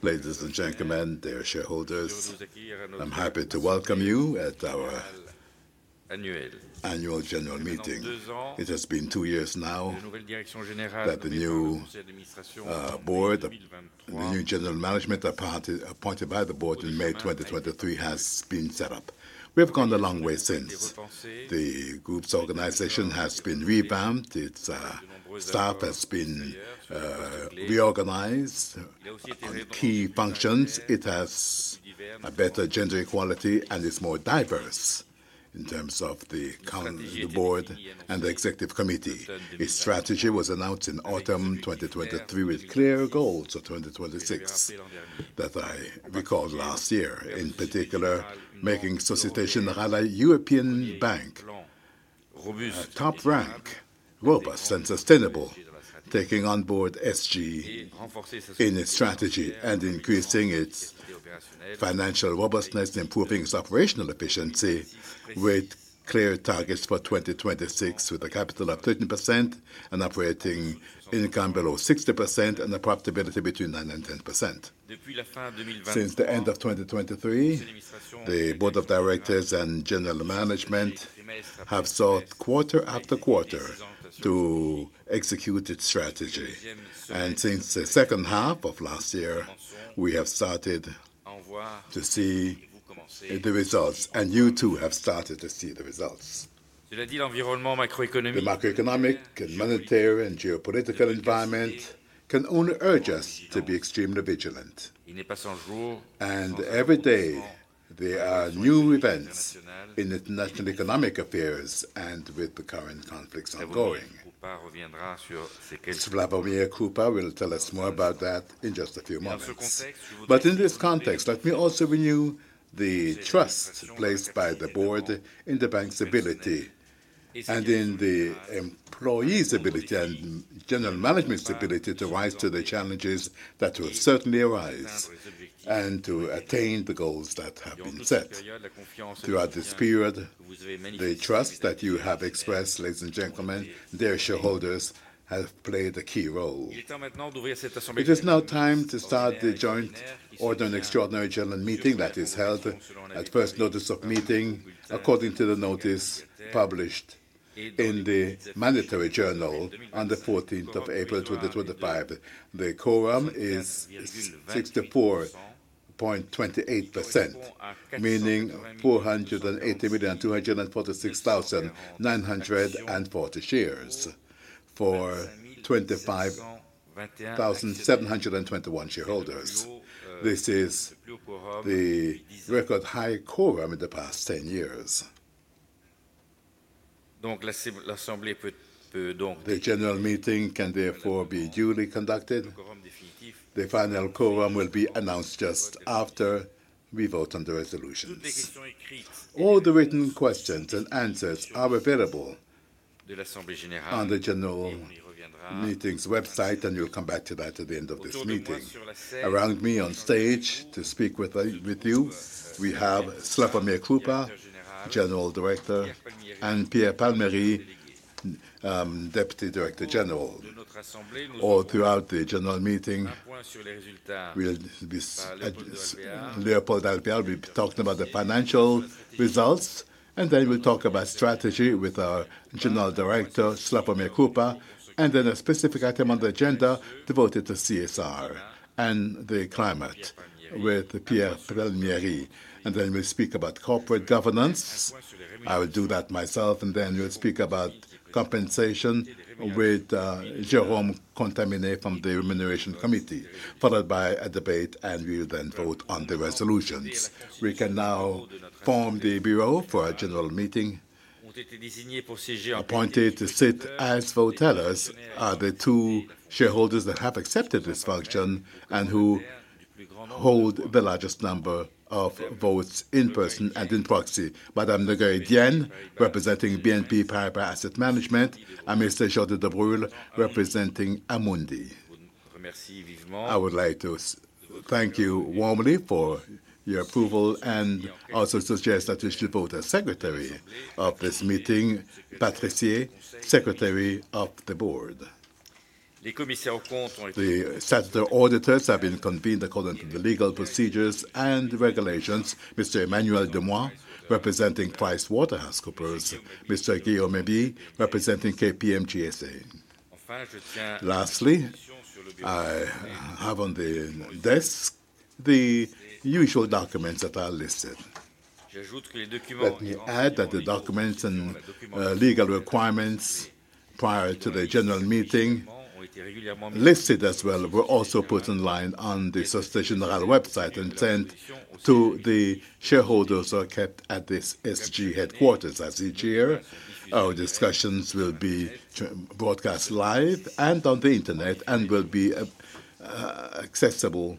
Ladies and gentlemen, dear shareholders, I'm happy to welcome you at our annual general meeting. It has been two years now that the new general management, appointed by the board in May 2023, has been set up. We have gone a long way since. The group's organization has been revamped. Its staff has been reorganized on key functions. It has better gender equality and is more diverse in terms of the board and the executive committee. Its strategy was announced in autumn 2023 with clear goals for 2026 that I recalled last year, in particular making Société Générale European Bank top-rank, robust, and sustainable, taking on board SG in its strategy and increasing its financial robustness, improving its operational efficiency with clear targets for 2026, with a capital of 13%, an operating income below 60%, and a profitability between 9% and 10%. Since the end of 2023, the Board of Directors and General Management have sought quarter after quarter to execute its strategy. Since the second half of last year, we have started to see the results. You too have started to see the results. The macroeconomic, monetary, and geopolitical environment can only urge us to be extremely vigilant. Every day, there are new events in international economic affairs and with the current conflicts ongoing. Slawomir Krupa will tell us more about that in just a few moments. In this context, let me also renew the trust placed by the board in the bank's ability and in the employees' ability and General Management's ability to rise to the challenges that will certainly arise and to attain the goals that have been set. Throughout this period, the trust that you have expressed, ladies and gentlemen, and dear shareholders, has played a key role. It is now time to start the joint order and extraordinary general meeting that is held at first notice of meeting, according to the notice published in the Monetary Journal on the 14th of April 2025. The quorum is 64.28%, meaning 480,246,940 shares for 25,721 shareholders. This is the record-high quorum in the past 10 years. The general meeting can therefore be duly conducted. The final quorum will be announced just after we vote on the resolutions. All the written questions and answers are available on the general meeting's website, and we'll come back to that at the end of this meeting. Around me on stage to speak with you, we have Slawomir Krupa, General Director, and Pierre Palmieri, Deputy Director General. All throughout the general meeting, Leopoldo Alvear will be talking about the financial results, and then we'll talk about strategy with our General Director, Slawomir Krupa, and then a specific item on the agenda devoted to CSR and the climate with Pierre Palmieri. We will speak about corporate governance. I will do that myself. We will speak about compensation with Jérôme Contamine from the Remuneration Committee, followed by a debate, and we'll then vote on the resolutions. We can now form the bureau for a general meeting, appointed to sit as voters. There are the two shareholders that have accepted this function and who hold the largest number of votes in person and in proxy: Madame Noguer-Edienne, representing BNP Paribas Asset Management, and Mr. Géorges Debruhle, representing Amundi. I would like to thank you warmly for your approval and also suggest that we should vote a Secretary of this meeting, Patricier, Secretary of the Board. The set of auditors have been convened according to the legal procedures and regulations: Mr. Emmanuel Dumois, representing PricewaterhouseCoopers; Mr. Guillaume Eby, representing KPMG. Lastly, I have on the desk the usual documents that are listed. Let me add that the documents and legal requirements prior to the general meeting listed as well were also put online on the Société Générale website and sent to the shareholders who are kept at this SG headquarters. As each year, our discussions will be broadcast live and on the internet and will be accessible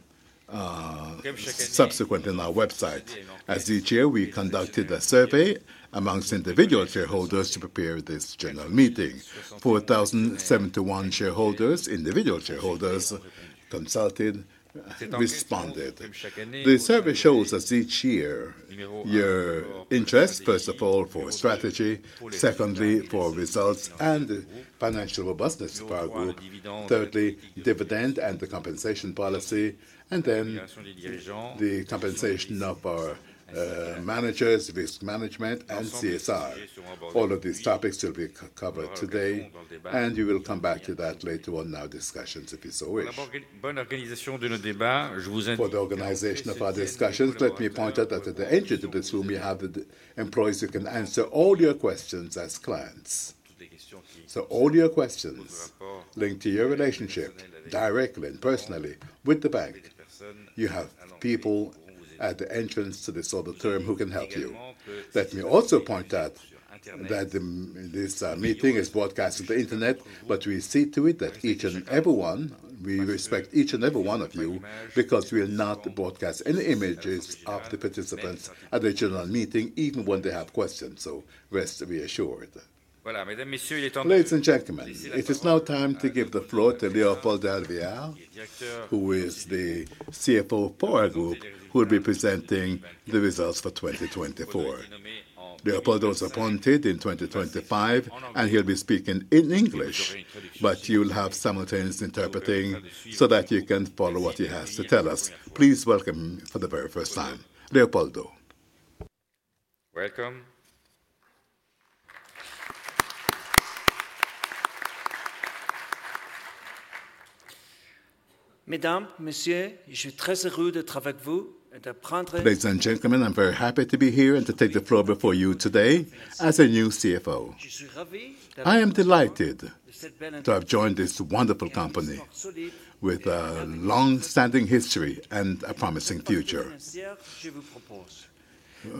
subsequently on our website. As each year, we conducted a survey amongst individual shareholders to prepare this general meeting. 4,071 individual shareholders consulted, responded. The survey shows us each year your interest, first of all, for strategy, secondly, for results and financial robustness of our group, thirdly, dividend and the compensation policy, and then the compensation of our managers, risk management, and CSR. All of these topics will be covered today, and we will come back to that later on in our discussions if you so wish. For the organization of our discussions, let me point out that at the entry to this room, you have employees who can answer all your questions as clients. So all your questions linked to your relationship directly and personally with the bank, you have people at the entrance to this auditorium who can help you. Let me also point out that this meeting is broadcast on the internet, but we see to it that each and every one—we respect each and every one of you—because we will not broadcast any images of the participants at the general meeting, even when they have questions. So rest assured. Ladies and gentlemen, it is now time to give the floor to Leopoldo Alvear, who is the CFO of Société Générale, who will be presenting the results for 2024. Leopoldo was appointed in 2023, and he'll be speaking in English, but you'll have simultaneous interpreting so that you can follow what he has to tell us. Please welcome him for the very first time. Leopoldo. Welcome. Ladies and gentlemen, I'm very happy to be here and to take the floor before you today as a new CFO. I am delighted to have joined this wonderful company with a long-standing history and a promising future.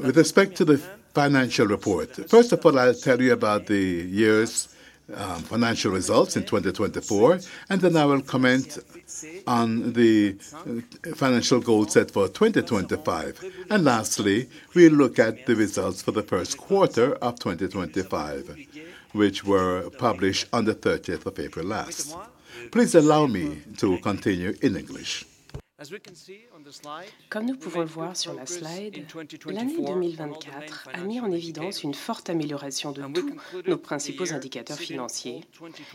With respect to the financial report, first of all, I'll tell you about the year's financial results in 2024, and then I will comment on the financial goals set for 2025. Lastly, we'll look at the results for the first quarter of 2025, which were published on the 30th of April last. Please allow me to continue in English. Comme nous pouvons le voir sur la slide, l'année 2024 a mis en évidence une forte amélioration de tous nos principaux indicateurs financiers,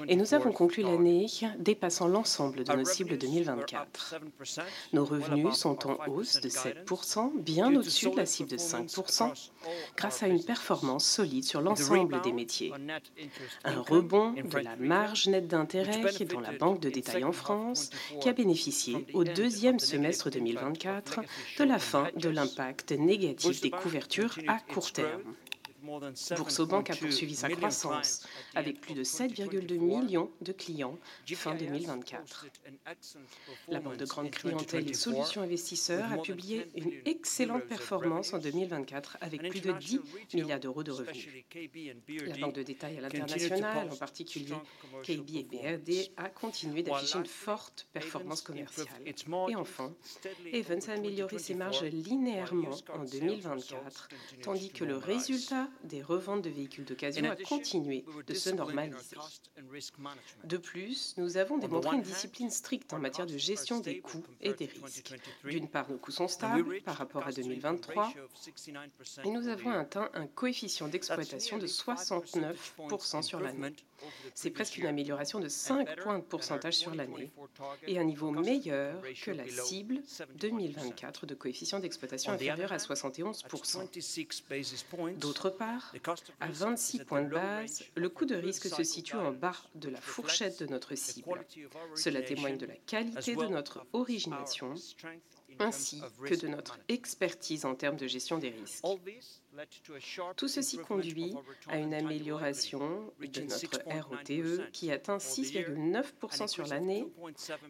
et nous avons conclu l'année dépassant l'ensemble de nos cibles 2024. Nos revenus sont en hausse de 7%, bien au-dessus de la cible de 5%, grâce à une performance solide sur l'ensemble des métiers. Un rebond de la marge nette d'intérêt dans la banque de détail en France, qui a bénéficié au deuxième semestre 2024 de la fin de l'impact négatif des couvertures à court terme. Boursorama Banque a poursuivi sa croissance avec plus de 7.2 millions de clients fin 2024. La banque de grande clientèle et solution investisseur a publié une excellente performance en 2024 avec plus de 10 billion de revenus. La banque de détail à l'international, en particulier KB et BRD, a continué d'afficher une forte performance commerciale. Et enfin, Ayvens a amélioré ses marges linéairement en 2024, tandis que le résultat des reventes de véhicules d'occasion a continué de se normaliser. De plus, nous avons démontré une discipline stricte en matière de gestion des coûts et des risques. D'une part, nos coûts sont stables par rapport à 2023, et nous avons atteint un coefficient d'exploitation de 69% sur l'année. C'est presque une amélioration de 5 points de pourcentage sur l'année et un niveau meilleur que la cible 2024 de coefficient d'exploitation inférieur à 71%. D'autre part, à 26 points de base, le coût de risque se situe en bas de la fourchette de notre cible. Cela témoigne de la qualité de notre origination ainsi que de notre expertise en termes de gestion des risques. Tout ceci conduit à une amélioration de notre ROTE, qui atteint 6.9% sur l'année,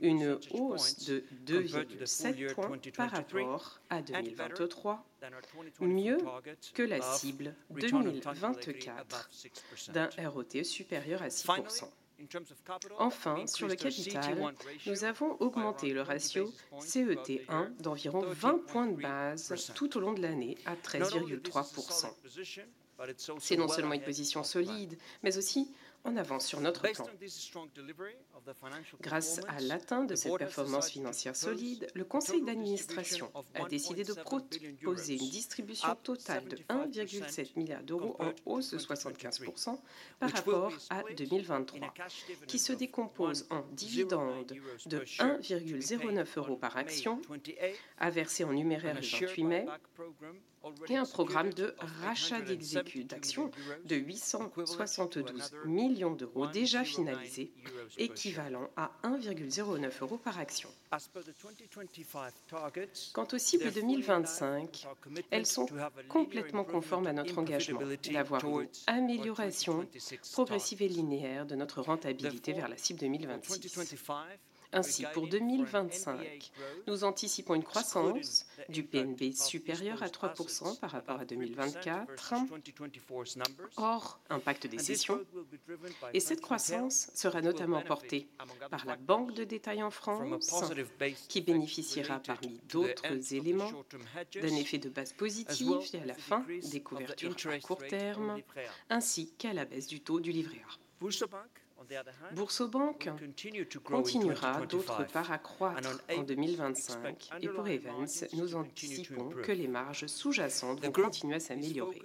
une hausse de 2.7 points par rapport à 2023, mieux que la cible 2024 d'un ROTE supérieur à 6%. Enfin, sur le capital, nous avons augmenté le ratio CET1 d'environ 20 points de base tout au long de l'année à 13.3%. C'est non seulement une position solide, mais aussi en avance sur notre temps. Grâce à l'atteinte de cette performance financière solide, le Conseil d'Administration a décidé de proposer une distribution totale de 1.7 billion en hausse de 75% par rapport à 2023, qui se décompose en dividendes de 1.09 euros par action, à verser en numéraire le 28 mai, et un programme de rachat d'actions de 872 million déjà finalisé, équivalent à 1.09 euros par action. Quant aux cibles 2025, elles sont complètement conformes à notre engagement d'avoir une amélioration progressive et linéaire de notre rentabilité vers la cible 2026. Ainsi, pour 2025, nous anticipons une croissance du PNB supérieure à 3% par rapport à 2024, hors impact des sessions. Et cette croissance sera notamment portée par la banque de détail en France, qui bénéficiera, parmi d'autres éléments, d'un effet de base positif à la fin des couvertures à court terme, ainsi qu'à la baisse du taux du livret A. Boursorama Banque continuera d'autre part à croître en 2025, et pour Ayvens, nous anticipons que les marges sous-jacentes vont continuer à s'améliorer.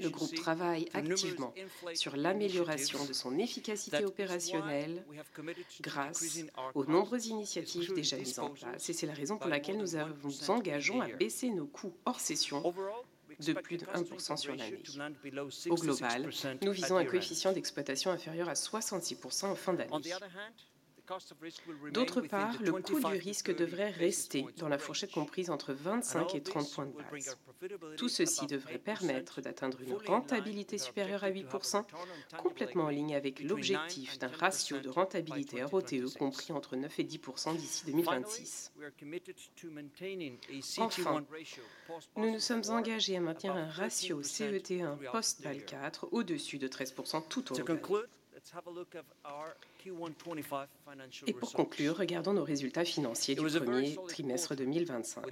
Le groupe travaille activement sur l'amélioration de son efficacité opérationnelle grâce aux nombreuses initiatives déjà mises en place, et c'est la raison pour laquelle nous nous engageons à baisser nos coûts hors session de plus de 1% sur l'année. Au global, nous visons un coefficient d'exploitation inférieur à 66% en fin d'année. D'autre part, le coût du risque devrait rester dans la fourchette comprise entre 25 et 30 points de base. Tout ceci devrait permettre d'atteindre une rentabilité supérieure à 8%, complètement en ligne avec l'objectif d'un ratio de rentabilité ROTE compris entre 9-10% d'ici 2026. Enfin, nous nous sommes engagés à maintenir un ratio CET1 post-BAL4 au-dessus de 13% tout au long. Et pour conclure, regardons nos résultats financiers du premier trimestre 2025.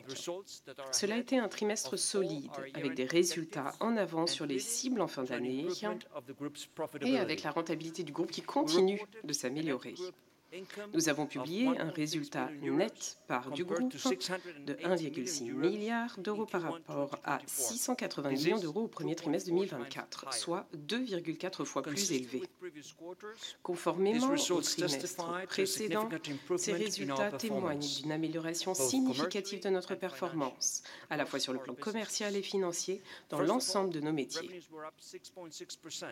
Cela a été un trimestre solide, avec des résultats en avance sur les cibles en fin d'année et avec la rentabilité du groupe qui continue de s'améliorer. Nous avons publié un résultat net par du groupe de 1.6 milliard par rapport à 680 millions au premier trimestre 2024, soit 2.4 fois plus élevé. Conformément au trimestre précédent, ces résultats témoignent d'une amélioration significative de notre performance, à la fois sur le plan commercial et financier, dans l'ensemble de nos métiers.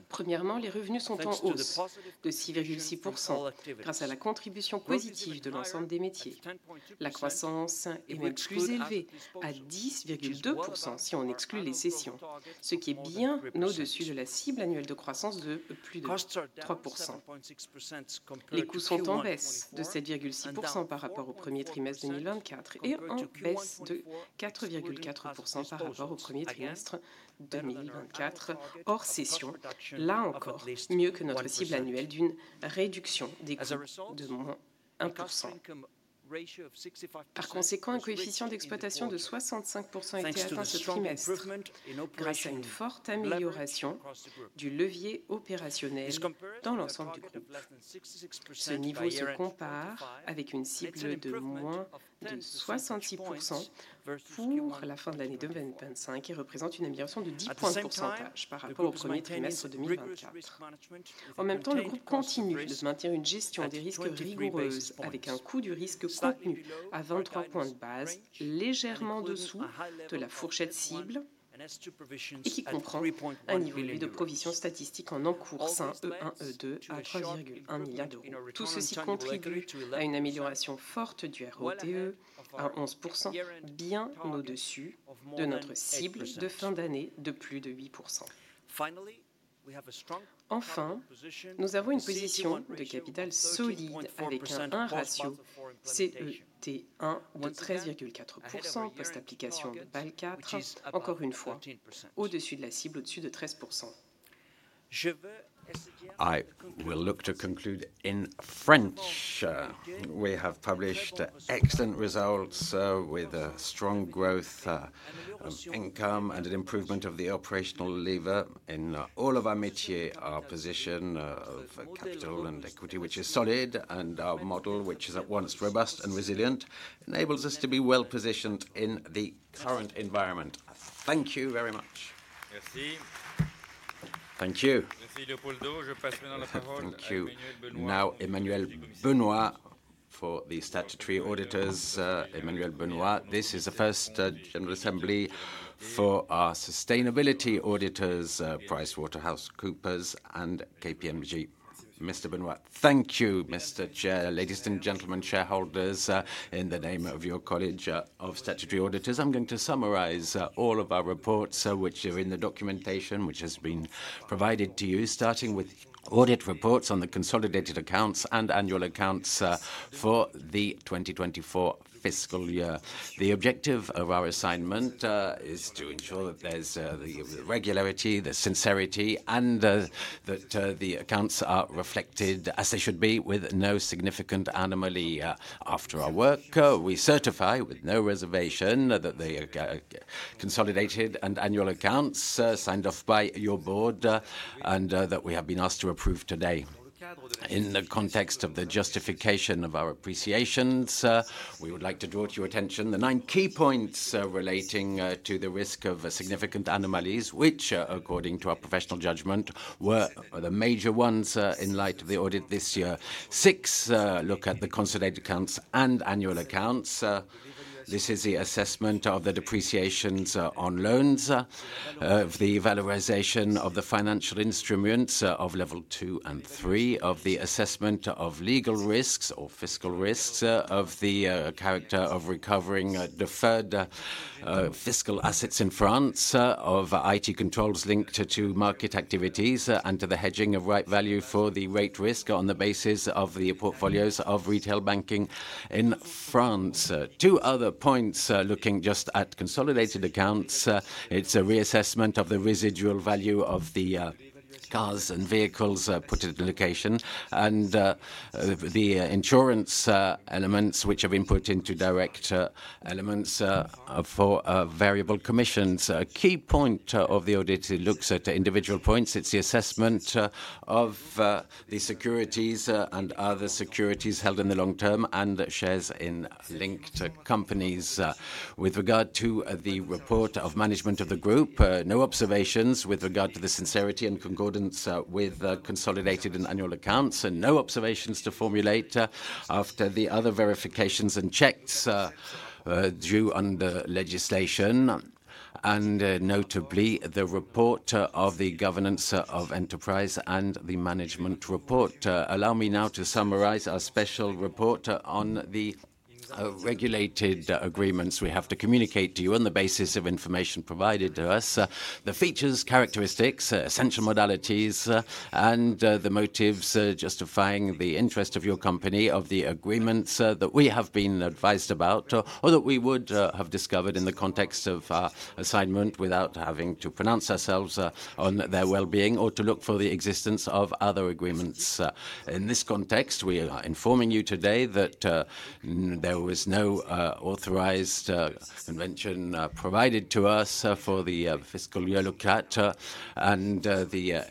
Premièrement, les revenus sont en hausse de 6.6% grâce à la contribution positive de l'ensemble des métiers. La croissance est même plus élevée, à 10.2% si on exclut les sessions, ce qui est bien au-dessus de la cible annuelle de croissance de plus de 3%. Les coûts sont en baisse de 7.6% par rapport au premier trimestre 2024 et en baisse de 4.4% par rapport au premier trimestre 2024 hors session, là encore mieux que notre cible annuelle d'une réduction des coûts de moins 1%. Par conséquent, un coefficient d'exploitation de 65% a été atteint ce trimestre grâce à une forte amélioration du levier opérationnel dans l'ensemble du groupe. Ce niveau se compare avec une cible de moins de 66% pour la fin de l'année 2025 et représente une amélioration de 10 points de pourcentage par rapport au premier trimestre 2024. En même temps, le groupe continue de maintenir une gestion des risques rigoureuse, avec un coût du risque contenu à 23 points de base, légèrement en dessous de la fourchette cible et qui comprend un niveau élevé de provisions statistiques en encours 1, e1, e2 à 3.1 milliards. Tout ceci contribue à une amélioration forte du ROTE à 11%, bien au-dessus de notre cible de fin d'année de plus de 8%. Enfin, nous avons une position de capital solide avec un ratio CET1 de 13.4% post-application de BAL4, encore une fois au-dessus de la cible au-dessus de 13%. I will look to conclude in French. We have published excellent results with strong growth of income and an improvement of the operational lever in all of our métiers, our position of capital and equity, which is solid, and our model, which is at once robust and resilient, enables us to be well positioned in the current environment. Thank you very much. Thank you. Thank you. Now, Emmanuel Benoit for the statutory auditors. Emmanuel Benoit, this is the first General Assembly for our sustainability auditors, PricewaterhouseCoopers and KPMG. Mr. Benoit. hank you. Ladies and gentlemen, shareholders, in the name of your College of Statutory Auditors, I'm going to summarize all of our reports, which are in the documentation which has been provided to you, starting with audit reports on the consolidated accounts and annual accounts for the 2024 fiscal year. The objective of our assignment is to ensure that there's the regularity, the sincerity, and that the accounts are reflected as they should be, with no significant anomaly after our work. We certify with no reservation that the consolidated and annual accounts signed off by your board and that we have been asked to approve today. In the context of the justification of our appreciations, we would like to draw to your attention the nine key points relating to the risk of significant anomalies, which, according to our professional judgment, were the major ones in light of the audit this year. Six look at the consolidated accounts and annual accounts. This is the assessment of the depreciations on loans, of the valorization of the financial instruments of level two and three, of the assessment of legal risks or fiscal risks of the character of recovering deferred fiscal assets in France, of IT controls linked to market activities, and to the hedging of right value for the rate risk on the basis of the portfolios of retail banking in France. Two other points looking just at consolidated accounts. It's a reassessment of the residual value of the cars and vehicles put into location, and the insurance elements which have been put into direct elements for variable commissions. A key point of the audit looks at individual points. It's the assessment of the securities and other securities held in the long term and shares in linked companies. With regard to the report of management of the group, no observations with regard to the sincerity and concordance with consolidated and annual accounts. No observations to formulate after the other verifications and checks due under legislation, and notably the report of the governance of enterprise and the management report. Allow me now to summarize our special report on the regulated agreements we have to communicate to you on the basis of information provided to us, the features, characteristics, essential modalities, and the motives justifying the interest of your company of the agreements that we have been advised about or that we would have discovered in the context of our assignment without having to pronounce ourselves on their well-being or to look for the existence of other agreements. In this context, we are informing you today that there was no authorized convention provided to us for the fiscal year looked at and the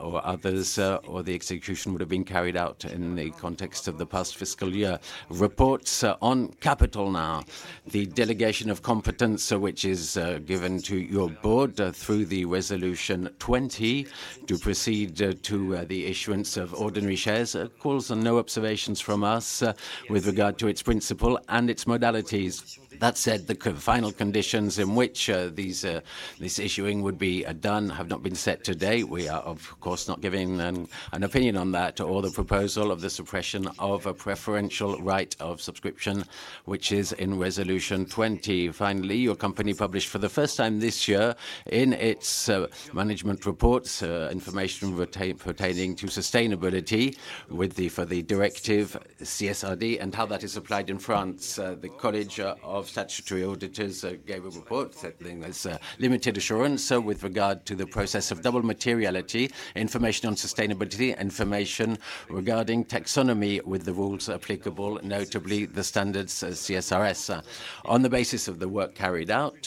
or others or the execution would have been carried out in the context of the past fiscal year. Reports on capital now, the delegation of competence which is given to your board through the resolution 20 to proceed to the issuance of ordinary shares calls on no observations from us with regard to its principle and its modalities. That said, the final conditions in which this issuing would be done have not been set today. We are, of course, not giving an opinion on that or the proposal of the suppression of a preferential right of subscription, which is in resolution 20. Finally, your company published for the first time this year in its management reports information pertaining to sustainability with the for the directive CSRD and how that is applied in France. The College of Statutory Auditors gave a report settling this limited assurance with regard to the process of double materiality, information on sustainability, information regarding taxonomy with the rules applicable, notably the standards CSRS. On the basis of the work carried out,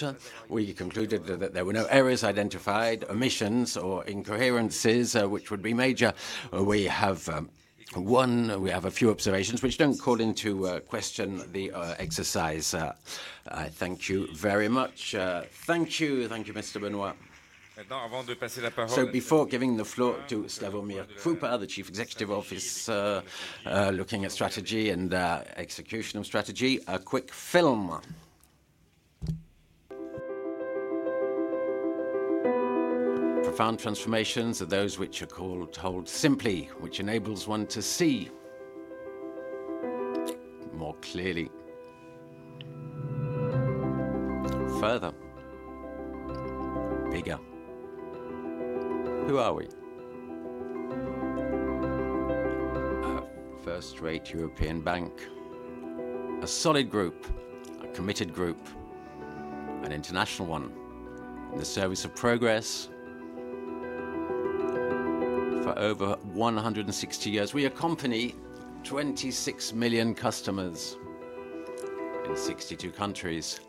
we concluded that there were no errors identified, omissions or incoherences which would be major. We have a few observations which do not call into question the exercise. Thank you very much. Thank you. Thank you, Mr. Benoit. Before giving the floor to Slawomir Krupa, the Chief Executive Officer, looking at strategy and execution of strategy, a quick film. Profound transformations are those which are called hold simply, which enables one to see more clearly. Further. Bigger. Who are we? First-rate European bank. A solid group, a committed group, an international one. In the service of progress. For over 160 years, we accompany 26 million customers in 62 countries.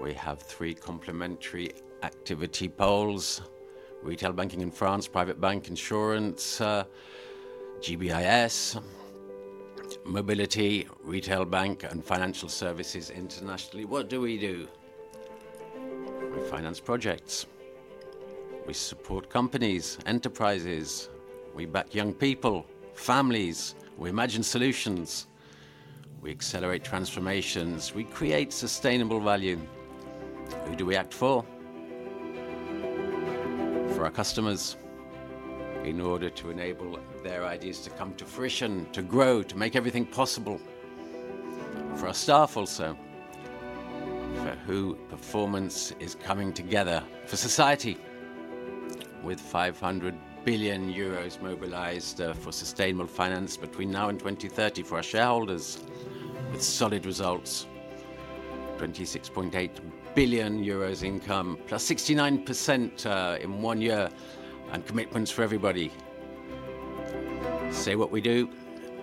We have three complementary activity poles: retail banking in France, private bank, insurance, GBIS, mobility, retail bank, and financial services internationally. What do we do? We finance projects. We support companies, enterprises. We back young people, families. We imagine solutions. We accelerate transformations. We create sustainable value. Who do we act for? For our customers. In order to enable their ideas to come to fruition, to grow, to make everything possible. For our staff also. For whom performance is coming together. For society. With 500 billion euros mobilized for sustainable finance between now and 2030 for our shareholders. With solid results. 26.8 billion euros income, plus 69% in one year, and commitments for everybody. Say what we do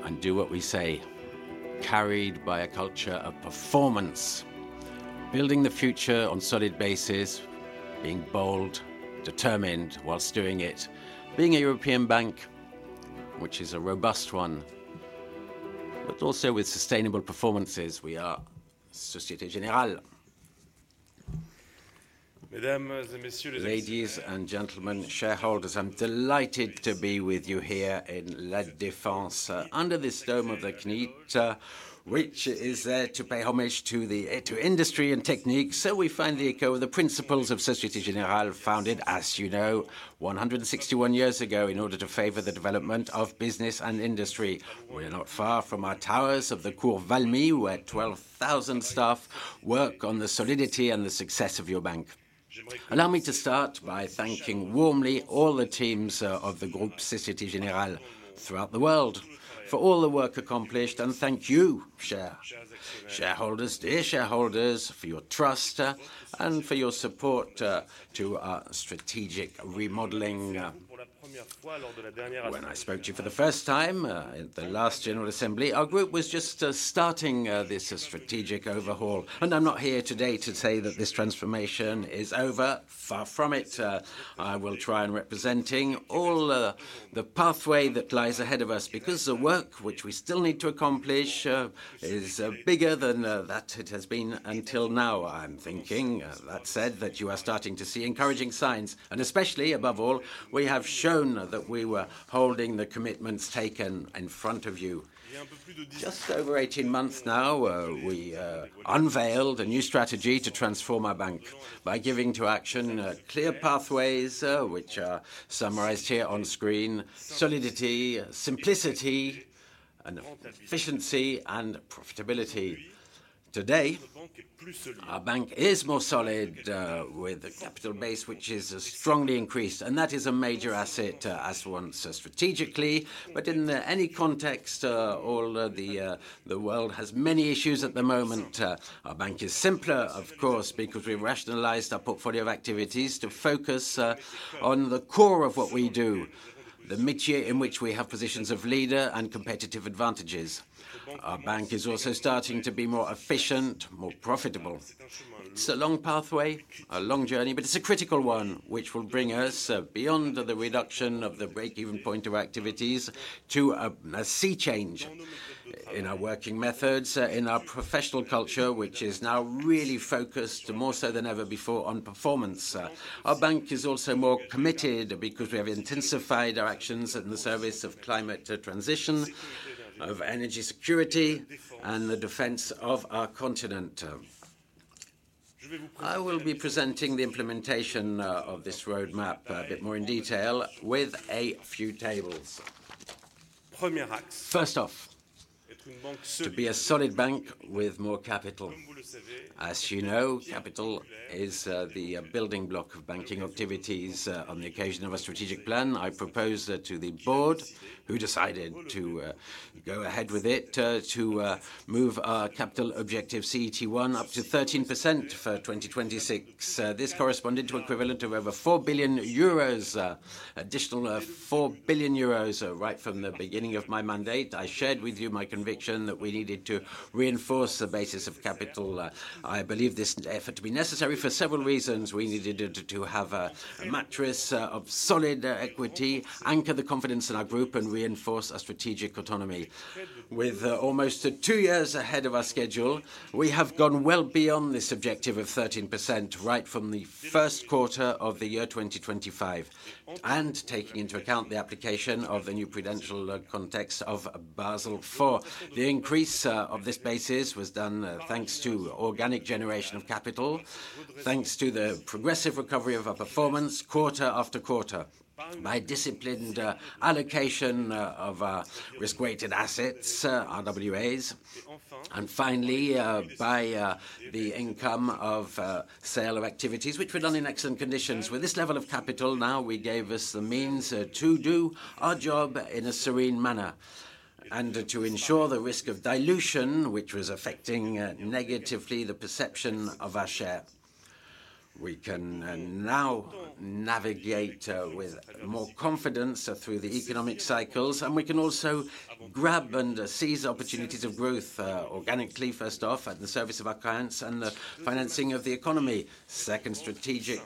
and do what we say. Carried by a culture of performance. Building the future on solid basis, being bold, determined whilst doing it. Being a European bank, which is a robust one, but also with sustainable performances, we are Société Générale. Ladies and gentlemen, shareholders, I'm delighted to be with you here in La Défense under this dome of the Knit, which is there to pay homage to industry and technique. We find the echo of the principles of Société Générale founded, as you know, 161 years ago in order to favor the development of business and industry. We are not far from our towers of the Cour Valmy, where 12,000 staff work on the solidity and the success of your bank. Allow me to start by thanking warmly all the teams of the group Société Générale throughout the world for all the work accomplished, and thank you, shareholders, dear shareholders, for your trust and for your support to our strategic remodeling. When I spoke to you for the first time at the last General Assembly, our group was just starting this strategic overhaul, and I'm not here today to say that this transformation is over. Far from it. I will try in representing all the pathway that lies ahead of us because the work which we still need to accomplish is bigger than that it has been until now. I'm thinking that said, that you are starting to see encouraging signs, and especially above all, we have shown that we were holding the commitments taken in front of you. Just over 18 months now, we unveiled a new strategy to transform our bank by giving to action clear pathways which are summarized here on screen: solidity, simplicity, and efficiency and profitability. Today, our bank is more solid with a capital base which is strongly increased, and that is a major asset as one strategically, but in any context, all the world has many issues at the moment. Our bank is simpler, of course, because we've rationalized our portfolio of activities to focus on the core of what we do, the métier in which we have positions of leader and competitive advantages. Our bank is also starting to be more efficient, more profitable. It's a long pathway, a long journey, but it's a critical one which will bring us beyond the reduction of the break-even point of activities to a sea change in our working methods, in our professional culture, which is now really focused more so than ever before on performance. Our bank is also more committed because we have intensified our actions in the service of climate transition, of energy security, and the defense of our continent. I will be presenting the implementation of this roadmap a bit more in detail with a few tables. First off, to be a solid bank with more capital. As you know, capital is the building block of banking activities. On the occasion of a strategic plan, I propose to the board, who decided to go ahead with it, to move our capital objective CET1 up to 13% for 2026. This corresponded to an equivalent of over 4 billion euros, additional 4 billion euros right from the beginning of my mandate. I shared with you my conviction that we needed to reinforce the basis of capital. I believe this effort to be necessary for several reasons. We needed to have a mattress of solid equity, anchor the confidence in our group, and reinforce our strategic autonomy. With almost two years ahead of our schedule, we have gone well beyond this objective of 13% right from the first quarter of the year 2025, and taking into account the application of the new prudential context of Basel IV. The increase of this basis was done thanks to organic generation of capital, thanks to the progressive recovery of our performance quarter after quarter, by disciplined allocation of our risk-weighted assets, RWAs, and finally by the income of sale of activities, which were done in excellent conditions. With this level of capital, now we gave us the means to do our job in a serene manner and to ensure the risk of dilution, which was affecting negatively the perception of our share. We can now navigate with more confidence through the economic cycles, and we can also grab and seize opportunities of growth organically, first off, at the service of our clients and the financing of the economy. Second strategic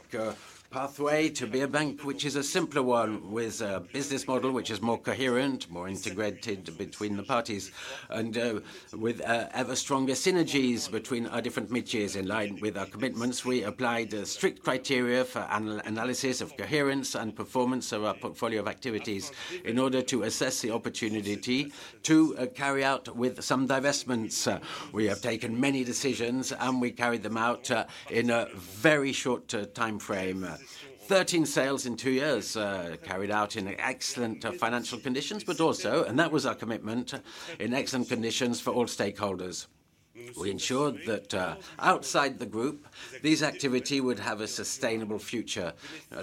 pathway to be a bank, which is a simpler one, with a business model which is more coherent, more integrated between the parties, and with ever stronger synergies between our different métiers. In line with our commitments, we applied strict criteria for analysis of coherence and performance of our portfolio of activities in order to assess the opportunity to carry out with some divestments. We have taken many decisions, and we carried them out in a very short time frame. Thirteen sales in two years carried out in excellent financial conditions, but also, and that was our commitment, in excellent conditions for all stakeholders. We ensured that outside the group, these activities would have a sustainable future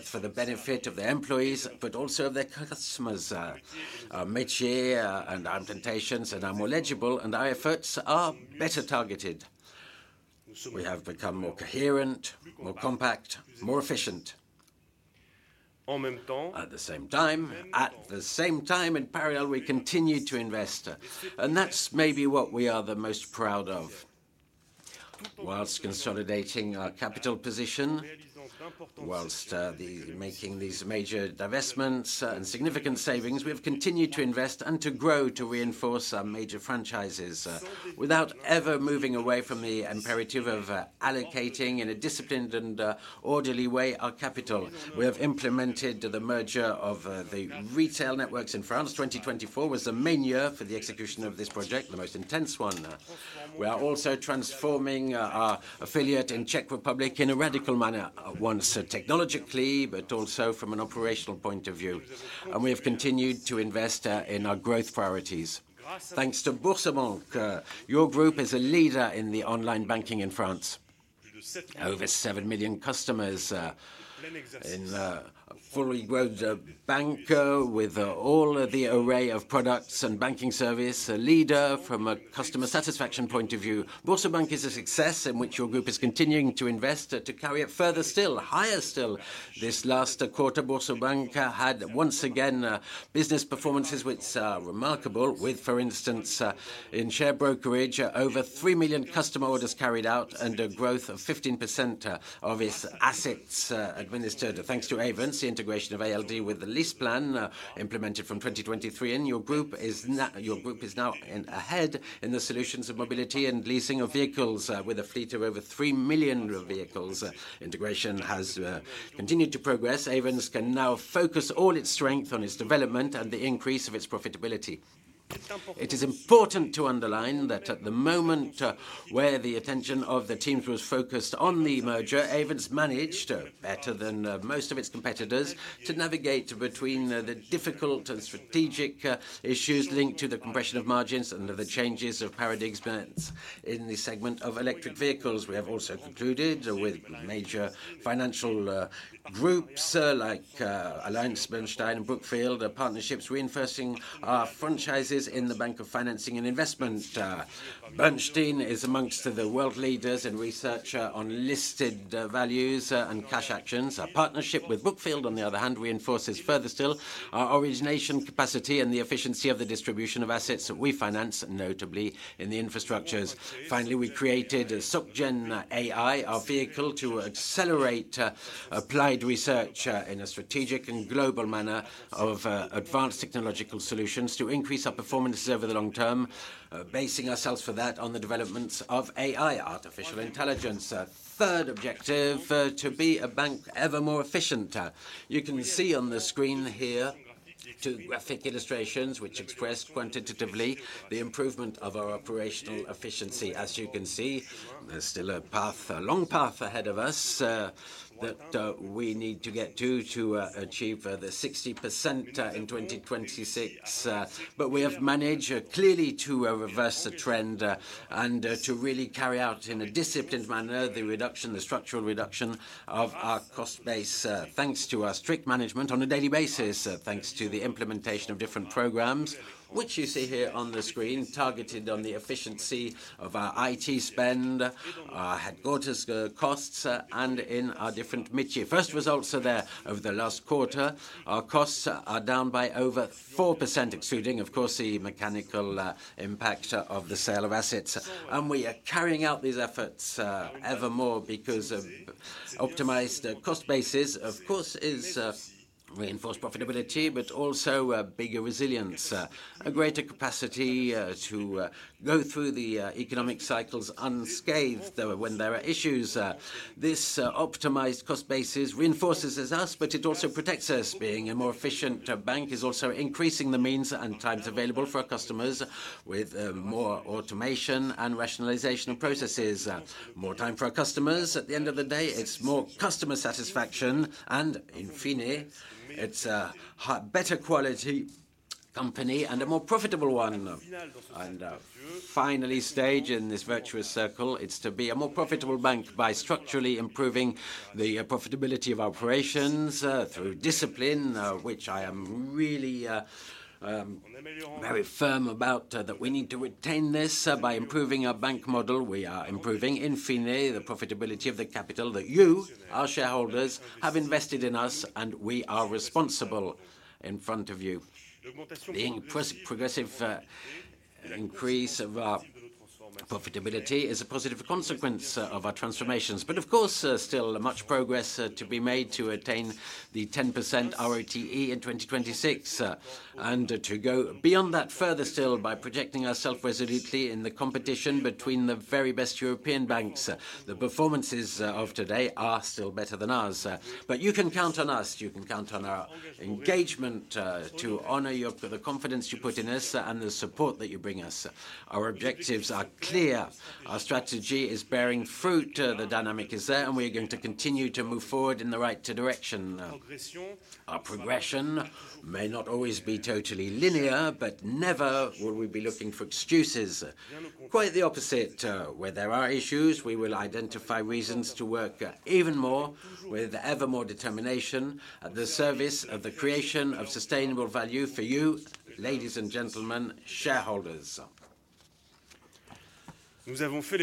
for the benefit of their employees, but also of their customers. Our métier and our implementations are now more legible, and our efforts are better targeted. We have become more coherent, more compact, more efficient. At the same time, in parallel, we continue to invest, and that's maybe what we are the most proud of. Whilst consolidating our capital position, whilst making these major divestments and significant savings, we have continued to invest and to grow to reinforce our major franchises without ever moving away from the imperative of allocating in a disciplined and orderly way our capital. We have implemented the merger of the retail networks in France. 2024 was the main year for the execution of this project, the most intense one. We are also transforming our affiliate in Czech Republic in a radical manner, once technologically, but also from an operational point of view. We have continued to invest in our growth priorities. Thanks to Boursorama Banque, your group is a leader in the online banking in France. Over 7 million customers in a fully grown bank with all the array of products and banking service, a leader from a customer satisfaction point of view. Boursorama Banque is a success in which your group is continuing to invest to carry it further still, higher still. This last quarter, Boursorama Banque had once again business performances which are remarkable, with, for instance, in share brokerage, over 3 million customer orders carried out and a growth of 15% of its assets administered. Thanks to Ayvens, the integration of ALD with LeasePlan implemented from 2023 in your group, your group is now ahead in the solutions of mobility and leasing of vehicles with a fleet of over 3 million vehicles. Integration has continued to progress. Ayvens can now focus all its strength on its development and the increase of its profitability. It is important to underline that at the moment where the attention of the teams was focused on the merger, Ayvens managed better than most of its competitors to navigate between the difficult and strategic issues linked to the compression of margins and the changes of paradigms in the segment of electric vehicles. We have also concluded with major financial groups like AllianceBernstein and Brookfield, partnerships reinforcing our franchises in the bank of financing and investment. Bernstein is amongst the world leaders in research on listed values and cash actions. Our partnership with Brookfield, on the other hand, reinforces further still our origination capacity and the efficiency of the distribution of assets that we finance, notably in the infrastructures. Finally, we created Soggen AI, our vehicle to accelerate applied research in a strategic and global manner of advanced technological solutions to increase our performances over the long term, basing ourselves for that on the developments of AI, artificial intelligence. Third objective to be a bank ever more efficient. You can see on the screen here two graphic illustrations which express quantitatively the improvement of our operational efficiency. As you can see, there's still a path, a long path ahead of us that we need to get to to achieve the 60% in 2026. We have managed clearly to reverse the trend and to really carry out in a disciplined manner the reduction, the structural reduction of our cost base thanks to our strict management on a daily basis, thanks to the implementation of different programs, which you see here on the screen, targeted on the efficiency of our IT spend, our headquarters costs, and in our different métiers. First results are there over the last quarter. Our costs are down by over 4%, excluding, of course, the mechanical impact of the sale of assets. We are carrying out these efforts ever more because optimized cost bases, of course, is reinforced profitability, but also a bigger resilience, a greater capacity to go through the economic cycles unscathed when there are issues. This optimized cost basis reinforces us, but it also protects us being a more efficient bank. It is also increasing the means and times available for our customers with more automation and rationalization of processes. More time for our customers. At the end of the day, it's more customer satisfaction, and in fine, it's a better quality company and a more profitable one. Finally, stage in this virtuous circle, it's to be a more profitable bank by structurally improving the profitability of our operations through discipline, which I am really very firm about that we need to retain this by improving our bank model. We are improving in fine, the profitability of the capital that you, our shareholders, have invested in us, and we are responsible in front of you. The progressive increase of our profitability is a positive consequence of our transformations, but of course, still much progress to be made to attain the 10% ROTE in 2026 and to go beyond that further still by projecting ourselves resolutely in the competition between the very best European banks. The performances of today are still better than ours, but you can count on us. You can count on our engagement to honor the confidence you put in us and the support that you bring us. Our objectives are clear. Our strategy is bearing fruit. The dynamic is there, and we are going to continue to move forward in the right direction. Our progression may not always be totally linear, but never will we be looking for excuses. Quite the opposite. Where there are issues, we will identify reasons to work even more with ever more determination at the service of the creation of sustainable value for you, ladies and gentlemen, shareholders.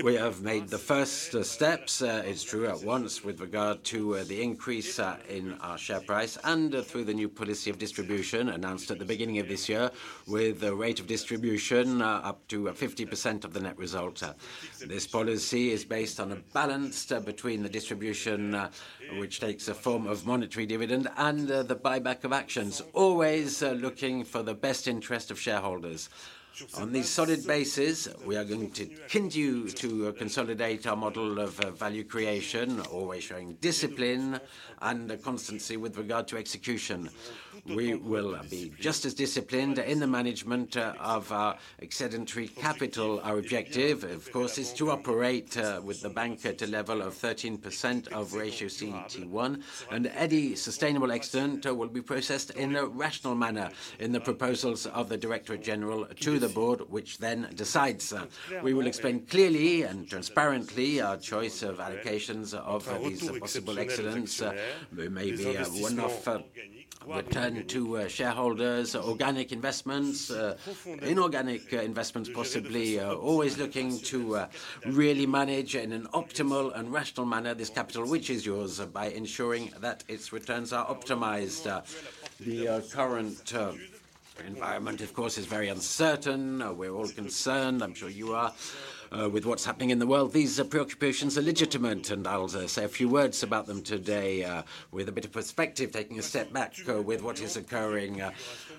We have made the first steps throughout once with regard to the increase in our share price and through the new policy of distribution announced at the beginning of this year with a rate of distribution up to 50% of the net result. This policy is based on a balance between the distribution, which takes a form of monetary dividend, and the buyback of actions, always looking for the best interest of shareholders. On these solid bases, we are going to continue to consolidate our model of value creation, always showing discipline and constancy with regard to execution. We will be just as disciplined in the management of our excess capital. Our objective, of course, is to operate with the bank at a level of 13% of ratio CET1, and any sustainable excellent will be processed in a rational manner in the proposals of the Directorate General to the board, which then decides. We will explain clearly and transparently our choice of allocations of these possible excellents. There may be one-off return to shareholders, organic investments, inorganic investments, possibly always looking to really manage in an optimal and rational manner this capital, which is yours, by ensuring that its returns are optimized. The current environment, of course, is very uncertain. We're all concerned, I'm sure you are, with what's happening in the world. These preoccupations are legitimate, and I'll say a few words about them today with a bit of perspective, taking a step back with what is occurring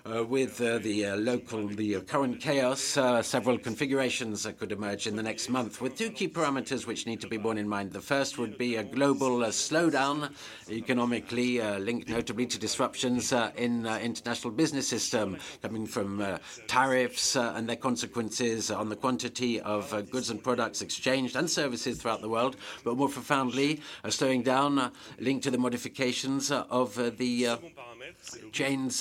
with the local, the current chaos. Several configurations could emerge in the next month with two key parameters which need to be borne in mind. The first would be a global slowdown economically, linked notably to disruptions in international business system coming from tariffs and their consequences on the quantity of goods and products exchanged and services throughout the world, but more profoundly, a slowing down linked to the modifications of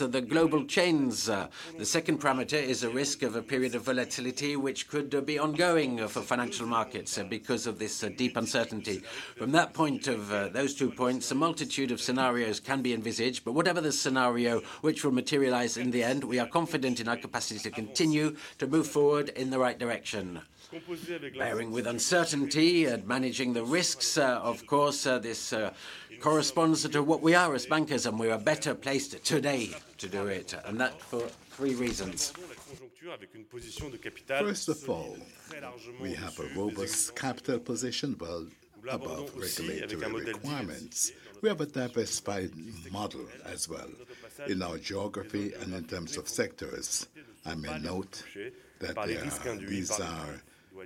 the global chains. The second parameter is a risk of a period of volatility, which could be ongoing for financial markets because of this deep uncertainty. From that point of those two points, a multitude of scenarios can be envisaged, but whatever the scenario which will materialize in the end, we are confident in our capacity to continue to move forward in the right direction. Bearing with uncertainty and managing the risks, of course, this corresponds to what we are as bankers, and we are better placed today to do it, and that for three reasons. First of all, we have a robust capital position well above regulatory requirements. We have a diversified model as well in our geography and in terms of sectors. I may note that these are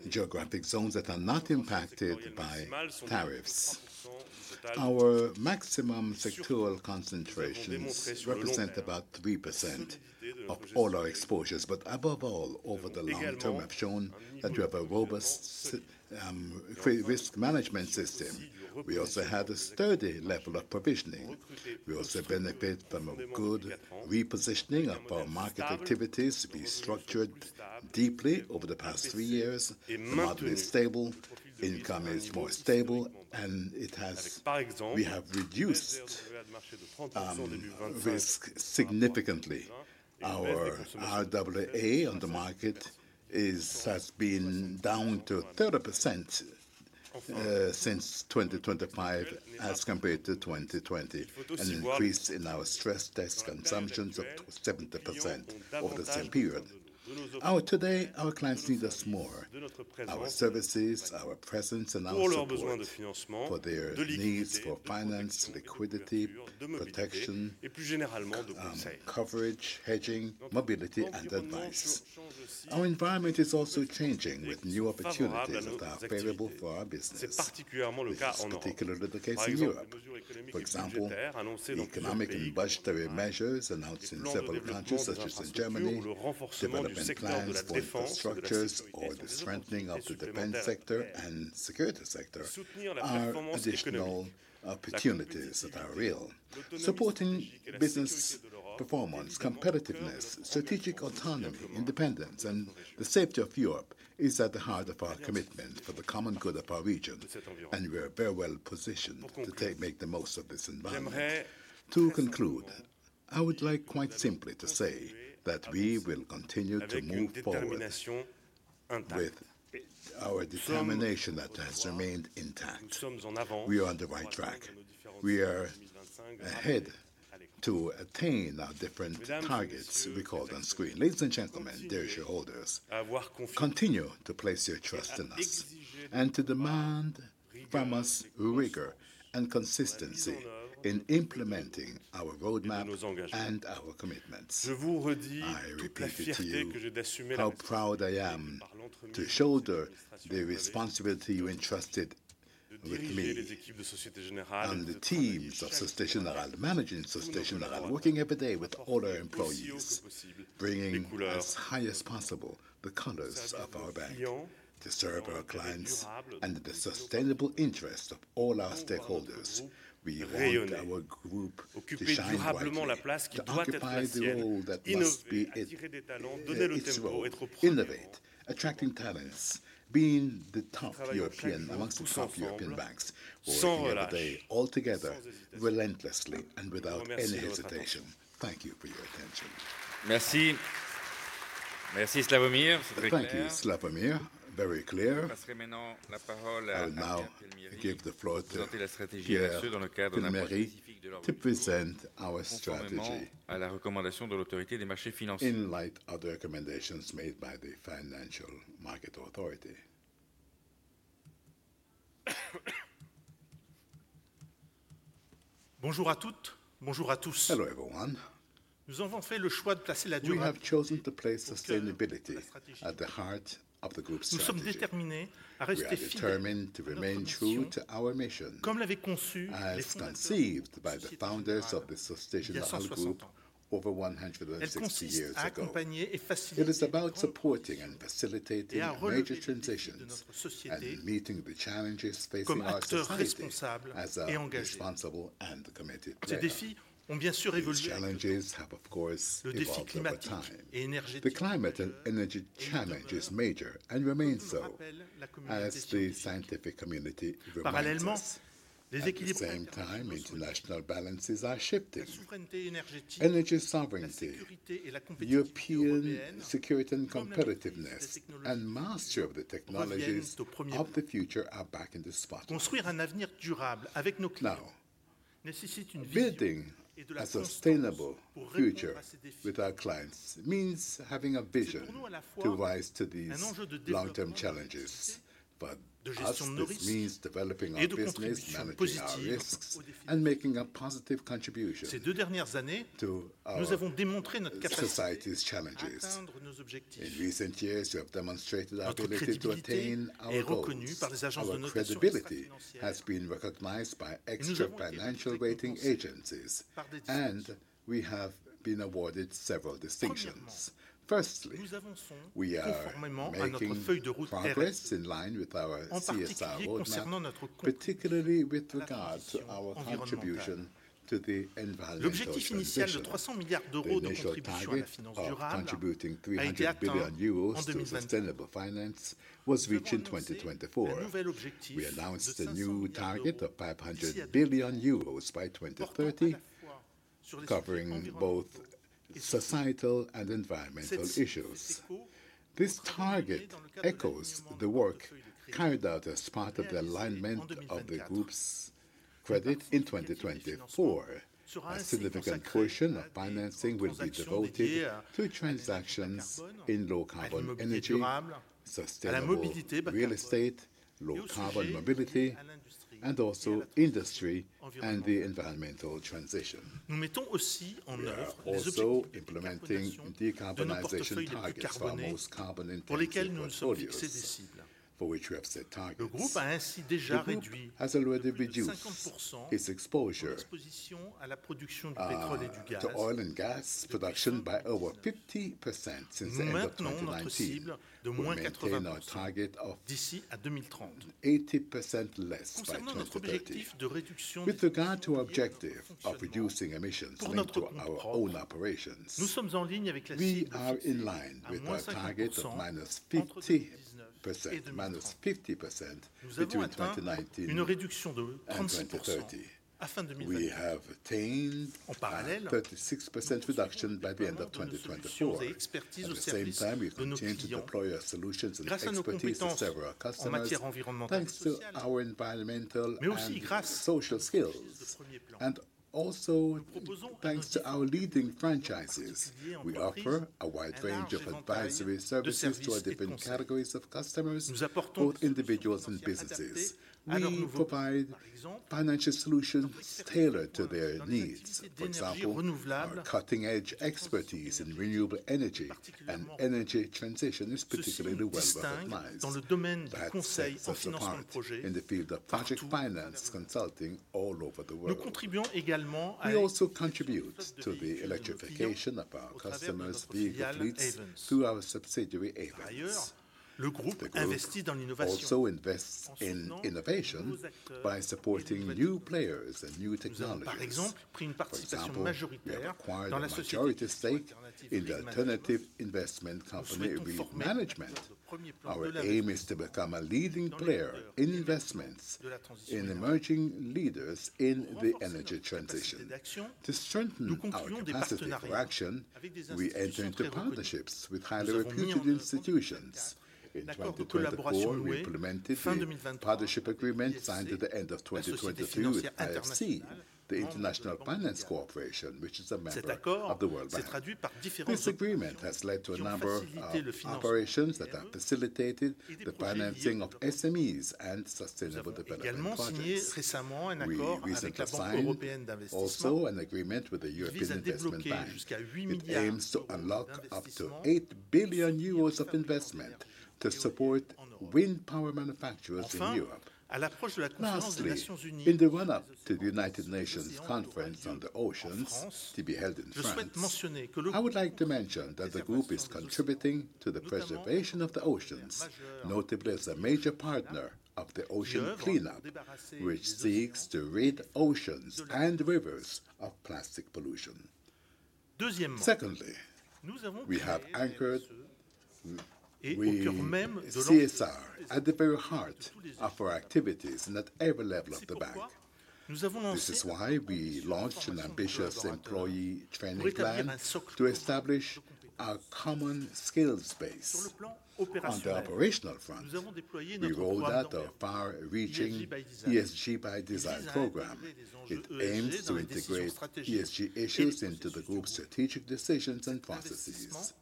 geographic zones that are not impacted by tariffs. Our maximum sectoral concentrations represent about 3% of all our exposures, but above all, over the long term, have shown that we have a robust risk management system. We also had a sturdy level of provisioning. We also benefit from a good repositioning of our market activities. We structured deeply over the past three years. The market is stable. Income is more stable, and we have reduced risk significantly. Our RWA on the market has been down to 30% since 2025 as compared to 2020 and increased in our stress test consumptions of 70% over the same period. Today, our clients need us more. Our services, our presence, and our support for their needs for finance, liquidity, protection, and coverage, hedging, mobility, and advice. Our environment is also changing with new opportunities that are available for our business, particularly the case in Europe. For example, the economic and budgetary measures announced in several countries, such as in Germany, development plans for infrastructures or the strengthening of the defense sector and security sector are additional opportunities that are real. Supporting business performance, competitiveness, strategic autonomy, independence, and the safety of Europe is at the heart of our commitment for the common good of our region, and we are very well positioned to make the most of this environment. To conclude, I would like quite simply to say that we will continue to move forward with our determination that has remained intact. We are on the right track. We are ahead to attain our different targets we called on screen. Ladies and gentlemen, dear shareholders, continue to place your trust in us and to demand from us rigor and consistency in implementing our roadmap and our commitments. I repeat it to you how proud I am to shoulder the responsibility you entrusted with me and the teams of Sustainable Management, Sustainable Working every day with all our employees, bringing as high as possible the colors of our bank to serve our clients and the sustainable interest of all our stakeholders. We want our group to shine white and occupy the role that must be it. It's to innovate, attracting talents, being the top European amongst the top European banks. We'll see you today all together, relentlessly and without any hesitation. Thank you for your attention. Thank you, Slawomir. Very clear. I'll now give the floor to Pierre Palmieri to present our strategy in light of the recommendations made by the Financial Market Authority. Bonjour à toutes, bonjour à tous. Hello everyone. Nous avons fait le choix de placer la durabilité. We have chosen to place sustainability at the heart of the group's strategy. Nous sommes déterminés à rester fidèles. Determined to remain true to our mission. Comme l'avaient conçu et conceived by the founders of the Société Générale group over 160 years ago. It is about supporting and facilitating major transitions and meeting the challenges facing our society as a responsible and committed planet. Les challenges have, of course, evolved over time. The climate and energy challenge is major and remains so, as the scientific community remains. Parallèlement, les équilibres. At the same time, international balances are shifting. Energy sovereignty, European security and competitiveness, and mastery of the technologies of the future are back in the spot. Construire un avenir durable avec nos clients nécessite une vision building a sustainable future with our clients. It means having a vision to rise to these long-term challenges, but also means developing our business management. Our risks and making a positive contribution. Ces deux dernières années, nous avons démontré notre capacité. To society's challenges. In recent years, we have demonstrated our ability to attain our goals. Et reconnu par les agences de notre société. Credibility has been recognized by extra financial rating agencies, and we have been awarded several distinctions. Firstly, we are making progress in line with our CSR roadmap, particularly with regard to our contribution to the environment. L'objectif initial de 300 billion de contribution à la finance durable, contributing 300 billion euros to sustainable finance, was reached in 2024. We announced a new target of 500 billion euros by 2030, covering both societal and environmental issues. This target echoes the work carried out as part of the alignment of the group's credit in 2024. A significant portion of financing will be devoted to transactions in low-carbon energy, sustainable real estate, low-carbon mobility, and also industry and the environmental transition. Nous mettons aussi en œuvre des objectifs. Also implementing decarbonization targets for most carbon intensive oil fields for which we have set targets. Le groupe a ainsi déjà réduit 50% its exposure à la production du pétrole et du gaz. To oil and gas production by over 50% since the end of 2019. Nous mettons en œuvre d'ici à 2030. An 80% less by 2030. With regard to our objective of reducing emissions linked to our own operations, we are in line with our target of minus 50% between 2019 and 2030. We have attained a 36% reduction by the end of 2024. At the same time, we continue to deploy our solutions and expertise to several customers. Thanks to our environmental, social skills, and also thanks to our leading franchises, we offer a wide range of advisory services to our different categories of customers, both individuals and businesses. We provide financial solutions tailored to their needs. For example, our cutting-edge expertise in renewable energy and energy transition is particularly well recognized. That is a key part in the field of project finance consulting all over the world. We also contribute to the electrification of our customers' vehicle fleets through our subsidiary Ayvens. The group also invests in innovation by supporting new players and new technologies. Par exemple, participation majoritaire dans la société Géry Destache in the Alternative Investment Company. We management, our aim is to become a leading player in investments in emerging leaders in the energy transition. To strengthen our capacity for action, we enter into partnerships with highly reputed institutions. In 2024, we implemented the partnership agreement signed at the end of 2022 with IFC, the International Finance Corporation, which is a member of the World Bank. This agreement has led to a number of operations that have facilitated the financing of SMEs and sustainable development projects. We recently signed also an agreement with the European Investment Bank. It aims to unlock up to 8 billion euros of investment to support wind power manufacturers in Europe. Lastly, in the run-up to the United Nations Conference on the Oceans to be held in France, I would like to mention that the group is contributing to the preservation of the oceans, notably as a major partner of The Ocean Cleanup, which seeks to rid oceans and rivers of plastic pollution. Secondly, we have anchored the CSR at the very heart of our activities at every level of the bank. This is why we launched an ambitious employee training plan to establish our common skills base. On the operational front, we rolled out a far-reaching ESG by design program. It aims to integrate ESG issues into the group's strategic decisions and processes.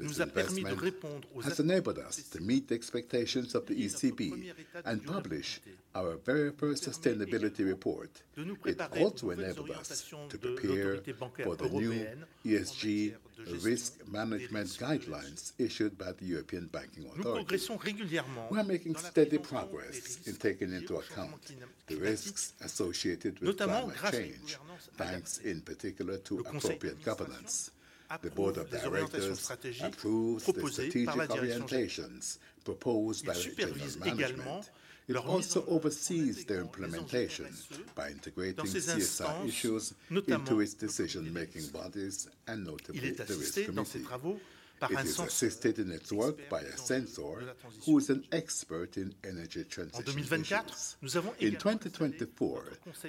This investment has enabled us to meet the expectations of the ECB and publish our very first sustainability report. It also enabled us to prepare for the new ESG risk management guidelines issued by the European Banking Authority. We are making steady progress in taking into account the risks associated with climate change, thanks in particular to appropriate governance. The Board of Directors approves strategic orientations proposed by the Chinese management. It also oversees their implementation by integrating CSR issues into its decision-making bodies and notably the Risk Committee. It is assisted in its work by a censor who is an expert in energy transition. In 2024,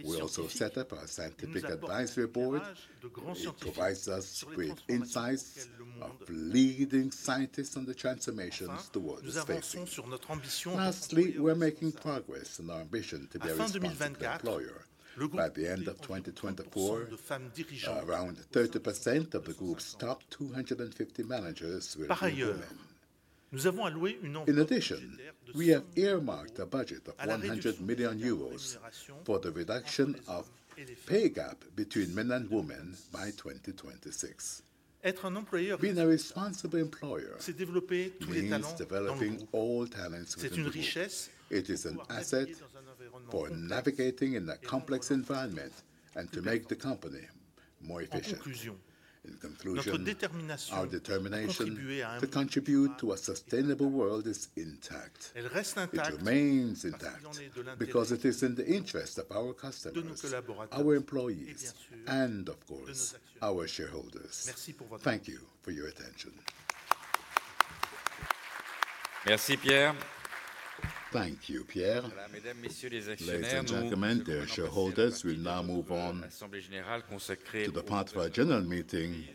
we also set up our Scientific Advisory Board, which provides us with insights of leading scientists on the transformations towards this space. Lastly, we are making progress in our ambition to be a responsible employer. By the end of 2024, around 30% of the group's top 250 managers will be women. In addition, we have earmarked a budget of 100 million euros for the reduction of the pay gap between men and women by 2026. Being a responsible employer, it means developing all talents within the company. It is an asset for navigating in a complex environment and to make the company more efficient. In conclusion, our determination to contribute to a sustainable world is intact. It remains intact because it is in the interest of our customers, our employees, and of course, our shareholders. Thank you for your attention. Merci, Pierre. Thank you, Pierre. Mesdames et Messieurs les actionnaires, the shareholders will now move on to the part of our general meeting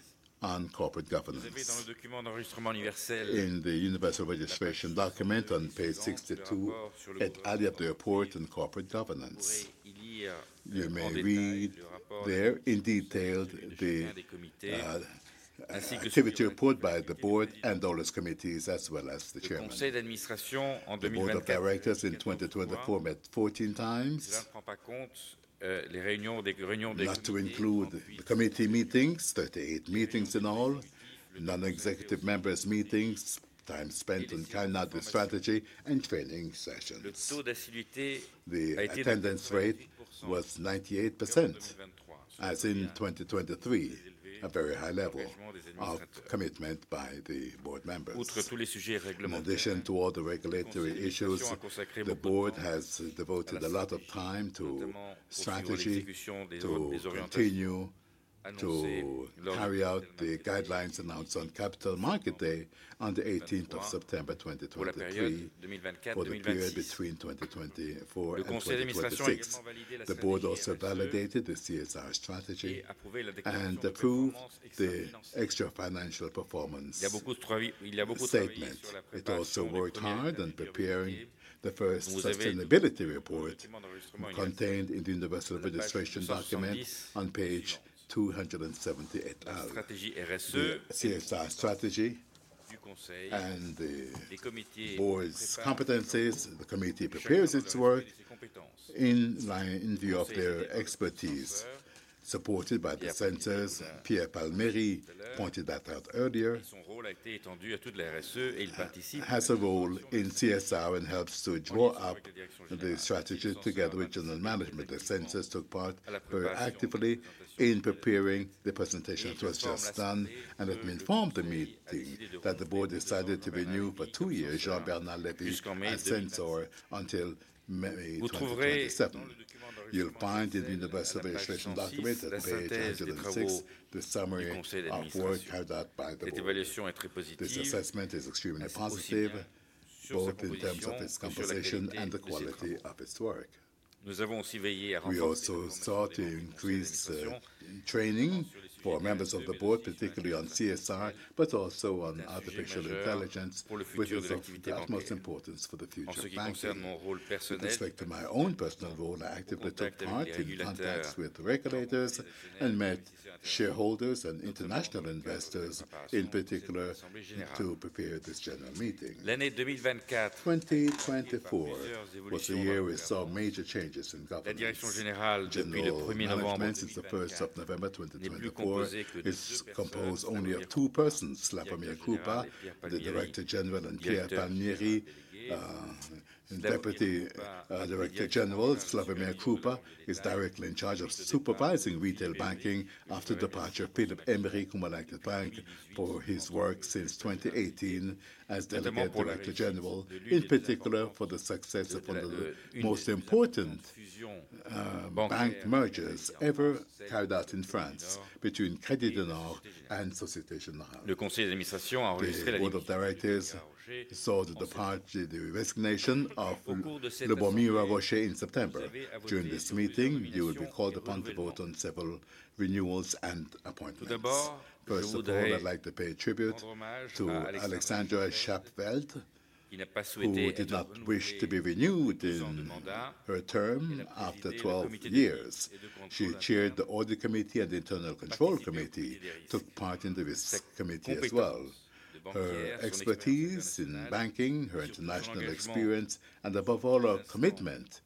on corporate governance. Dans le document d'enregistrement universel, in the universal registration document on page 62, it added the report on corporate governance. You may read there in detail the activity report by the board and all its committees, as well as the Chairman. Le conseil d'administration en 2024. The board of directors in 2024 met 14 times. Là, to include the committee meetings, 38 meetings in all, non-executive members' meetings, time spent on climate strategy and training sessions. The attendance rate was 98%, as in 2023, a very high level of commitment by the board members. In addition to all the regulatory issues, the board has devoted a lot of time to strategy to continue to carry out the guidelines announced on Capital Market Day on the 18th of September 2023 for the period between 2024 and 2026. The board also validated the CSR strategy and approved the extra financial performance statement. It also worked hard on preparing the first sustainability report contained in the universal registration document on page 278. Stratégie RSE, the CSR strategy, and the board's competencies. The committee prepares its work in line in view of their expertise, supported by the censors. Pierre Palmieri pointed that out earlier. Son rôle a été étendu à toute la RSE, and he has a role in CSR and helps to draw up the strategy together with general management. The censors took part very actively in preparing the presentation that was just done, and it informed the meeting that the board decided to renew for two years Jean-Bernard Lévy as censor until May 2027. You'll find in the universal registration document at page 106 the summary of work carried out by the board. This assessment is extremely positive, both in terms of its composition and the quality of its work. Nous avons aussi veillé à. We also sought to increase training for members of the board, particularly on CSR, but also on artificial intelligence, which is of utmost importance for the future of banking. With respect to my own personal role, I actively took part in contacts with regulators and met shareholders and international investors, in particular, to prepare this general meeting. 2024 was the year we saw major changes in governance. La direction générale, depuis le 1er novembre 2024, is composed only of two persons: Slawomir Krupa, the Director General, and Pierre Palmieri. Deputy Director General Slawomir Krupa is directly in charge of supervising retail banking after the departure of Philippe Aymerich, Cumulac Bank, for his work since 2018 as Delegate Director General, in particular for the success of one of the most important bank mergers ever carried out in France between Crédit du Nord and Société Générale. Le conseil d'administration a enregistré la. The board of directors saw the departure, the resignation of Le Bourgmestre Rocher in September. During this meeting, you will be called upon to vote on several renewals and appointments. First of all, I'd like to pay tribute to Alexandra Schaff-Weld, who did not wish to be renewed in her term after 12 years. She chaired the Audit Committee and the Internal Control Committee, took part in the Risk Committee as well. Her expertise in banking, her international experience, and above all, her commitment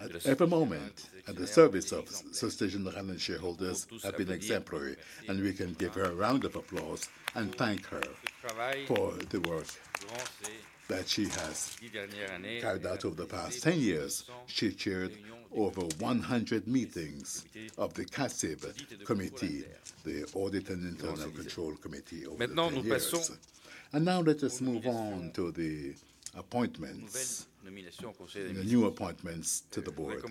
at every moment at the service of Société Générale and shareholders have been exemplary, and we can give her a round of applause and thank her for the work that she has carried out over the past 10 years. She chaired over 100 meetings of the CACIB Committee, the Audit and Internal Control Committee. Maintenant, let us move on to the appointments, the new appointments to the board.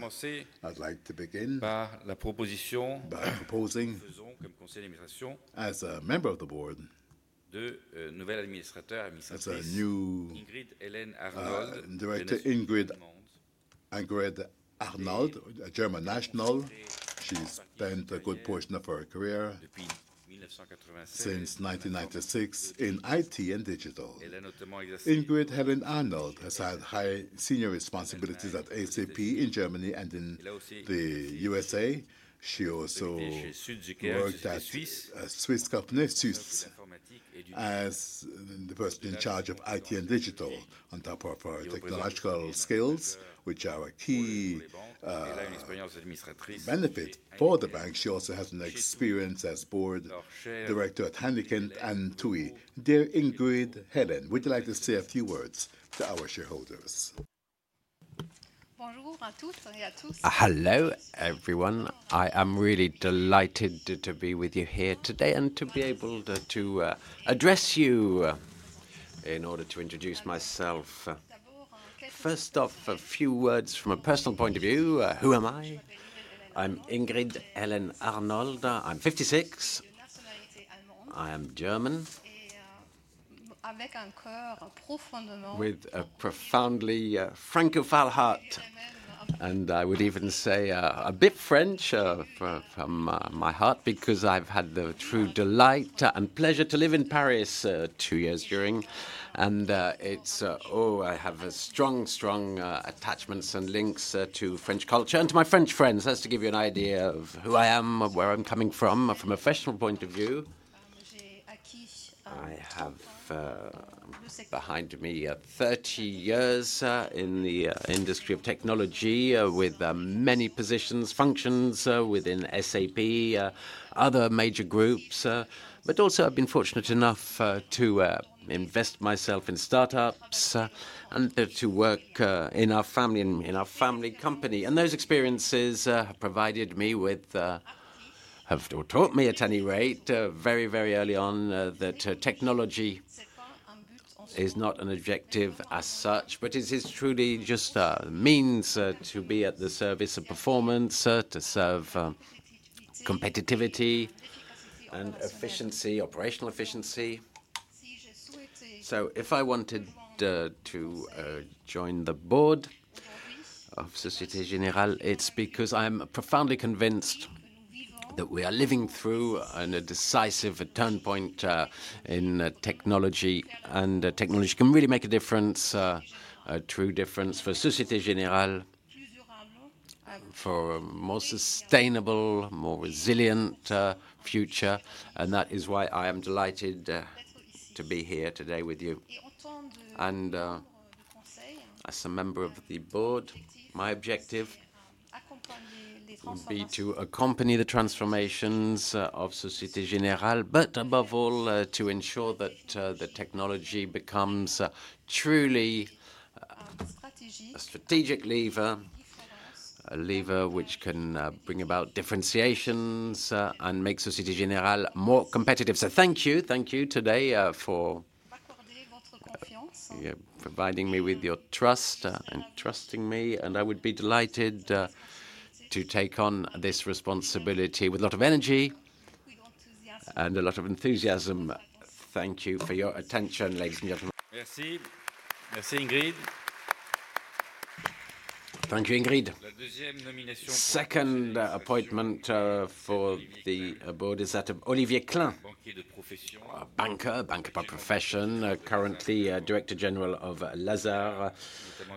I'd like to begin by proposing as a member of the board a new Ingrid Helen Arnold, a German national. She spent a good portion of her career since 1996 in IT and digital. Ingrid Helen Arnold has had high senior responsibilities at SAP in Germany and in the USA. She also worked at Swiss Gartner Suisse as the person in charge of IT and digital. On top of her technological skills, which are a key benefit for the bank, she also has an experience as board director at Heineken and Touy. Dear Ingrid Helen, would you like to say a few words to our shareholders? Bonjour à toutes et à tous. Hello, everyone. I am really delighted to be with you here today and to be able to address you in order to introduce myself. First off, a few words from a personal point of view. Who am I? I'm Ingrid Helen Arnold. I'm 56. I am German. Et avec un cœur profondément. With a profoundly Francophile heart. I would even say a bit French from my heart because I've had the true delight and pleasure to live in Paris two years during. It's, oh, I have strong, strong attachments and links to French culture and to my French friends. That's to give you an idea of who I am, where I'm coming from. From a professional point of view, I have behind me 30 years in the industry of technology with many positions, functions within SAP, other major groups, but also I've been fortunate enough to invest myself in startups and to work in our family and in our family company. Those experiences have provided me with, have taught me at any rate, very, very early on that technology is not an objective as such, but it is truly just a means to be at the service of performance, to serve competitivity and efficiency, operational efficiency. If I wanted to join the board of Société Générale, it is because I am profoundly convinced that we are living through a decisive turnpoint in technology and technology can really make a difference, a true difference for Société Générale, for a more sustainable, more resilient future. That is why I am delighted to be here today with you. As a member of the board, my objective will be to accompany the transformations of Société Générale, but above all, to ensure that the technology becomes truly a strategic lever, a lever which can bring about differentiations and make Société Générale more competitive. Thank you, thank you today for providing me with your trust and trusting me. I would be delighted to take on this responsibility with a lot of energy and a lot of enthusiasm. Thank you for your attention, ladies and gentlemen. Merci, merci Ingrid. Thank you, Ingrid. Second appointment for the board is that of Olivier Klein, a banker, a banker by profession, currently a Director General of Lazard, not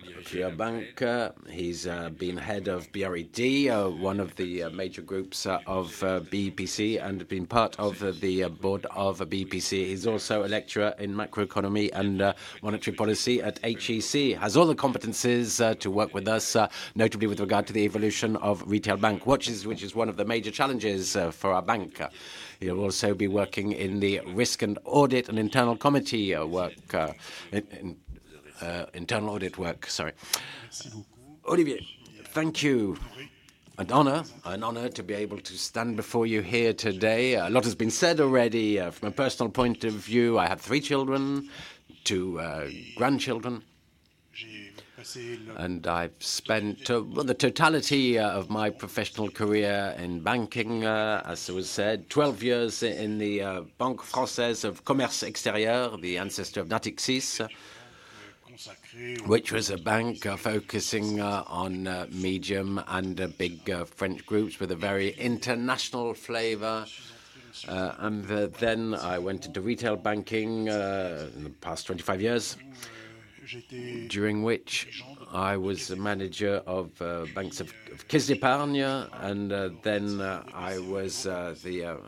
only a GIO Bank. He has been head of BRED, one of the major groups of BEPC, and has been part of the board of BEPC. He is also a lecturer in macroeconomy and monetary policy at HEC, has all the competencies to work with us, notably with regard to the evolution of retail bank watches, which is one of the major challenges for our bank. He'll also be working in the risk and audit and internal committee work, internal audit work, sorry. Olivier. Thank you. An honor, an honor to be able to stand before you here today. A lot has been said already. From a personal point of view, I have three children, two grandchildren, and I've spent the totality of my professional career in banking, as it was said, 12 years in the Banque Française of Commerce Extérieur, the ancestor of Natixis, which was a bank focusing on medium and big French groups with a very international flavor. I went into retail banking in the past 25 years, during which I was a manager of banks of Caisse d'Épargne, and I was the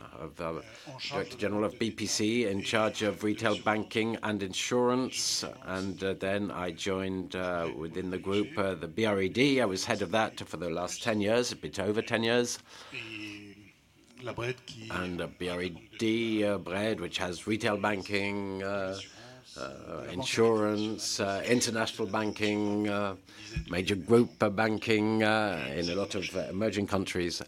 director general of BPCE in charge of retail banking and insurance. I joined within the group, the BRED. I was head of that for the last 10 years, a bit over 10 years, and BRED, which has retail banking, insurance, international banking, major group banking in a lot of emerging countries,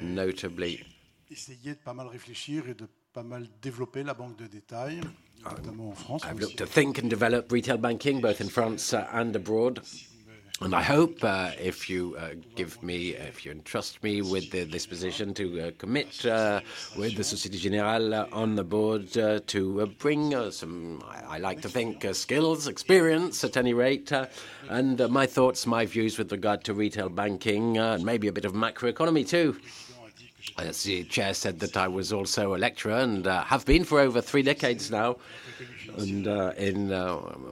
notably. Essayer de pas mal réfléchir et de pas mal développer la banque de détail, notamment en France. I've looked to think and develop retail banking both in France and abroad. I hope, if you give me, if you entrust me with this position to commit with the Société Générale on the board to bring some, I like to think, skills, experience at any rate, and my thoughts, my views with regard to retail banking and maybe a bit of macroeconomy too. As the chair said, that I was also a lecturer and have been for over three decades now in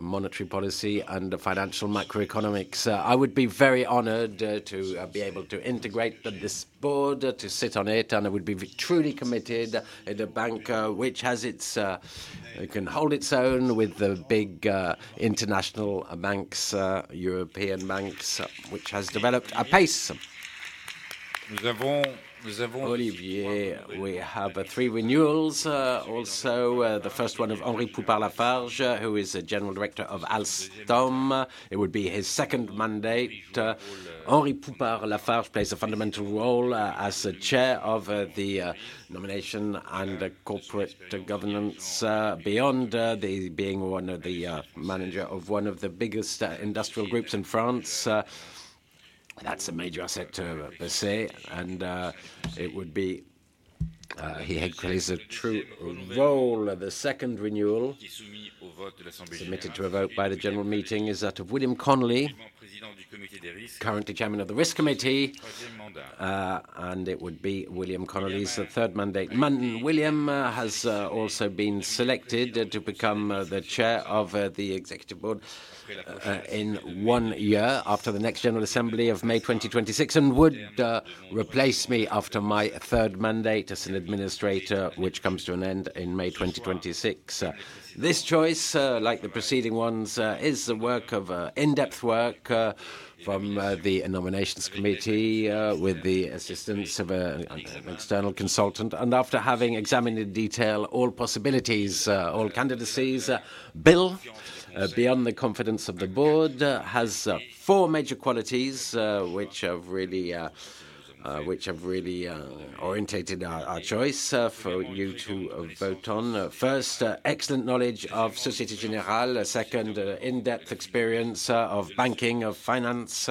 monetary policy and financial macroeconomics. I would be very honored to be able to integrate this board to sit on it, and I would be truly committed in a bank which can hold its own with the big international banks, European banks, which has developed a pace. Olivier, we have three renewals. Also, the first one of Henri Poupart-Lafarge, who is a general director of Alstom. It would be his second mandate. Henri Poupart-Lafarge plays a fundamental role as chair of the nomination and corporate governance beyond being one of the managers of one of the biggest industrial groups in France. That's a major asset to Bessay. It would be he plays a true role of the second renewal submitted to a vote by the general meeting is that of William Connolly, currently chairman of the risk committee. It would be William Connolly's third mandate. William has also been selected to become the chair of the executive board in one year after the next general assembly of May 2026 and would replace me after my third mandate as an administrator, which comes to an end in May 2026. This choice, like the preceding ones, is the work of in-depth work from the nominations committee with the assistance of an external consultant. After having examined in detail all possibilities, all candidacy, Bill, beyond the confidence of the board, has four major qualities which have really orientated our choice for you to vote on. First, excellent knowledge of Société Générale. Second, in-depth experience of banking, of finance,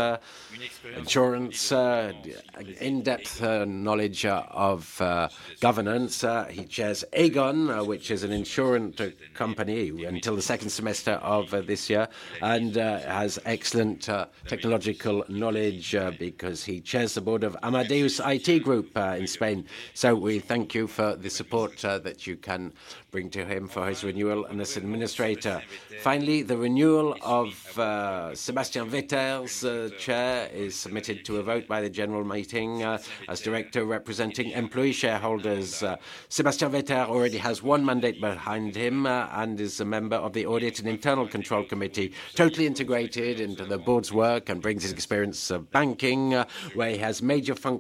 insurance, in-depth knowledge of governance. He chairs Aegon, which is an insurance company until the second semester of this year, and has excellent technological knowledge because he chairs the board of Amadeus IT Group in Spain. We thank you for the support that you can bring to him for his renewal and as an administrator. Finally, the renewal of Sébastien Vetter's chair is submitted to a vote by the general meeting as director representing employee shareholders. Sébastien Vetter already has one mandate behind him and is a member of the Audit and Internal Control Committee, totally integrated into the board's work and brings his experience of banking, where he has major functions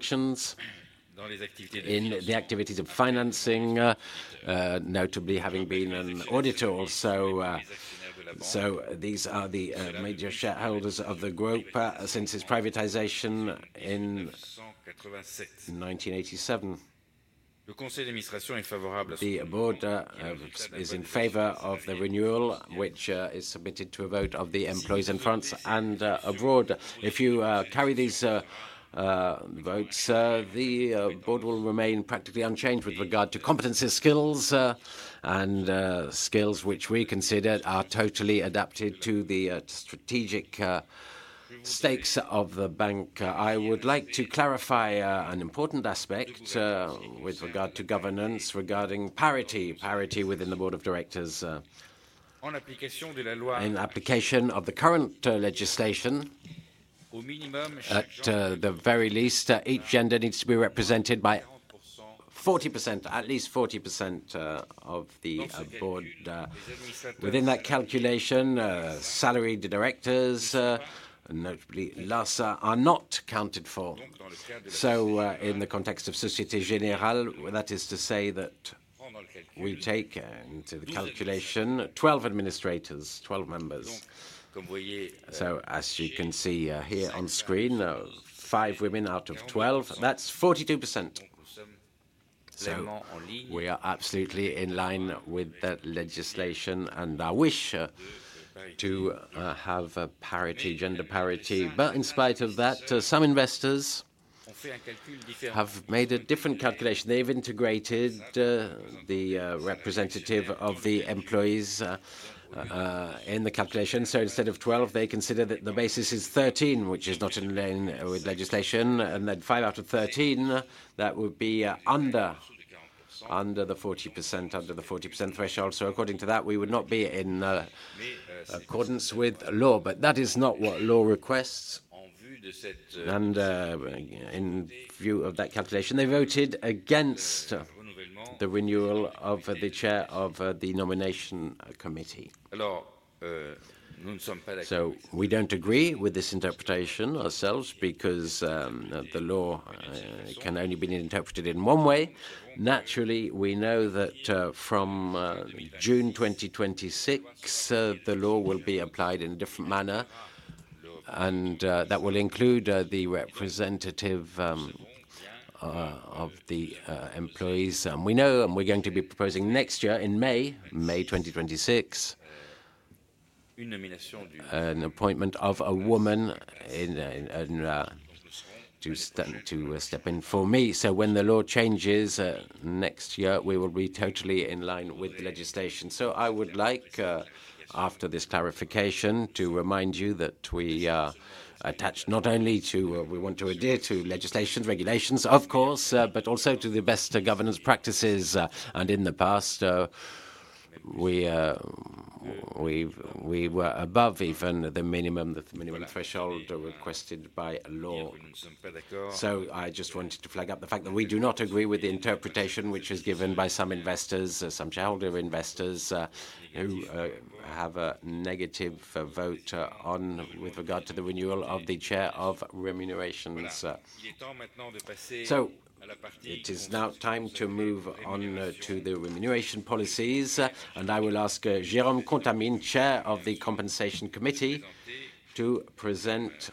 in the activities of financing, notably having been an auditor also. These are the major shareholders of the group since its privatization in 1987. Le conseil d'administration est favorable. The board is in favor of the renewal, which is submitted to a vote of the employees in France and abroad. If you carry these votes, the board will remain practically unchanged with regard to competencies, skills, and skills which we consider are totally adapted to the strategic stakes of the bank. I would like to clarify an important aspect with regard to governance regarding parity, parity within the board of directors. En application de la loi. In application of the current legislation, at the very least, each gender needs to be represented by 40%, at least 40% of the board. Within that calculation, salaried directors, notably Lassa, are not counted for. In the context of Société Générale, that is to say that we take into the calculation 12 administrators, 12 members. As you can see here on screen, five women out of 12, that's 42%. We are absolutely in line with that legislation and I wish to have a parity, gender parity. In spite of that, some investors have made a different calculation. They've integrated the representative of the employees in the calculation. Instead of 12, they consider that the basis is 13, which is not in line with legislation. Five out of 13, that would be under the 40% threshold. According to that, we would not be in accordance with law. That is not what law requests. In view of that calculation, they voted against the renewal of the chair of the nomination committee. We don't agree with this interpretation ourselves because the law can only be interpreted in one way. Naturally, we know that from June 2026, the law will be applied in a different manner. That will include the representative of the employees. We know and we're going to be proposing next year in May, May 2026, an appointment of a woman to step in for me. When the law changes next year, we will be totally in line with the legislation. I would like, after this clarification, to remind you that we are attached not only to what we want to adhere to legislations, regulations, of course, but also to the best governance practices. In the past, we were above even the minimum threshold requested by law. I just wanted to flag up the fact that we do not agree with the interpretation which is given by some investors, some child investors who have a negative vote on with regard to the renewal of the chair of remunerations. It is now time to move on to the remuneration policies. I will ask Jérôme Contamine, Chair of the Compensation Committee, to present,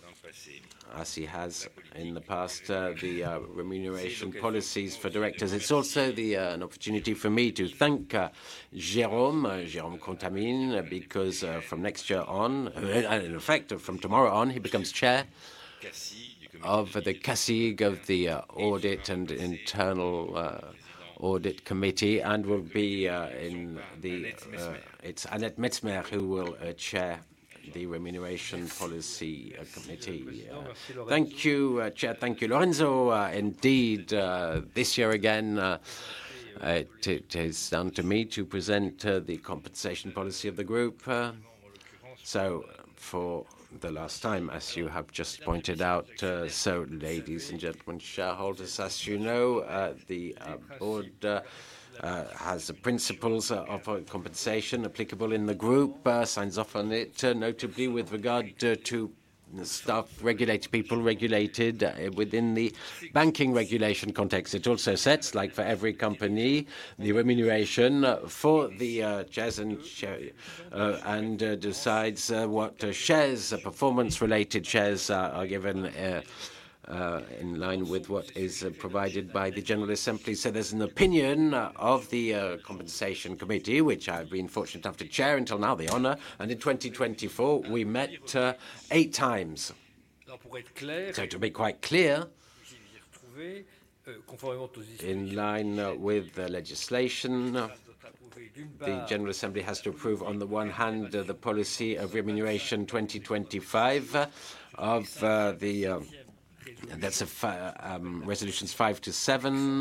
as he has in the past, the remuneration policies for directors. It's also an opportunity for me to thank Jérôme, Jérôme Contamine, because from next year on, in effect, from tomorrow on, he becomes Chair of the CACIG of the Audit and Internal Audit Committee and will be in the, it's Annette Messemer who will chair the Remuneration Policy Committee. Thank you, Chair, thank you, Lorenzo. Indeed, this year again, it is down to me to present the compensation policy of the group. For the last time, as you have just pointed out, ladies and gentlemen, shareholders, as you know, the board has the principles of compensation applicable in the group, signs off on it, notably with regard to staff, regulated people, regulated within the banking regulation context. It also sets, like for every company, the remuneration for the chairs and decides what shares, performance-related shares are given in line with what is provided by the General Assembly. There is an opinion of the Compensation Committee, which I've been fortunate enough to chair until now, the honor. In 2024, we met eight times. To be quite clear, in line with the legislation, the General Assembly has to approve, on the one hand, the policy of remuneration 2025 of the, that's resolutions 5 to 7.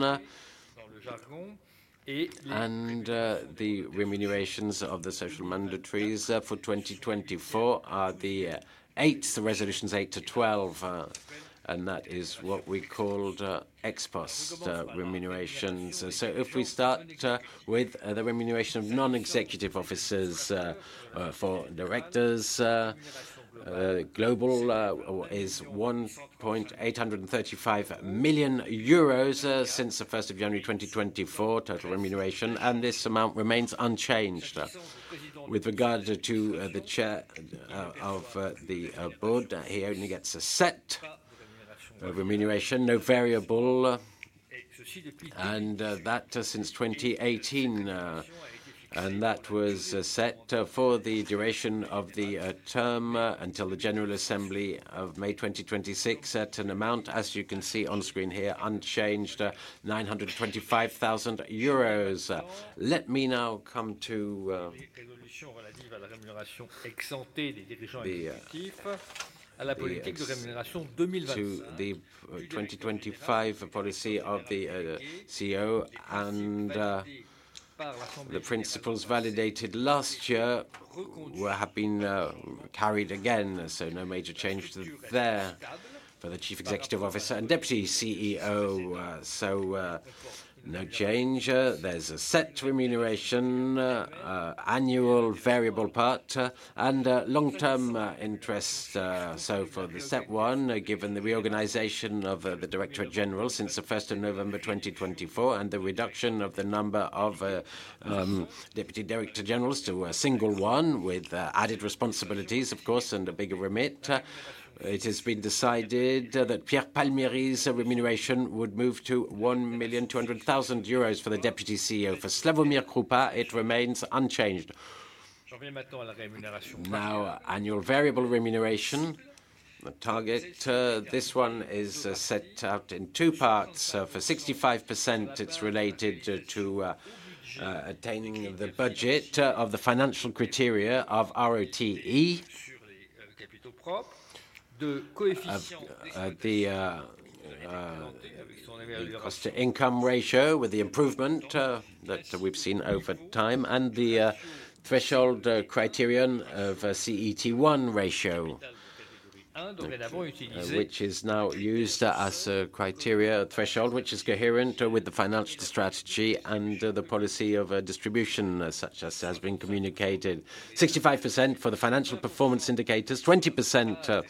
The remunerations of the social mandatories for 2024 are the 8th, resolutions 8 to 12. That is what we called ex post remunerations. If we start with the remuneration of non-executive officers for directors, global is 1.835 million euros since the 1st of January 2024, total remuneration. This amount remains unchanged. With regard to the Chair of the Board, he only gets a set of remuneration, no variable. And that since 2018. And that was set for the duration of the term until the General Assembly of May 2026 at an amount, as you can see on screen here, unchanged, 925,000 euros. Let me now come to the 2025 policy of the CEO and the principles validated last year were carried again. No major change there for the Chief Executive Officer and Deputy CEO. No change. There is a set remuneration, annual variable part, and long-term interest. For the set one, given the reorganization of the Directorate General since the 1st of November 2024 and the reduction of the number of Deputy Director Generals to a single one with added responsibilities, of course, and a bigger remit, it has been decided that Pierre Palmieri's remuneration would move to 1,200,000 euros for the Deputy CEO. For Slawomir Krupa, it remains unchanged. Now, annual variable remuneration target. This one is set out in two parts. For 65%, it's related to attaining the budget of the financial criteria of ROTE, the cost-to-income ratio with the improvement that we've seen over time, and the threshold criterion of CET1 ratio, which is now used as a criteria threshold, which is coherent with the financial strategy and the policy of distribution, such as has been communicated. 65% for the financial performance indicators, 20%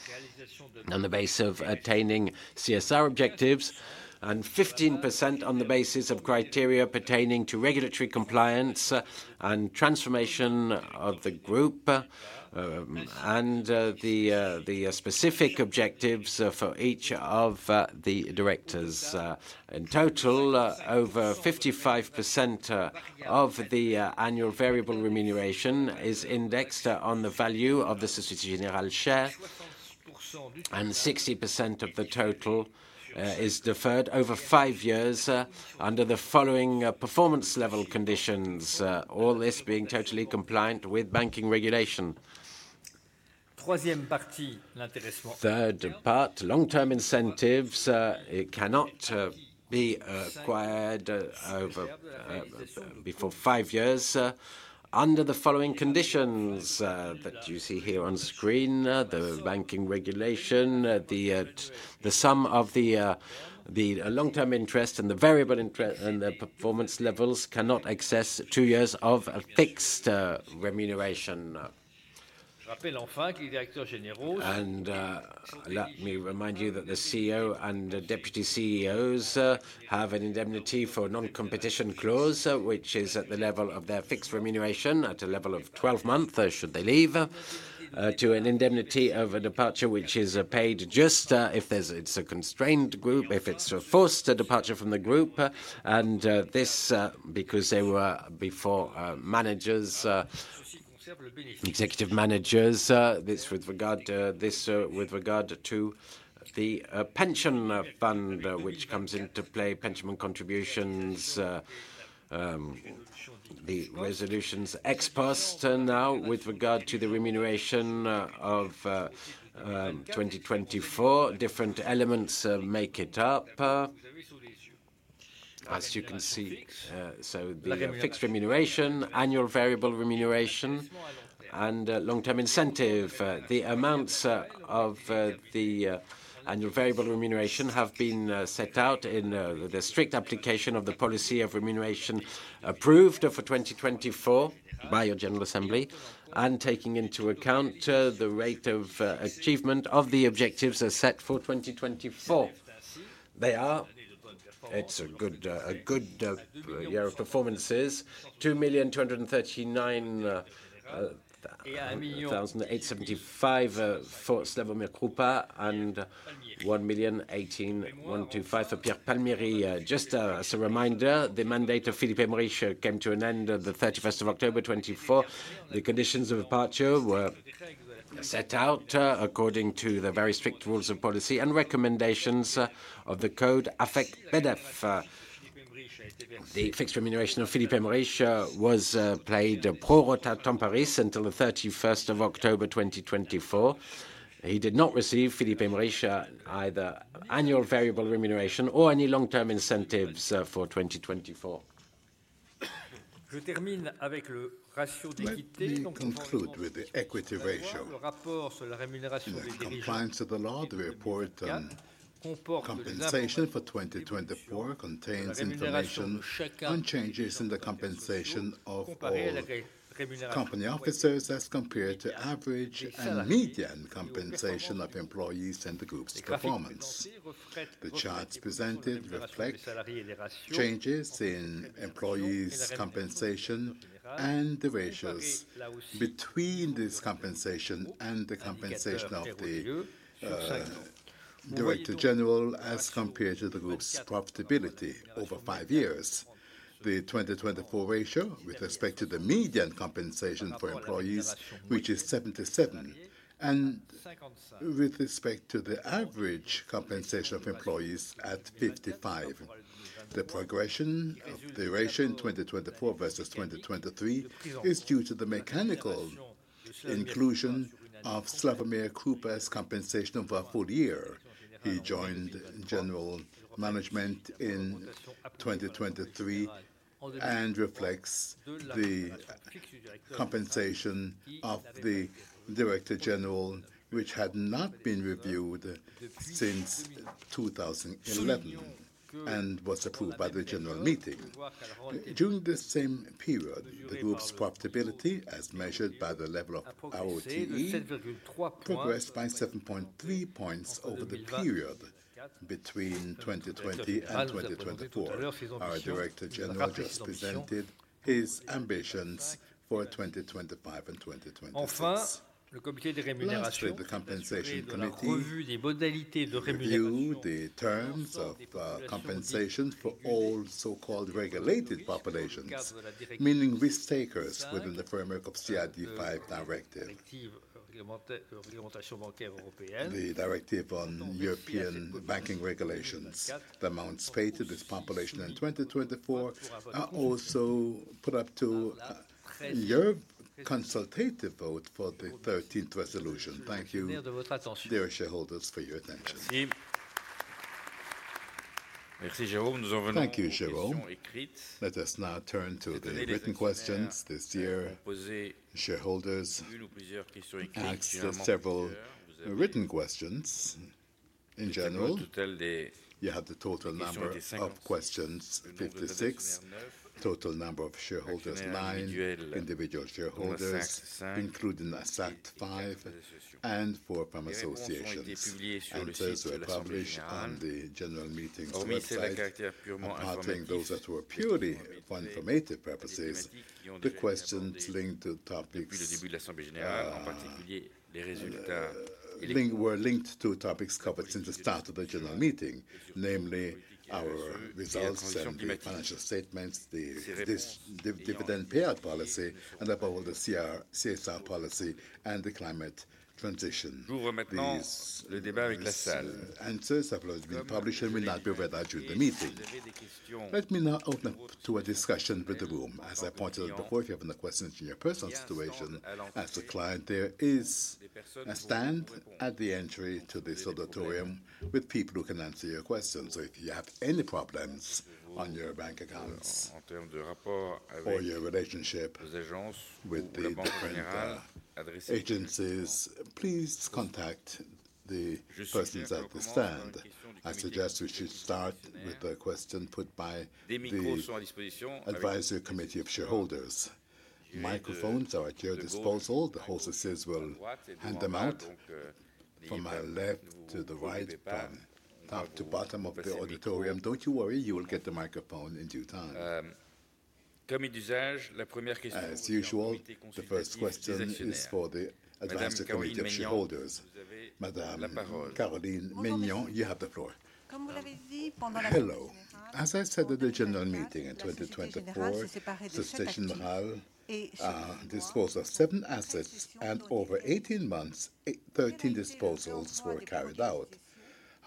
on the basis of attaining CSR objectives, and 15% on the basis of criteria pertaining to regulatory compliance and transformation of the group, and the specific objectives for each of the directors. In total, over 55% of the annual variable remuneration is indexed on the value of the Société Générale share, and 60% of the total is deferred over five years under the following performance level conditions, all this being totally compliant with banking regulation. Third part, long-term incentives, it cannot be acquired before five years under the following conditions that you see here on screen. The banking regulation, the sum of the long-term interest and the variable interest and the performance levels cannot exceed two years of fixed remuneration. Let me remind you that the CEO and Deputy CEOs have an indemnity for non-competition clause, which is at the level of their fixed remuneration, at a level of 12 months should they leave, to an indemnity of a departure, which is paid just if it is a constrained group, if it is a forced departure from the group. This is because they were before managers, executive managers. This with regard to the pension fund, which comes into play, pension contributions, the resolutions ex post. Now, with regard to the remuneration of 2024, different elements make it up, as you can see. The fixed remuneration, annual variable remuneration, and long-term incentive. The amounts of the annual variable remuneration have been set out in the strict application of the policy of remuneration approved for 2024 by your General Assembly and taking into account the rate of achievement of the objectives set for 2024. They are, it's a good year of performances, 2,239,875 for Slawomir Krupa and 1,018,125 for Pierre Palmieri. Just as a reminder, the mandate of Philippe Aymerich came to an end on the 31st of October 2024. The conditions of departure were set out according to the very strict rules of policy and recommendations of the Code Affect PDEF. The fixed remuneration of Philippe Aymerich was played pro-rata temporis until the 31st of October 2024. He did not receive Philippe Aymerich either annual variable remuneration or any long-term incentives for 2024. Je termine avec le ratio d'équité. Include with the equity ratio. Le rapport sur la rémunération des dirigeants. Compensation for 2024 contains information on changes in the compensation of company officers as compared to average and median compensation of employees and the group's performance. The charts presented reflect changes in employees' compensation and the ratios between this compensation and the compensation of the Director General as compared to the group's profitability over five years. The 2024 ratio with respect to the median compensation for employees, which is 77, and with respect to the average compensation of employees at 55. The progression of the ratio in 2024 versus 2023 is due to the mechanical inclusion of Slawomir Krupa's compensation over a full year. He joined general management in 2023 and reflects the compensation of the Director General, which had not been reviewed since 2011 and was approved by the General Meeting. During the same period, the group's profitability, as measured by the level of ROTE, progressed by 7.3 percentage points over the period between 2020 and 2024. Our Director General just presented his ambitions for 2025 and 2026. Enfin, le Comité de rémunération a revu les modalités de rémunération et les termes de compensation pour all so-called regulated populations, meaning risk-takers within the framework of CRD5 directive. The directive on European banking regulations, the amounts paid to this population in 2024 are also put up to your consultative vote for the 13th resolution. Thank you, dear shareholders, for your attention. Thank you, Jérôme. Let us now turn to the written questions. This year, shareholders, answer several written questions. In general, you have the total number of questions: 56, total number of shareholders: 9 individual shareholders, including SACT 5 and 4 Pharm Associations. Answers were published on the General Meeting's website. On pardoning those that were purely for informative purposes, the questions linked to topics were linked to topics covered since the start of the General Meeting, namely our results and financial statements, the dividend payout policy, and above all, the CSR policy and the climate transition. Le débat avec la salle. Answers have already been published and will not be read out during the meeting. Let me now open up to a discussion with the room. As I pointed out before, if you have any questions in your personal situation, as a client, there is a stand at the entry to this auditorium with people who can answer your questions. If you have any problems on your bank accounts or your relationship with the banking agencies, please contact the persons at the stand. I suggest we should start with the question put by the Advisory Committee of Shareholders. Microphones are at your disposal. The hostesses will hand them out from my left to the right, from top to bottom of the auditorium. Don't you worry, you will get the microphone in due time. As usual, the first question is for the Advisory Committee of Shareholders. Madame Caroline Meignan, you have the floor. Hello. As I said at the General Meeting in 2024, Société Générale disposed of seven assets and over 18 months, 13 disposals were carried out.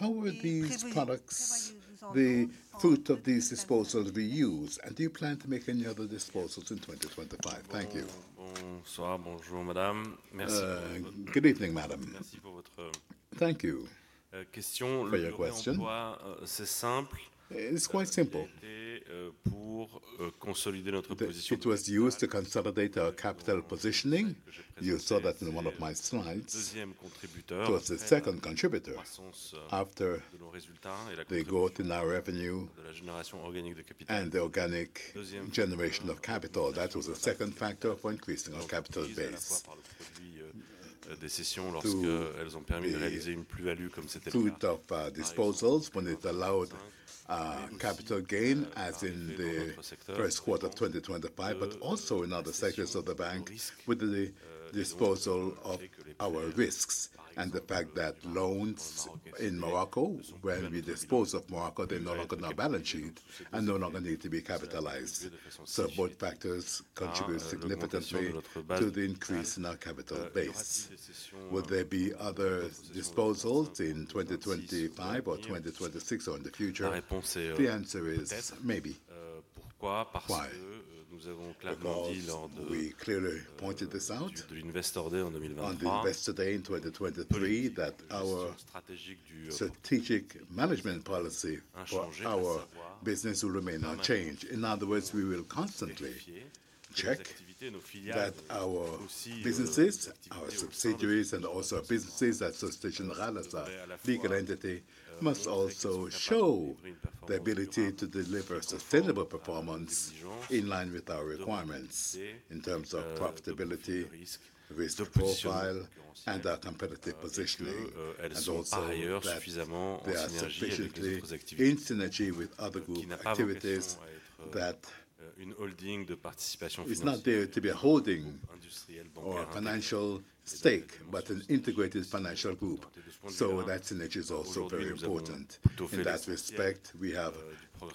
How were these products, the fruit of these disposals, reused? And do you plan to make any other disposals in 2025? Thank you. Bonsoir, Madame. Good evening, Madame. Thank you. Question? For your question, c'est simple. C'est quoi? Simple. Pour consolider notre position. It was used to consolidate our capital positioning. You saw that in one of my slides. It was the second contributor. After the growth in our revenue and the organic generation of capital, that was the second factor for increasing our capital base. Des sessions lorsqu'elles ont permis de réaliser une plus-value comme c'était le cas. Fruit of disposals when it allowed capital gain, as in the first quarter of 2025, but also in other sectors of the bank with the disposal of our risks and the fact that loans in Morocco, when we dispose of Morocco, they no longer are on our balance sheet and no longer need to be capitalized. Both factors contribute significantly to the increase in our capital base. Will there be other disposals in 2025 or 2026 or in the future? The answer is maybe. Pourquoi? Parce que nous avons clairement dit lors de. We clearly pointed this out. De l'investor day en 2023. On investor day in 2023, that our strategic management policy, our business will remain unchanged. In other words, we will constantly check that our businesses, our subsidiaries, and also businesses at Société Générale as a legal entity must also show the ability to deliver sustainable performance in line with our requirements in terms of profitability, risk profile, and our competitive positioning, and also that we are sufficiently in synergy with other group activities that it's not there to be a holding or a financial stake, but an integrated financial group. That synergy is also very important. In that respect, we have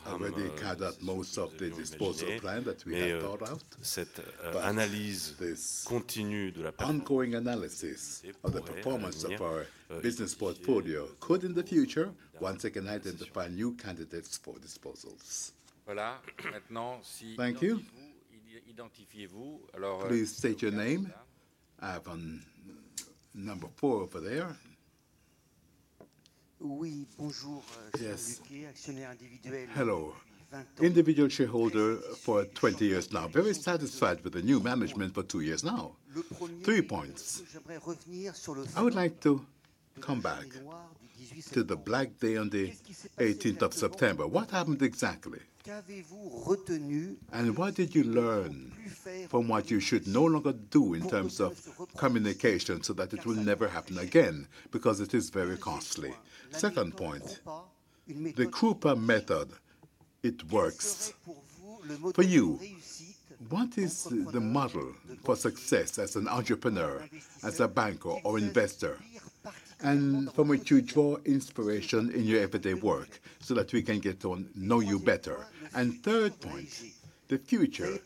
already carried out most of the disposal plan that we have thought out. Cette analyse continue, ongoing analysis of the performance of our business portfolio could, in the future, once again identify new candidates for disposals. Voilà. Maintenant, si vous vous identifiez, please state your name. I have a number 4 over there. Oui, bonjour. Je suis Lucas, actionnaire individuel. Hello. Individual shareholder for 20 years now. Very satisfied with the new management for two years now. Trois points. I would like to come back to the black day on the 18th of September. What happened exactly? Qu'avez-vous retenu? And what did you learn from what you should no longer do in terms of communication so that it will never happen again because it is very costly? Second point, the Krupa method, it works for you. What is the model for success as an entrepreneur, as a banker, or investor? And from which you draw inspiration in your everyday work so that we can get to know you better? And third point, the future.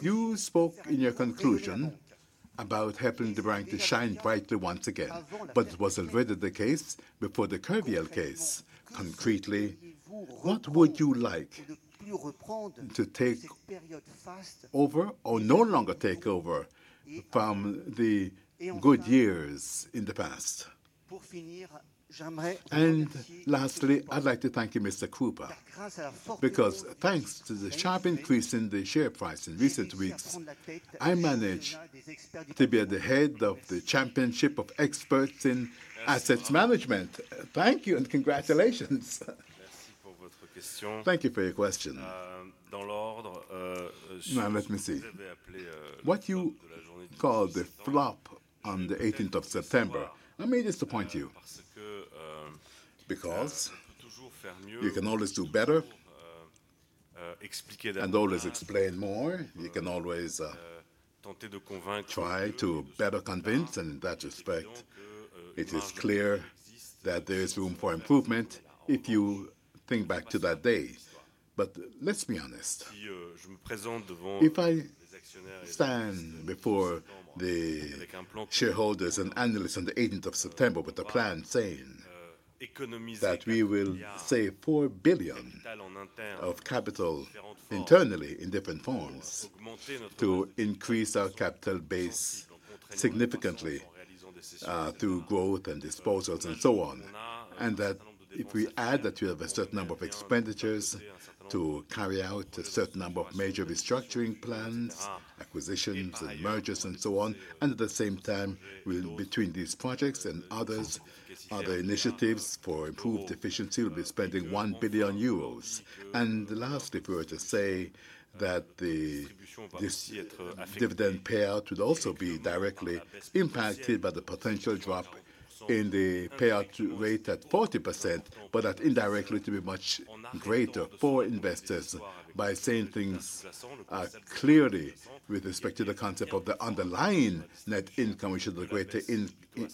You spoke in your conclusion about helping the bank to shine brightly once again, but it was already the case before the Kerviel case. Concretely, what would you like to take over or no longer take over from the good years in the past? Lastly, I'd like to thank you, Mr. Krupa, because thanks to the sharp increase in the share price in recent weeks, I manage to be at the head of the championship of experts in asset management. Thank you and congratulations. Thank you for your question. Dans l'ordre, je vous ai appelé what you called the flop on the 18th of September. I may disappoint you because you can always do better and always explain more. You can always try to better convince. In that respect, it is clear that there is room for improvement if you think back to that day. Let's be honest, if I stand before the shareholders and analysts on the 18th of September with a plan saying that we will save 4 billion of capital internally in different forms to increase our capital base significantly through growth and disposals and so on, and that if we add that you have a certain number of expenditures to carry out a certain number of major restructuring plans, acquisitions and mergers and so on, and at the same time, between these projects and others, other initiatives for improved efficiency, we'll be spending 1 billion euros. Lastly, if we were to say that this dividend payout would also be directly impacted by the potential drop in the payout rate at 40%, but that indirectly to be much greater for investors by saying things clearly with respect to the concept of the underlying net income, which is the greater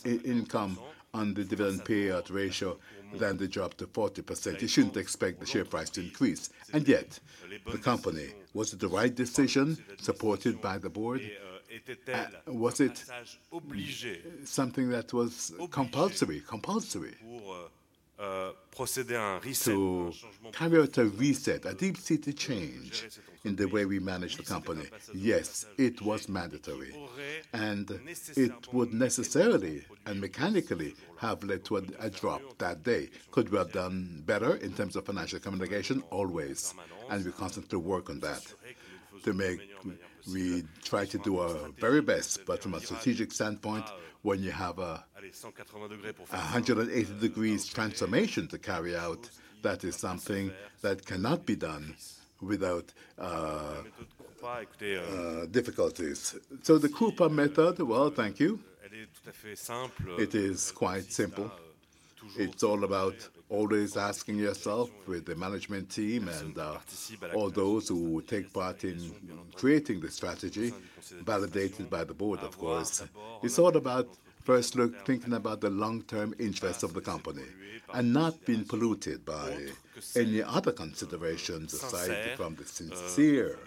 income on the dividend payout ratio than the drop to 40%. You shouldn't expect the share price to increase. Yet, the company, was it the right decision supported by the board? Was it something that was compulsory? Procéder à un reset, to carry out a reset, a deep-seated change in the way we manage the company? Yes, it was mandatory. It would necessarily and mechanically have led to a drop that day. Could we have done better in terms of financial communication? Always. We constantly work on that to make we try to do our very best, but from a strategic standpoint, when you have a 180-degree transformation to carry out, that is something that cannot be done without difficulties. The Krupa method, thank you. It is quite simple. It's all about always asking yourself with the management team and all those who take part in creating the strategy, validated by the board, of course. It's all about first look, thinking about the long-term interests of the company and not being polluted by any other considerations aside from the sincere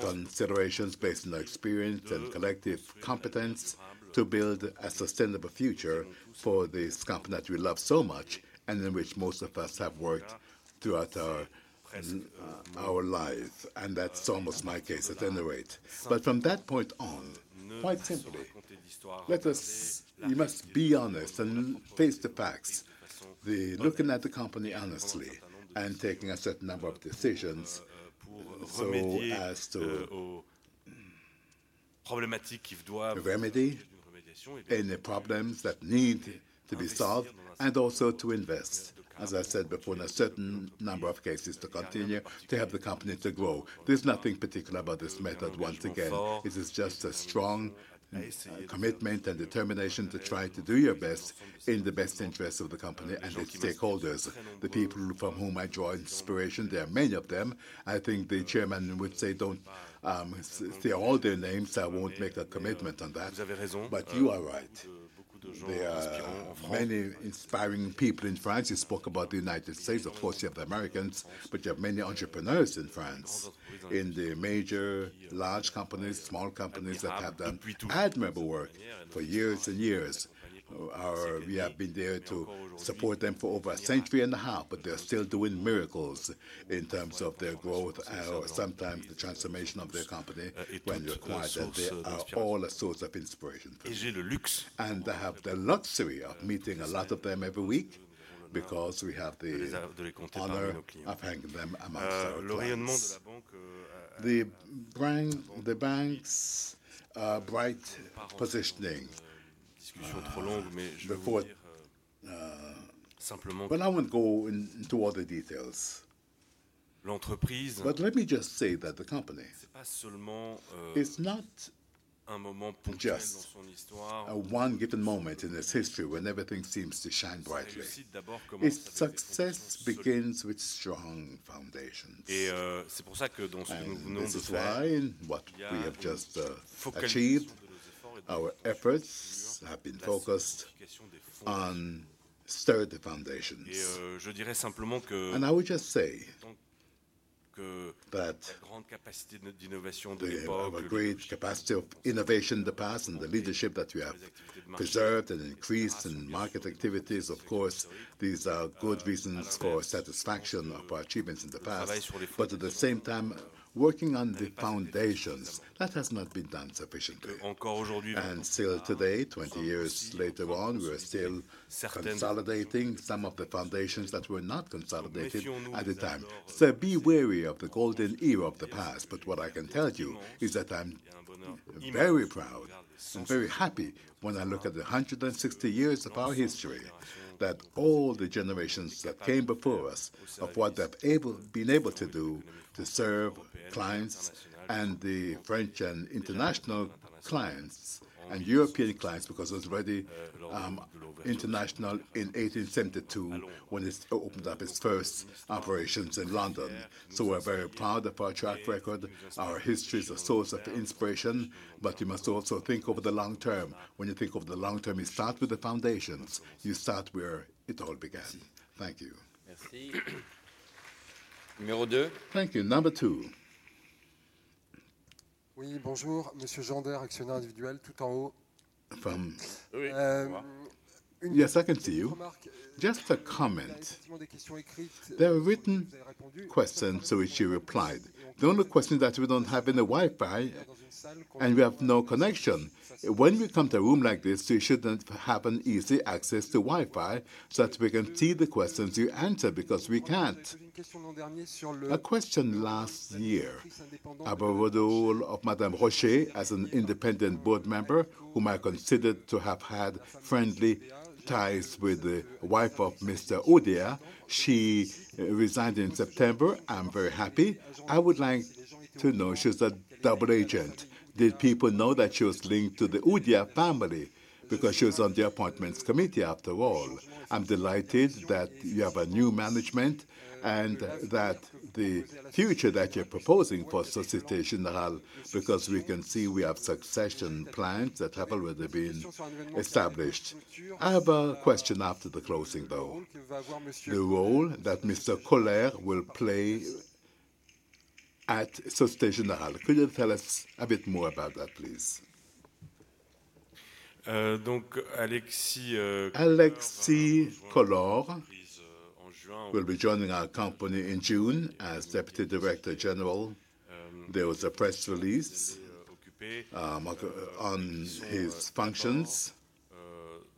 considerations based on our experience and collective competence to build a sustainable future for this company that we love so much and in which most of us have worked throughout our lives. That's almost my case at any rate. From that point on, quite simply, let us, you must be honest and face the facts, looking at the company honestly and taking a certain number of decisions so as to remedy any problems that need to be solved and also to invest, as I said before, in a certain number of cases to continue to help the company to grow. There is nothing particular about this method, once again. It is just a strong commitment and determination to try to do your best in the best interests of the company and its stakeholders, the people from whom I draw inspiration. There are many of them. I think the Chairman would say, "Do not say all their names. I will not make a commitment on that." You are right. There are many inspiring people in France. You spoke about the United States. Of course, you have the Americans, but you have many entrepreneurs in France, in the major, large companies, small companies that have done admirable work for years and years. We have been there to support them for over a century and a half, they are still doing miracles in terms of their growth or sometimes the transformation of their company when required. They are all a source of inspiration. I have the luxury of meeting a lot of them every week because we have the honor of having them amongst our clients. The bank's bright positioning. Let me just say that the company is not just one given moment in its history when everything seems to shine brightly. Its success begins with strong foundations. Et c'est pour ça que dans ce que nous venons de voir, what we have just achieved, our efforts have been focused on sturdy foundations. I would just say that the great capacity of innovation in the past and the leadership that you have preserved and increased in market activities, of course, these are good reasons for satisfaction of our achievements in the past. At the same time, working on the foundations, that has not been done sufficiently. Still today, 20 years later on, we are still consolidating some of the foundations that were not consolidated at the time. Be wary of the golden era of the past. What I can tell you is that I'm very proud and very happy when I look at the 160 years of our history, that all the generations that came before us, of what they've been able to do to serve clients and the French and international clients and European clients, because it was already international in 1872 when it opened up its first operations in London. We're very proud of our track record. Our history is a source of inspiration. You must also think over the long term. When you think over the long term, you start with the foundations. You start where it all began. Thank you. Numéro 2. Thank you. Number 2. Oui, bonjour. Monsieur Gender, actionnaire individuel, tout en haut. From. Yes, I can see you. Just a comment. There are written questions, to which you replied. The only question is that we don't have any Wi-Fi and we have no connection. When we come to a room like this, we shouldn't have an easy access to Wi-Fi so that we can see the questions you answer because we can't. Une question l'an dernier. A question last year. À propos du rôle of Madame Rocher as an independent board member, whom I consider to have had friendly ties with the wife of Mr. Oudéa. She resigned in September. I'm very happy. I would like to know. She was a double agent. Did people know that she was linked to the Oudéa family? Because she was on the appointments committee, after all. I'm delighted that you have a new management and that the future that you're proposing for Société Générale, because we can see we have succession plans that have already been established. I have a question after the closing, though. The role that Mr. Coller will play at Société Générale. Could you tell us a bit more about that, please? Donc, Alexis. Alexis Coller will be joining our company in June as Deputy Director General. There was a press release on his functions.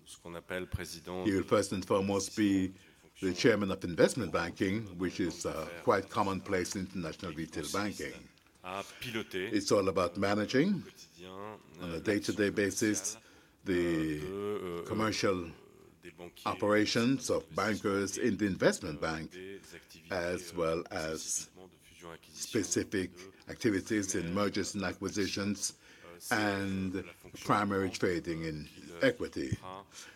He will first and foremost be the Chairman of Investment Banking, which is quite commonplace in international retail banking. It's all about managing on a day-to-day basis the commercial operations of bankers in the investment bank, as well as specific activities in mergers and acquisitions and primary trading in equity.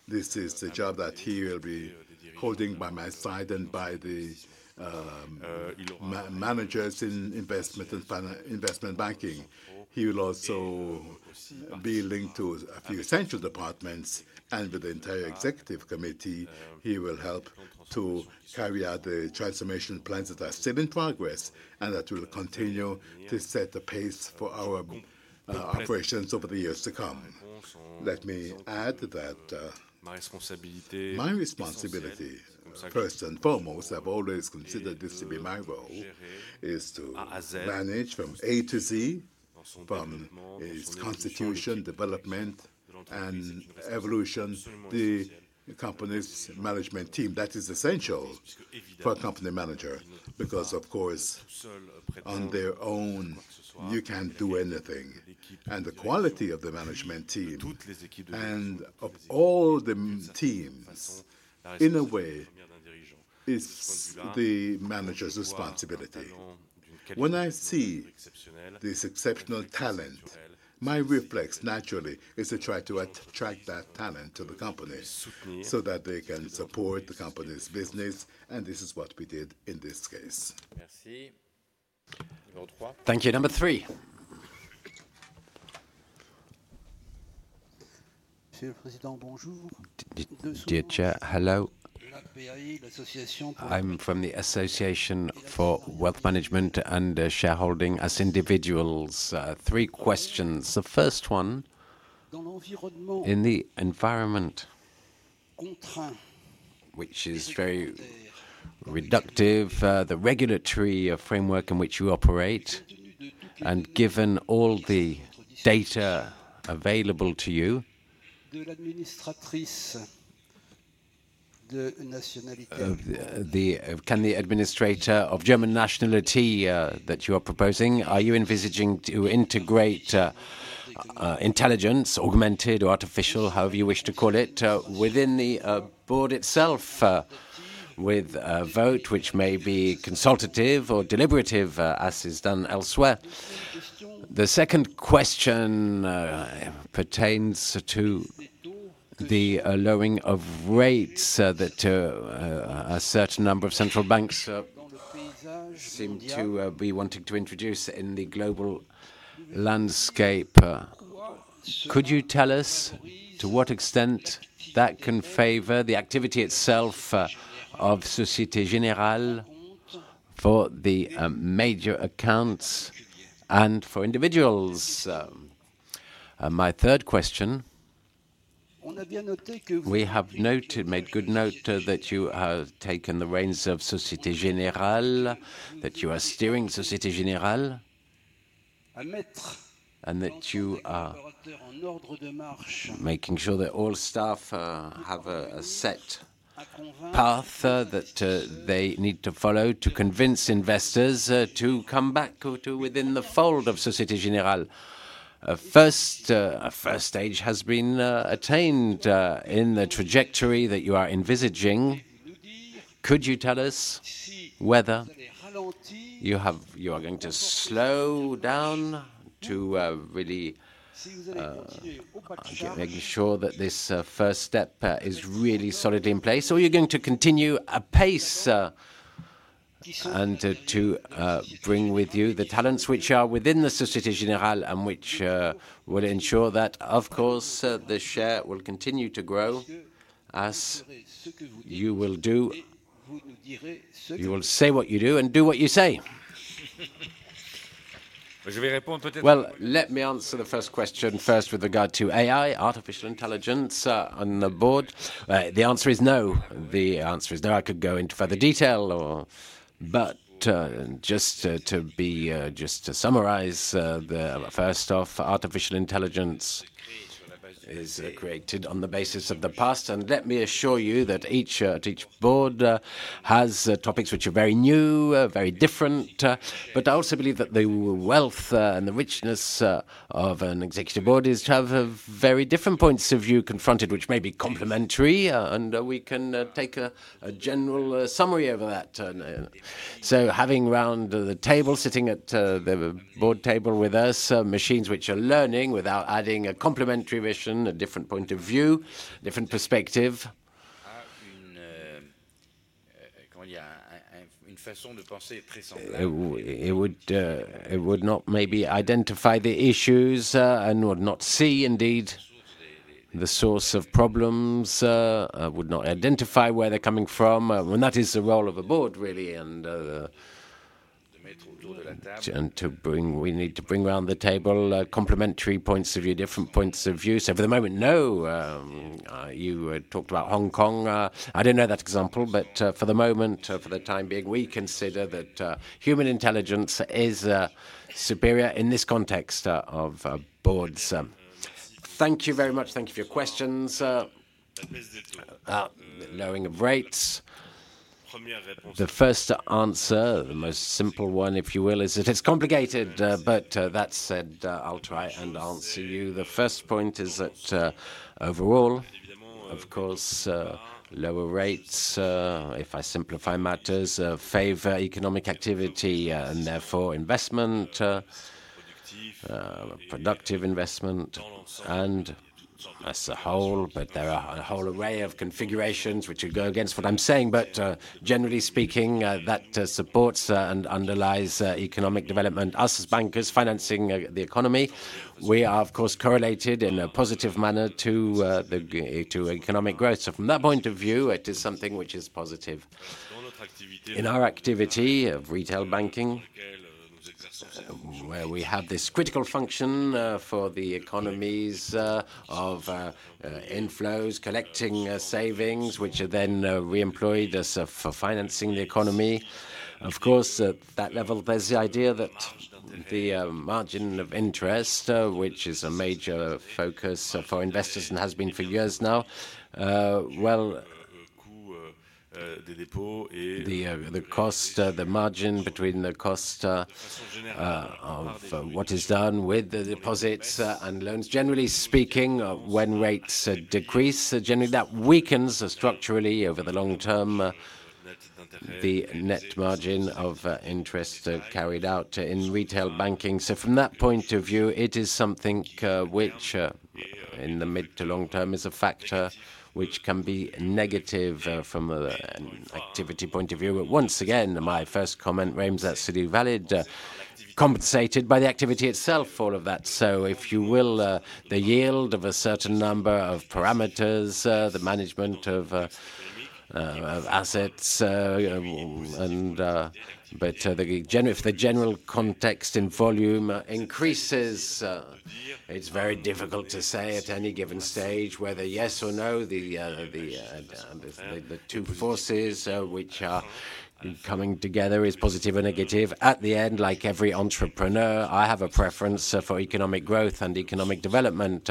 This is the job that he will be holding by my side and by the managers in investment and investment banking. He will also be linked to a few central departments and with the entire executive committee. He will help to carry out the transformation plans that are still in progress and that will continue to set the pace for our operations over the years to come. Let me add that my responsibility, first and foremost, I've always considered this to be my role, is to manage from A to Z, from its constitution, development, and evolution, the company's management team. That is essential for a company manager because, of course, on their own, you can't do anything. The quality of the management team and of all the teams, in a way, is the manager's responsibility. When I see this exceptional talent, my reflex, naturally, is to try to attract that talent to the company so that they can support the company's business. This is what we did in this case. Merci. Thank you. Number 3. Monsieur le Président, bonjour. Dear Chair, hello. I'm from the Association for Wealth Management and Shareholding as Individuals. Three questions. The first one in the environment, which is very reductive, the regulatory framework in which you operate, and given all the data available to you, can the administrator of German nationality that you are proposing, are you envisaging to integrate intelligence, augmented or artificial, however you wish to call it, within the board itself with a vote which may be consultative or deliberative as is done elsewhere? The second question pertains to the lowering of rates that a certain number of central banks seem to be wanting to introduce in the global landscape. Could you tell us to what extent that can favor the activity itself of Société Générale for the major accounts and for individuals? My third question, we have noted, made good note that you have taken the reins of Société Générale, that you are steering Société Générale, and that you are making sure that all staff have a set path that they need to follow to convince investors to come back within the fold of Société Générale. First, a first stage has been attained in the trajectory that you are envisaging. Could you tell us whether you are going to slow down to really make sure that this first step is really solidly in place, or are you going to continue apace and to bring with you the talents which are within the Société Générale and which will ensure that, of course, the share will continue to grow as you will do, you will say what you do and do what you say? Let me answer the first question first with regard to AI, artificial intelligence on the board. The answer is no. The answer is no. I could go into further detail, but just to summarize, first off, artificial intelligence is created on the basis of the past. Let me assure you that each board has topics which are very new, very different. I also believe that the wealth and the richness of an executive board is to have very different points of view confronted, which may be complementary. We can take a general summary over that. Having around the table, sitting at the board table with us, machines which are learning without adding a complementary vision, a different point of view, a different perspective. Une façon de penser très simple. It would not maybe identify the issues and would not see indeed the source of problems, would not identify where they're coming from. That is the role of a board, really. We need to bring around the table complementary points of view, different points of view. For the moment, no. You talked about Hong Kong. I did not know that example. For the moment, for the time being, we consider that human intelligence is superior in this context of boards. Thank you very much. Thank you for your questions. Lowering of rates. The first answer, the most simple one, if you will, is that it is complicated. That said, I'll try and answer you. The first point is that overall, of course, lower rates, if I simplify matters, favor economic activity and therefore investment, productive investment, and as a whole, there are a whole array of configurations which would go against what I'm saying. Generally speaking, that supports and underlies economic development. Us as bankers financing the economy, we are, of course, correlated in a positive manner to economic growth. From that point of view, it is something which is positive. In our activity of retail banking, where we have this critical function for the economies of inflows, collecting savings, which are then reemployed as for financing the economy. Of course, at that level, there's the idea that the margin of interest, which is a major focus for investors and has been for years now, the cost, the margin between the cost of what is done with the deposits and loans, generally speaking, when rates decrease, generally that weakens structurally over the long term the net margin of interest carried out in retail banking. From that point of view, it is something which in the mid to long term is a factor which can be negative from an activity point of view. Once again, my first comment reigns absolutely valid, compensated by the activity itself, all of that. If you will, the yield of a certain number of parameters, the management of assets, but if the general context in volume increases, it's very difficult to say at any given stage whether yes or no, the two forces which are coming together is positive or negative. At the end, like every entrepreneur, I have a preference for economic growth and economic development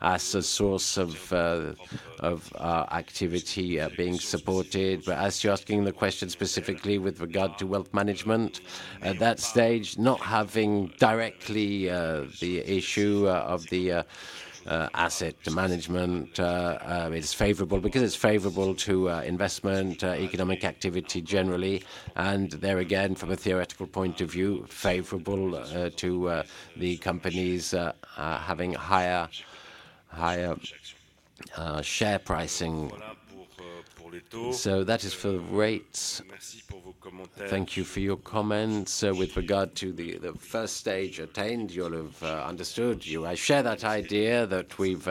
as a source of activity being supported. As you're asking the question specifically with regard to wealth management, at that stage, not having directly the issue of the asset management is favorable because it's favorable to investment, economic activity generally, and there again, from a theoretical point of view, favorable to the companies having higher share pricing. That is for the rates. Thank you for your comments. With regard to the first stage attained, you'll have understood. I share that idea that we've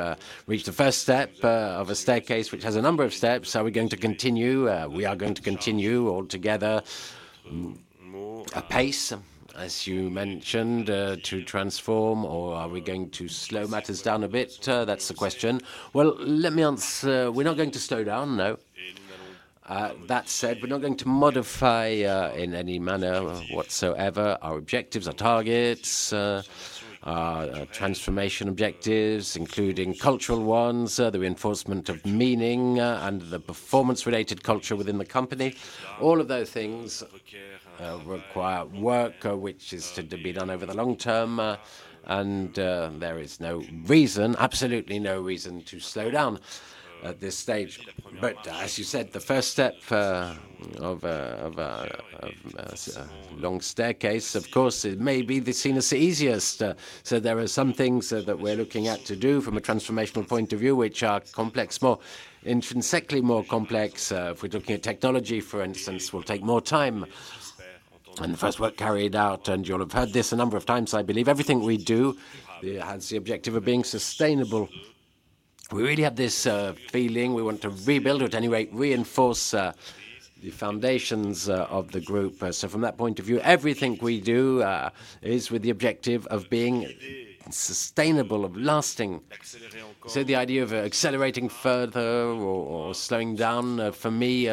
reached the first step of a staircase which has a number of steps. Are we going to continue? We are going to continue all together at pace, as you mentioned, to transform, or are we going to slow matters down a bit? That's the question. Let me answer. We're not going to slow down, no. That said, we're not going to modify in any manner whatsoever our objectives, our targets, our transformation objectives, including cultural ones, the reinforcement of meaning and the performance-related culture within the company. All of those things require work which is to be done over the long term. There is no reason, absolutely no reason to slow down at this stage. As you said, the first step of a long staircase, of course, it may be seen as the easiest. There are some things that we're looking at to do from a transformational point of view which are complex, more intrinsically more complex. If we're talking of technology, for instance, will take more time. The first work carried out, and you'll have heard this a number of times, I believe everything we do has the objective of being sustainable. We really have this feeling we want to rebuild or, at any rate, reinforce the foundations of the group. From that point of view, everything we do is with the objective of being sustainable, of lasting. The idea of accelerating further or slowing down, for me,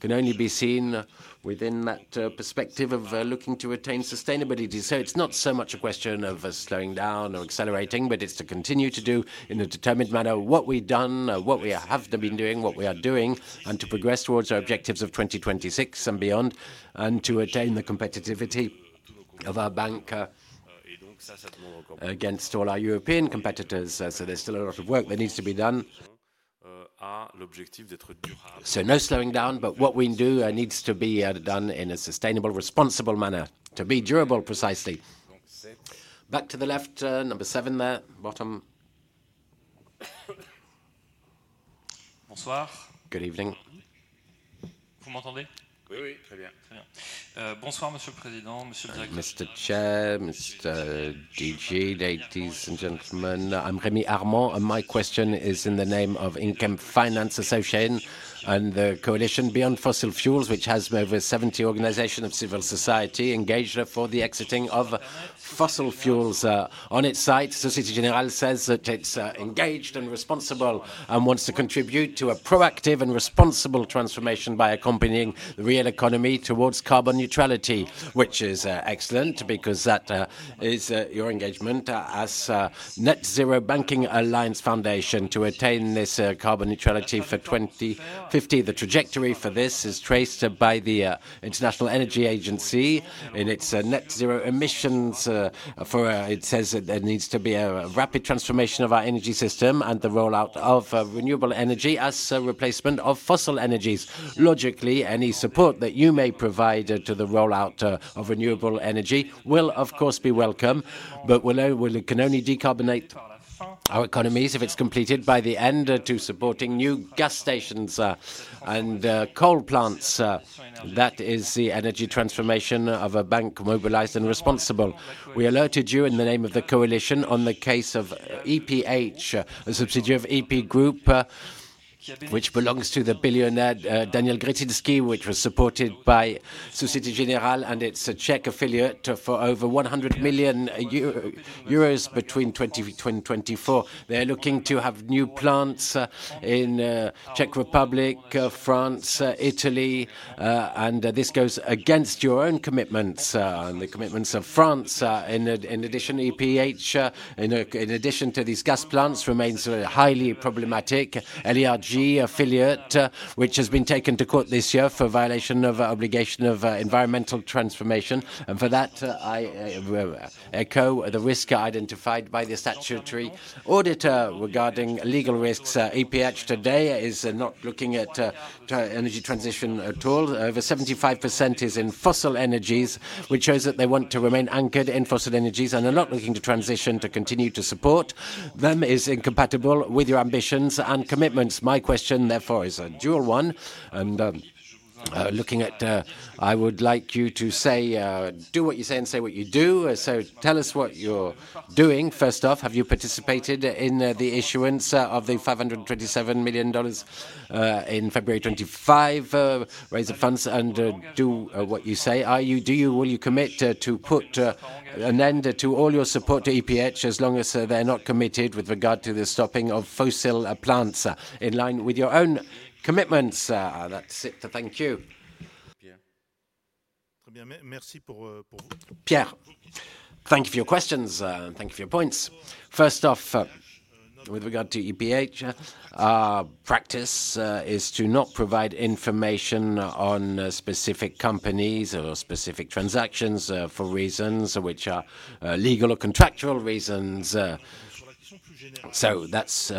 can only be seen within that perspective of looking to attain sustainability. It is not so much a question of slowing down or accelerating, but it is to continue to do in a determined manner what we have done, what we have been doing, what we are doing, and to progress towards our objectives of 2026 and beyond, and to attain the competitivity of our bank against all our European competitors. There is still a lot of work that needs to be done. No slowing down, but what we do needs to be done in a sustainable, responsible manner. To be durable, precisely. Back to the left, number seven there, bottom. Bonsoir. Good evening. Vous m'entendez? Oui, oui, très bien. Très bien. Bonsoir, Monsieur le Président, Monsieur le Directeur Général. Mr. Chair, Mr. DG, ladies and gentlemen, I am Rémi Armand. My question is in the name of Income Finance Association and the Coalition Beyond Fossil Fuels, which has over 70 organizations of civil society engaged for the exiting of fossil fuels on its site. Société Générale says that it's engaged and responsible and wants to contribute to a proactive and responsible transformation by accompanying the real economy towards carbon neutrality, which is excellent because that is your engagement as a Net Zero Banking Alliance Foundation to attain this carbon neutrality for 2050. The trajectory for this is traced by the International Energy Agency in its net zero emissions. It says that there needs to be a rapid transformation of our energy system and the rollout of renewable energy as a replacement of fossil energies. Logically, any support that you may provide to the rollout of renewable energy will, of course, be welcome, but we can only decarbonate our economies if it's completed by the end to supporting new gas stations and coal plants. That is the energy transformation of a bank mobilized and responsible. We alerted you in the name of the Coalition on the case of EPH, a subsidiary of EP Group, which belongs to the billionaire Daniel Grzebinski, which was supported by Société Générale and its Czech affiliate for over 100 million euros between 2020 and 2024. They are looking to have new plants in the Czech Republic, France, Italy, and this goes against your own commitments and the commitments of France. In addition, EPH, in addition to these gas plants, remains highly problematic. LERG, affiliate, which has been taken to court this year for violation of obligation of environmental transformation. For that, I echo the risk identified by the statutory auditor regarding legal risks. EPH today is not looking at energy transition at all. Over 75% is in fossil energies, which shows that they want to remain anchored in fossil energies and are not looking to transition. To continue to support them is incompatible with your ambitions and commitments. My question, therefore, is a dual one. In looking at it, I would like you to say, do what you say and say what you do. So tell us what you're doing. First off, have you participated in the issuance of the $527 million in February 2025? Raise the funds and do what you say. Do you commit to put an end to all your support to EPH as long as they're not committed with regard to the stopping of fossil plants in line with your own commitments? That's it. Thank you. Pierre. Merci pour vous. Pierre. Thank you for your questions. Thank you for your points. First off, with regard to EPH, our practice is to not provide information on specific companies or specific transactions for reasons which are legal or contractual reasons. That's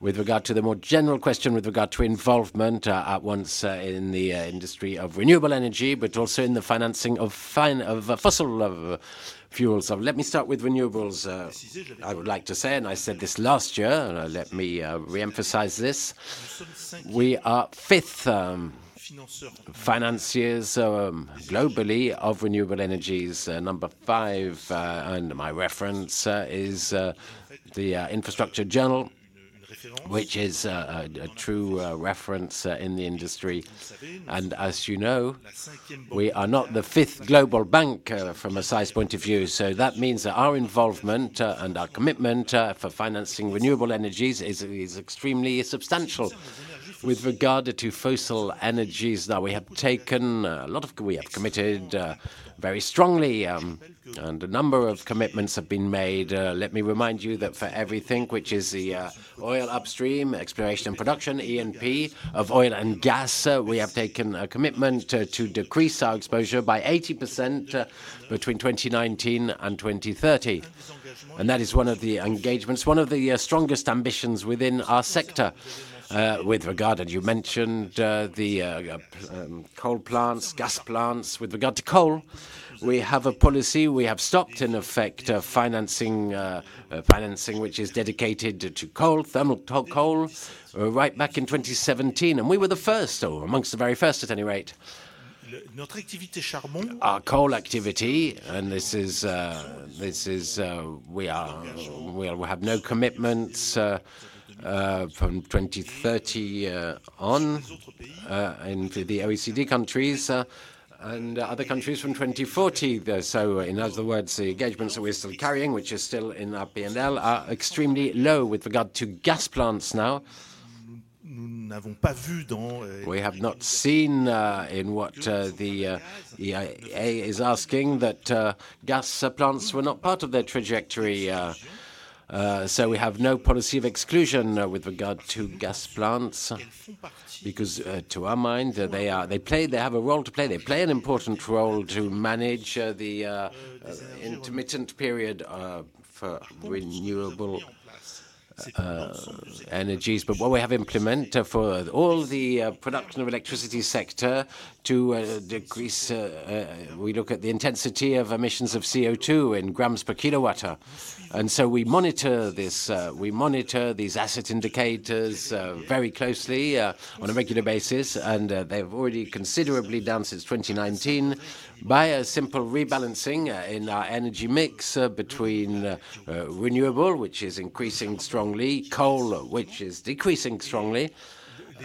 with regard to the more general question with regard to involvement at once in the industry of renewable energy, but also in the financing of fossil fuels. Let me start with renewables. I would like to say, and I said this last year, and let me re-emphasize this. We are fifth financiers globally of renewable energies, number five. My reference is the Infrastructure Journal, which is a true reference in the industry. As you know, we are not the fifth global bank from a size point of view. That means that our involvement and our commitment for financing renewable energies is extremely substantial. With regard to fossil energies, now we have taken a lot of, we have committed very strongly, and a number of commitments have been made. Let me remind you that for everything which is the oil upstream exploration and production, ENP of oil and gas, we have taken a commitment to decrease our exposure by 80% between 2019 and 2030. That is one of the engagements, one of the strongest ambitions within our sector. With regard, and you mentioned the coal plants, gas plants. With regard to coal, we have a policy. We have stopped, in effect, financing which is dedicated to coal, thermal coal, right back in 2017. We were the first, or amongst the very first, at any rate. Our coal activity, and this is, we have no commitments from 2030 on in the OECD countries and other countries from 2040. In other words, the engagements that we're still carrying, which is still in our P&L, are extremely low with regard to gas plants now. We have not seen in what the EIA is asking that gas plants were not part of their trajectory. We have no policy of exclusion with regard to gas plants because, to our mind, they have a role to play. They play an important role to manage the intermittent period for renewable energies. What we have implemented for all the production of electricity sector to decrease, we look at the intensity of emissions of CO2 in grams per kilowatt. We monitor this, we monitor these asset indicators very closely on a regular basis. They have already considerably down since 2019 by a simple rebalancing in our energy mix between renewable, which is increasing strongly, coal, which is decreasing strongly,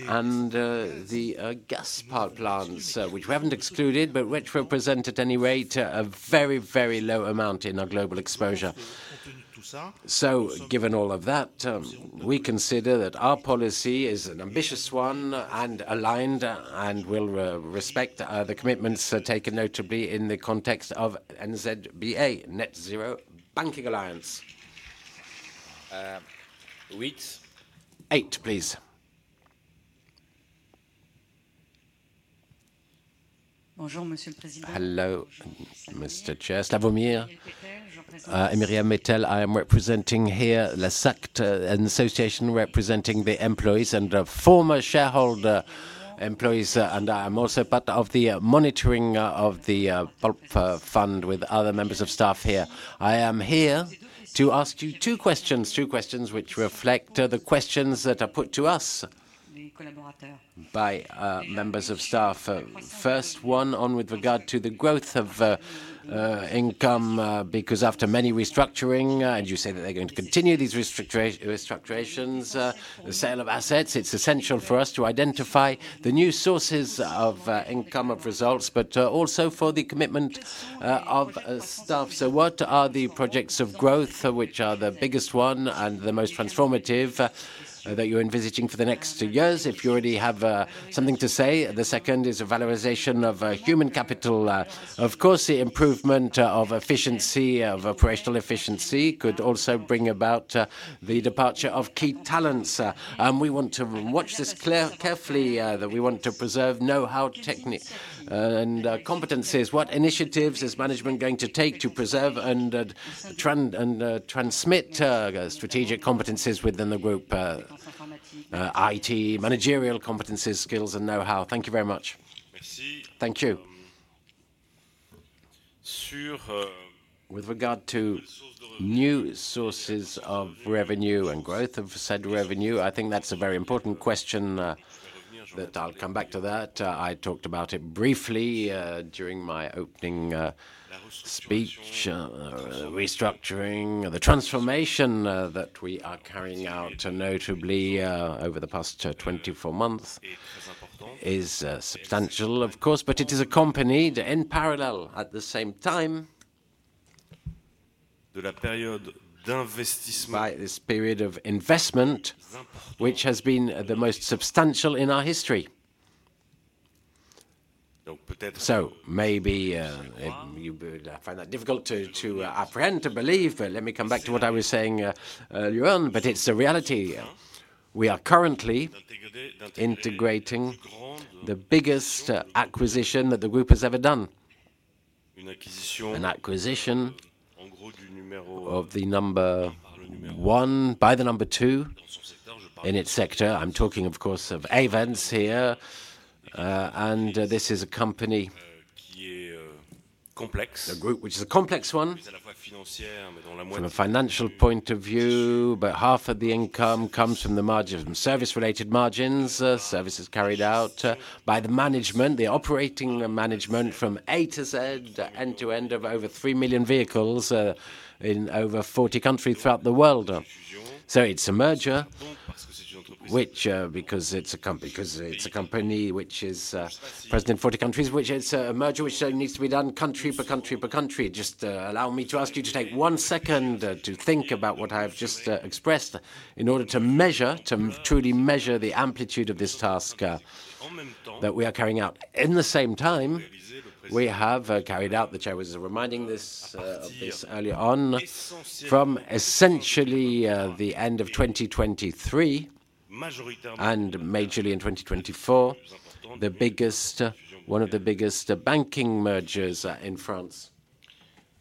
and the gas plants, which we have not excluded, but which represent, at any rate, a very, very low amount in our global exposure. Given all of that, we consider that our policy is an ambitious one and aligned and will respect the commitments taken notably in the context of NZBA, Net Zero Banking Alliance. Eight, please. Bonjour, Monsieur le Président. Hello, Mr. Chair, c'est la vomir. Émery M. Mettel, I am representing here the SACT, an association representing the employees and former shareholder employees, and I am also part of the monitoring of the fund with other members of staff here. I am here to ask you two questions, two questions which reflect the questions that are put to us by members of staff. First, one with regard to the growth of income, because after many restructuring, and you say that they're going to continue these restructurations, the sale of assets, it's essential for us to identify the new sources of income of results, but also for the commitment of staff. What are the projects of growth which are the biggest one and the most transformative that you're envisaging for the next years if you already have something to say? The second is a valorization of human capital. Of course, the improvement of efficiency, of operational efficiency, could also bring about the departure of key talents. We want to watch this carefully. We want to preserve know-how, technique, and competencies. What initiatives is management going to take to preserve and transmit strategic competencies within the group? IT, managerial competencies, skills, and know-how. Thank you very much. Thank you. With regard to new sources of revenue and growth of said revenue, I think that's a very important question that I'll come back to. I talked about it briefly during my opening speech. Restructuring, the transformation that we are carrying out notably over the past 24 months is substantial, of course, but it is accompanied in parallel at the same time by this period of investment which has been the most substantial in our history. Maybe you find that difficult to apprehend, to believe. Let me come back to what I was saying earlier on, but it's a reality. We are currently integrating the biggest acquisition that the group has ever done. An acquisition of the number one by the number two in its sector. I'm talking, of course, of Ayvens here. And this is a company which is a complex one from a financial point of view. About half of the income comes from the service-related margins, services carried out by the management, the operating management from A to Z, end to end of over 3 million vehicles in over 40 countries throughout the world. It is a merger, which, because it is a company which is present in 40 countries, is a merger which needs to be done country by country by country. Just allow me to ask you to take one second to think about what I have just expressed in order to measure, to truly measure the amplitude of this task that we are carrying out. In the same time, we have carried out, the Chair was reminding this of this earlier on, from essentially the end of 2023 and majorly in 2024, one of the biggest banking mergers in France.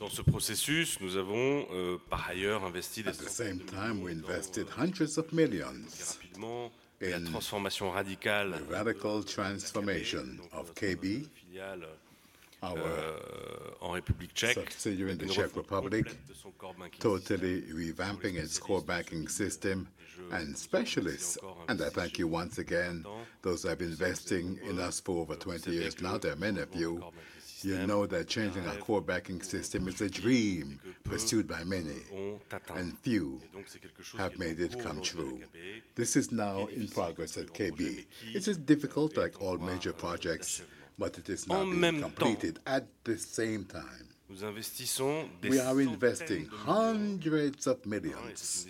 Dans ce processus, nous avons par ailleurs investi. At the same time, we invested hundreds of millions in the Czech Republic, totally revamping its core banking system and specialists. I thank you once again. Those have been investing in us for over 20 years now. There are many of you. You know that changing our core banking system is a dream pursued by many, and few have made it come true. This is now in progress at KB. It is difficult, like all major projects, but it is now being completed at the same time. We are investing hundreds of millions.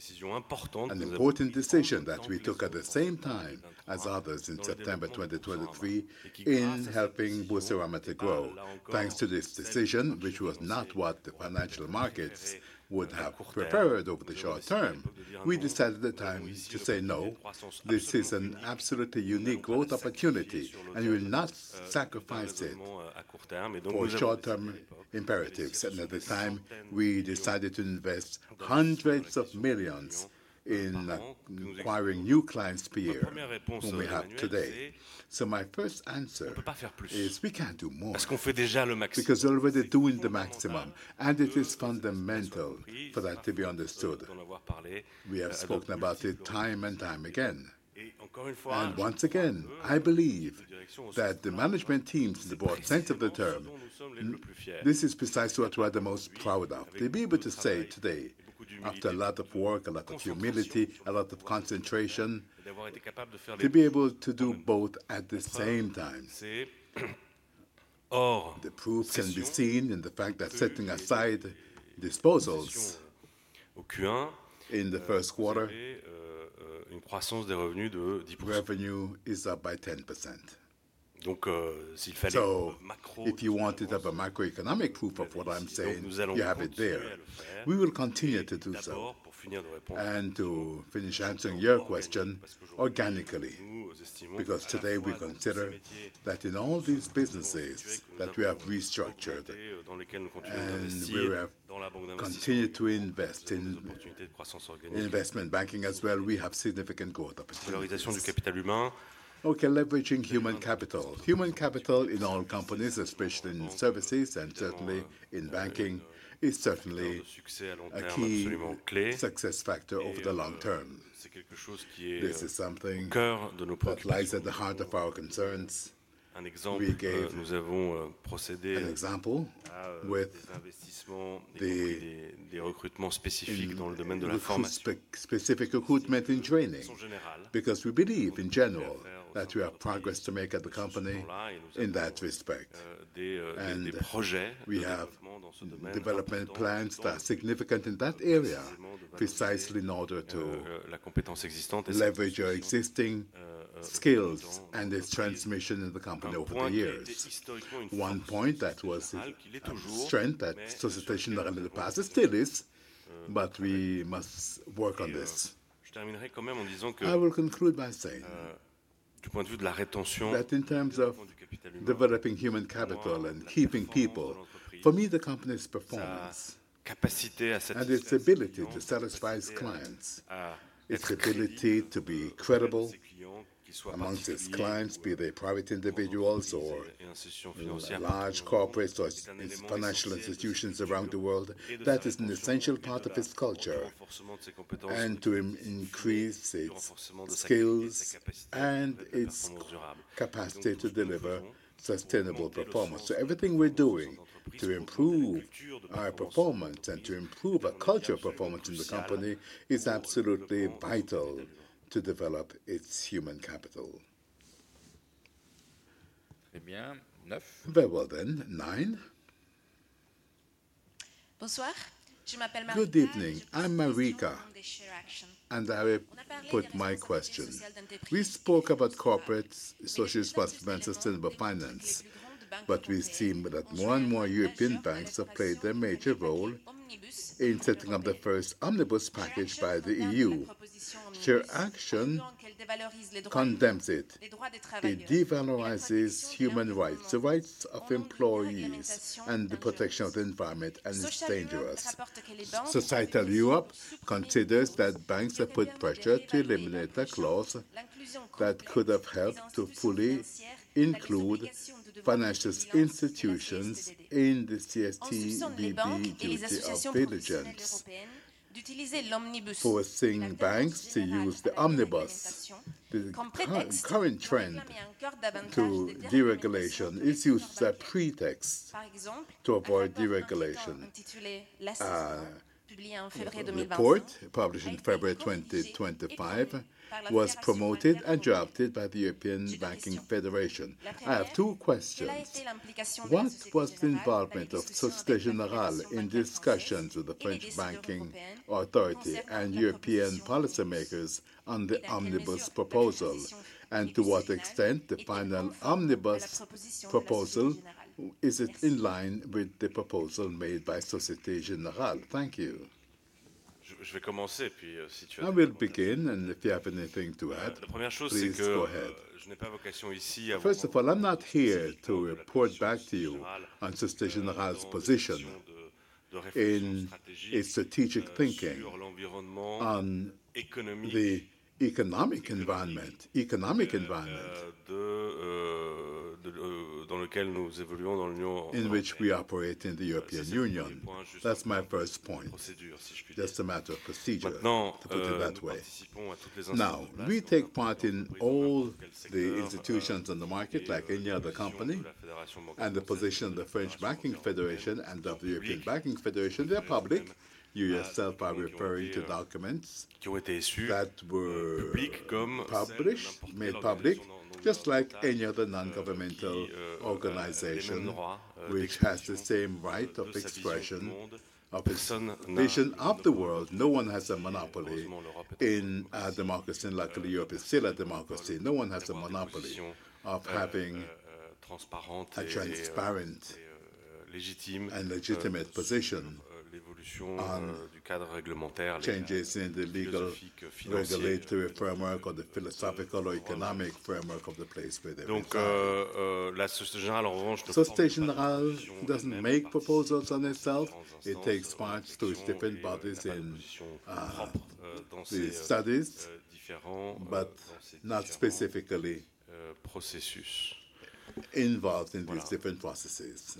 An important decision that we took at the same time as others in September 2023 in helping Boursorama to grow. Thanks to this decision, which was not what the financial markets would have preferred over the short term, we decided at the time to say no. This is an absolutely unique growth opportunity, and we will not sacrifice it for short-term imperatives. At the time, we decided to invest hundreds of millions in acquiring new clients for years, whom we have today. My first answer is we can't do more, because we're already doing the maximum. It is fundamental for that to be understood. We have spoken about it time and time again. Once again, I believe that the management teams, in the broad sense of the term, this is precisely what we are the most proud of. To be able to say today, after a lot of work, a lot of humility, a lot of concentration, to be able to do both at the same time. The proof can be seen in the fact that, setting aside disposals in the first quarter, revenue is up by 10%. If you want to have a macroeconomic proof of what I'm saying, you have it there. We will continue to do so. To finish answering your question, organically, because today we consider that in all these businesses that we have restructured and we have continued to invest in investment banking as well, we have significant growth opportunities. Okay, leveraging human capital. Human capital in all companies, especially in services and certainly in banking, is certainly a key success factor over the long term. This is something that lies at the heart of our concerns. We gave an example with the recruitment specifically in the domain of specific recruitment and training, because we believe in general that we have progress to make at the company in that respect. We have development plans that are significant in that area, precisely in order to leverage our existing skills and this transmission in the company over the years. One point that was a strength at Société Générale in the past still is, but we must work on this. I will conclude by saying that in terms of developing human capital and keeping people, for me, the company's performance, and its ability to satisfy its clients, its ability to be credible amongst its clients, be they private individuals or large corporates or financial institutions around the world, that is an essential part of its culture. To increase its skills and its capacity to deliver sustainable performance. Everything we're doing to improve our performance and to improve our culture of performance in the company is absolutely vital to develop its human capital. Very well then, nine. Bonsoir. Je m'appelle Marika. Good evening. I'm Marika. And I put my question. We spoke about corporate social responsibility and sustainable finance, but we see that more and more European banks have played their major role in setting up the first omnibus package by the EU. Chair Action condemns it. It devaluizes human rights, the rights of employees, and the protection of the environment, and it's dangerous. Societal Europe considers that banks have put pressure to eliminate the clause that could have helped to fully include financial institutions in the CSTBB due to diligence, forcing banks to use the omnibus. The current trend to deregulation is used as a pretext to avoid deregulation. The report, published in February 2025, was promoted and drafted by the European Banking Federation. I have two questions. What was the involvement of Société Générale in discussions with the French banking authority and European policymakers on the omnibus proposal? And to what extent the final omnibus proposal is it in line with the proposal made by Société Générale? Thank you. Je vais commencer, puis si tu as. I will begin, and if you have anything to add, please go ahead. First of all, I'm not here to report back to you on Société Générale's position in its strategic thinking on the economic environment in which we operate in the European Union. That's my first point. Just a matter of procedure to put it that way. Now, we take part in all the institutions on the market, like any other company, and the position of the French banking federation and of the European banking federation, they are public. You yourself are referring to documents that were published, made public, just like any other non-governmental organization which has the same right of expression of its vision of the world. No one has a monopoly in a democracy like the European state of democracy. No one has a monopoly of having a transparent and legitimate position on changes in the legal regulatory framework or the philosophical or economic framework of the place where they live. Société Générale does not make proposals on itself. It takes part through its different bodies in the studies, but not specifically involved in these different processes.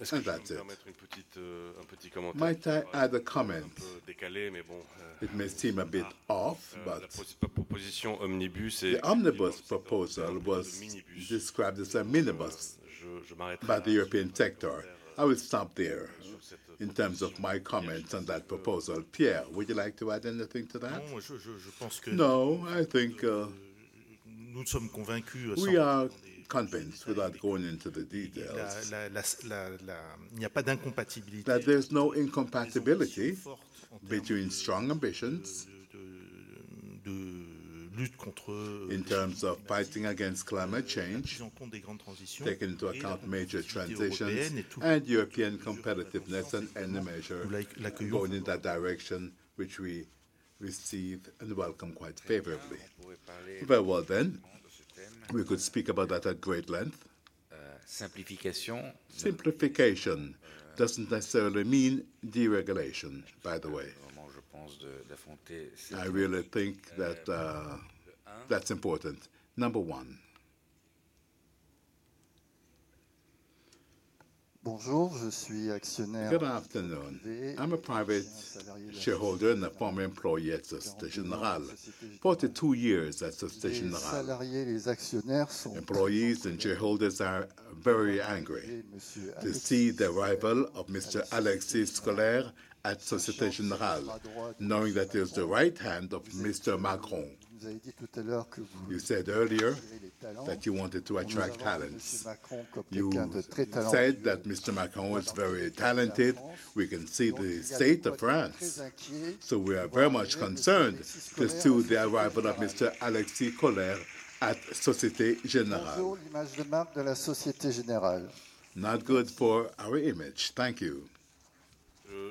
That is it. Might I add a comment? It may seem a bit off, but the omnibus proposal was described as a minibus by the European sector. I will stop there in terms of my comments on that proposal. Pierre, would you like to add anything to that? No, I think we are convinced without going into the details. There is no incompatibility between strong ambitions in terms of fighting against climate change, taking into account major transitions, and European competitiveness in any measure, going in that direction, which we receive and welcome quite favorably. Very well. We could speak about that at great length. Simplification does not necessarily mean deregulation, by the way. I really think that is important. Number one. Bonjour, je suis actionnaire. Good afternoon. I'm a private shareholder and a former employee at Société Générale. Forty-two years at Société Générale. Employees and shareholders are very angry to see the arrival of Mr. Alexis Coller at Société Générale, knowing that he is the right hand of Mr. Macron. You said earlier that you wanted to attract talents. You said that Mr. Macron is very talented. We can see the state of France. So we are very much concerned to see the arrival of Mr. Alexis Coller at Société Générale. Not good for our image. Thank you.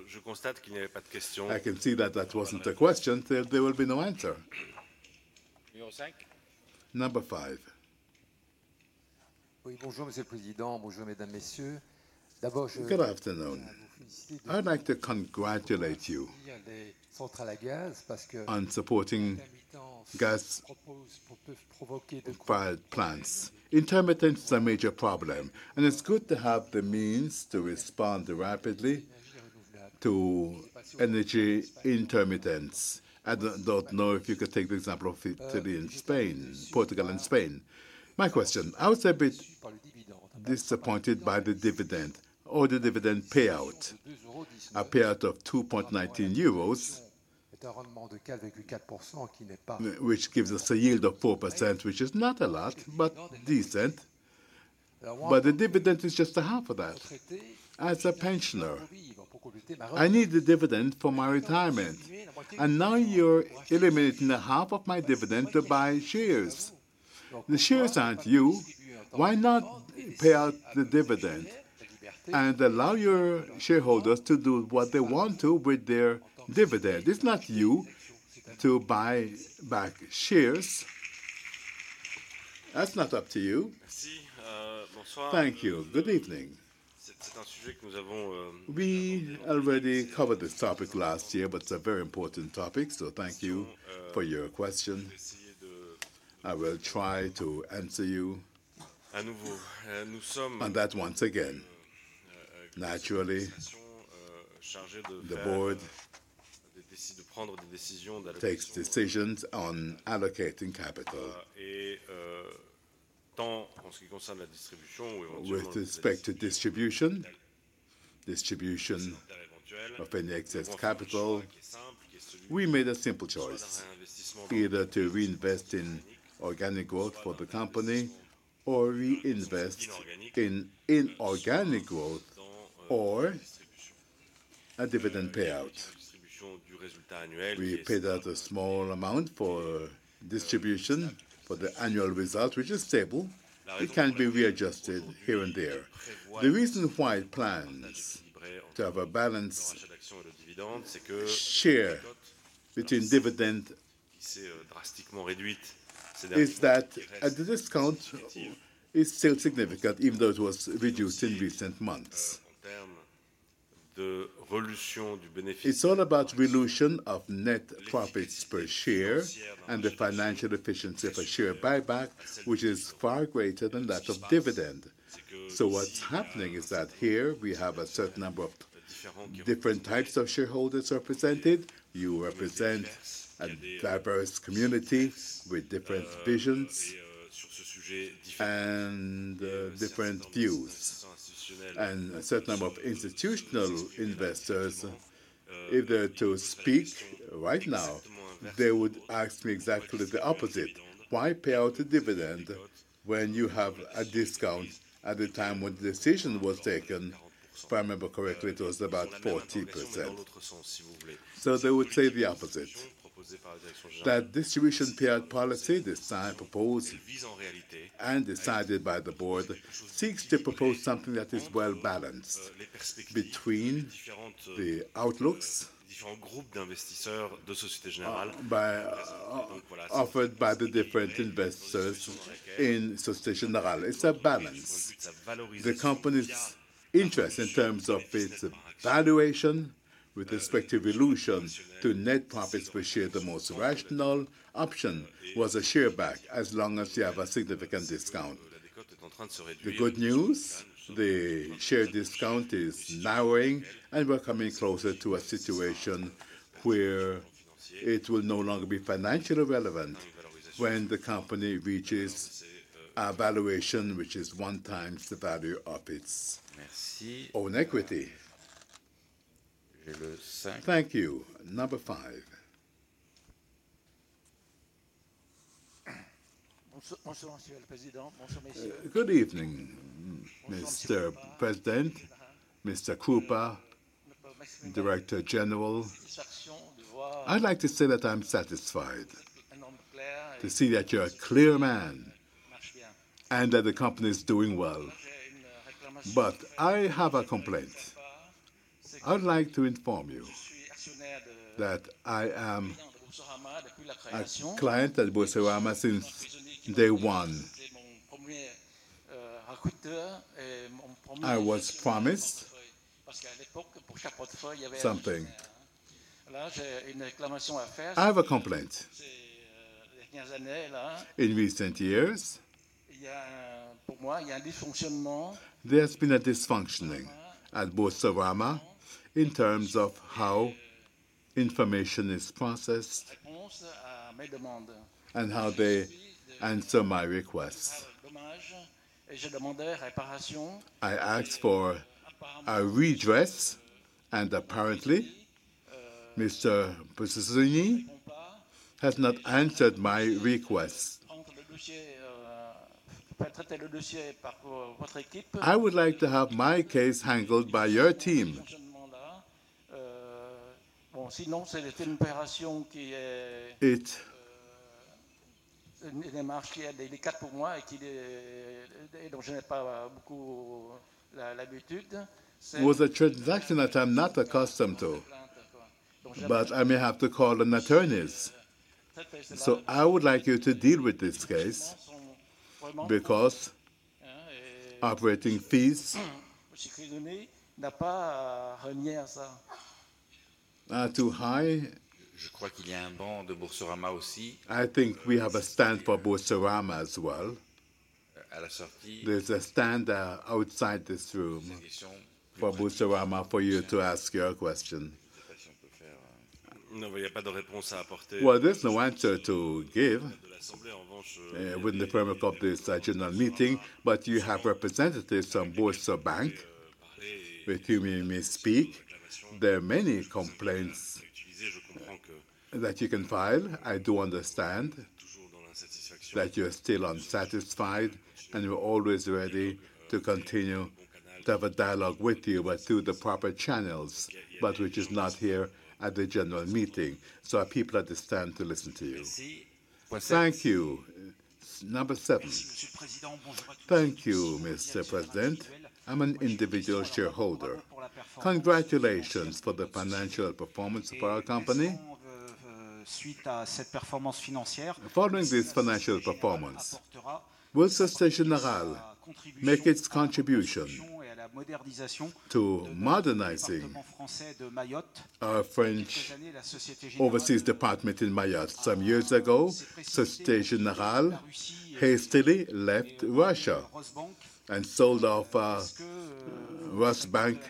Je constate qu'il n'y avait pas de question. I can see that that wasn't a question, so there will be no answer. Number five. Oui, bonjour, Monsieur le Président. Bonjour, Mesdames et Messieurs. D'abord, je voudrais vous féliciter. I'd like to congratulate you on supporting gas proposals for proper plants. Intermittence is a major problem, and it's good to have the means to respond rapidly to energy intermittence. I don't know if you could take the example of Italy and Spain, Portugal and Spain. My question, I was a bit disappointed by the dividend or the dividend payout, a payout of 2.19 euros, which gives us a yield of 4%, which is not a lot, but decent. The dividend is just a half of that. As a pensioner, I need the dividend for my retirement. Now you're eliminating half of my dividend to buy shares. The shares are not you. Why not pay out the dividend and allow your shareholders to do what they want to with their dividend? It is not you to buy back shares. That is not up to you. Thank you. Good evening. We already covered this topic last year, but it is a very important topic. Thank you for your question. I will try to answer you. À nouveau. Once again, naturally, the board takes decisions on allocating capital. En ce qui concerne la distribution, ou éventuellement with respect to distribution, distribution of any excess capital, we made a simple choice. Either to reinvest in organic growth for the company, or reinvest in inorganic growth, or a dividend payout. We paid out a small amount for distribution for the annual result, which is stable. It can be readjusted here and there. The reason why it plans to have a balance share between dividend is that at the discount, it's still significant, even though it was reduced in recent months. It's all about the relution of net profits per share and the financial efficiency of a share buyback, which is far greater than that of dividend. What is happening is that here we have a certain number of different types of shareholders represented. You represent a diverse community with different visions and different views. A certain number of institutional investors, either to speak right now, they would ask me exactly the opposite. Why pay out a dividend when you have a discount at the time when the decision was taken? If I remember correctly, it was about 40%. They would say the opposite. That distribution payout policy this time proposed and decided by the board seeks to propose something that is well balanced between the outlooks offered by the different investors in Société Générale. It is a balance. The company's interest in terms of its valuation with respect to relution to net profits per share, the most rational option was a share back as long as you have a significant discount. The good news, the share discount is narrowing, and we're coming closer to a situation where it will no longer be financially relevant when the company reaches a valuation which is one times the value of its own equity. Thank you. Number five. Bonsoir, Monsieur le Président. Good evening, Mr. President, Mr. Krupa, Director General. I'd like to say that I'm satisfied to see that you're a clear man and that the company is doing well. I have a complaint. I'd like to inform you that I am a client at Boursorama since day one. I was promised something. I have a complaint. In recent years, pour moi, il y a un dysfonctionnement. There has been a dysfunctioning at Boursorama in terms of how information is processed and how they answer my request. I asked for a redress, and apparently, Mr. Pessuseni has not answered my request. I would like to have my case handled by your team. Sinon, c'est une opération qui est délicate pour moi et dont je n'ai pas beaucoup l'habitude. It was a transaction that I'm not accustomed to, but I may have to call an attorney. I would like you to deal with this case because operating fees are too high. Je crois qu'il y a un banc de Boursorama aussi. I think we have a stand for Boursorama as well. There's a stand outside this room for Boursorama for you to ask your question. Il n'y a pas de réponse à apporter. There is no answer to give with the firm of the Société Générale meeting, but you have representatives from Boursorama Banque with whom you may speak. There are many complaints that you can file.I do understand that you are still unsatisfied and you're always ready to continue to have a dialogue with you, but through the proper channels, which is not here at the general meeting. I people understand to listen to you. Thank you. Number seven. Thank you, Mr. President. I'm an individual shareholder. Congratulations for the financial performance of our company. Following this financial performance, will Société Générale make its contribution to modernizing overseas department in Mayotte some years ago? Société Générale has left Russia and sold off Rosbank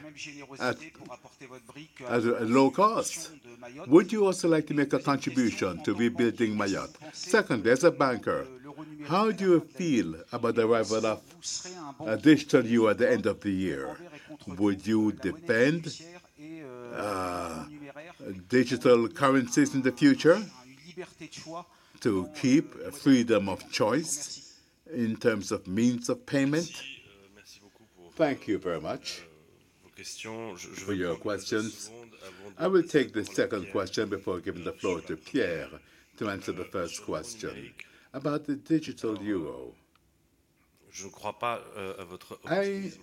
at a low cost. Would you also like to make a contribution to rebuilding Mayotte? Second, as a banker, how do you feel about the arrival of a digital euro at the end of the year? Would you defend digital currencies in the future to keep freedom of choice in terms of means of payment? Thank you very much for your questions, I will take the second question before giving the floor to Pierre to answer the first question about the digital euro. Je ne crois pas à votre optimisme.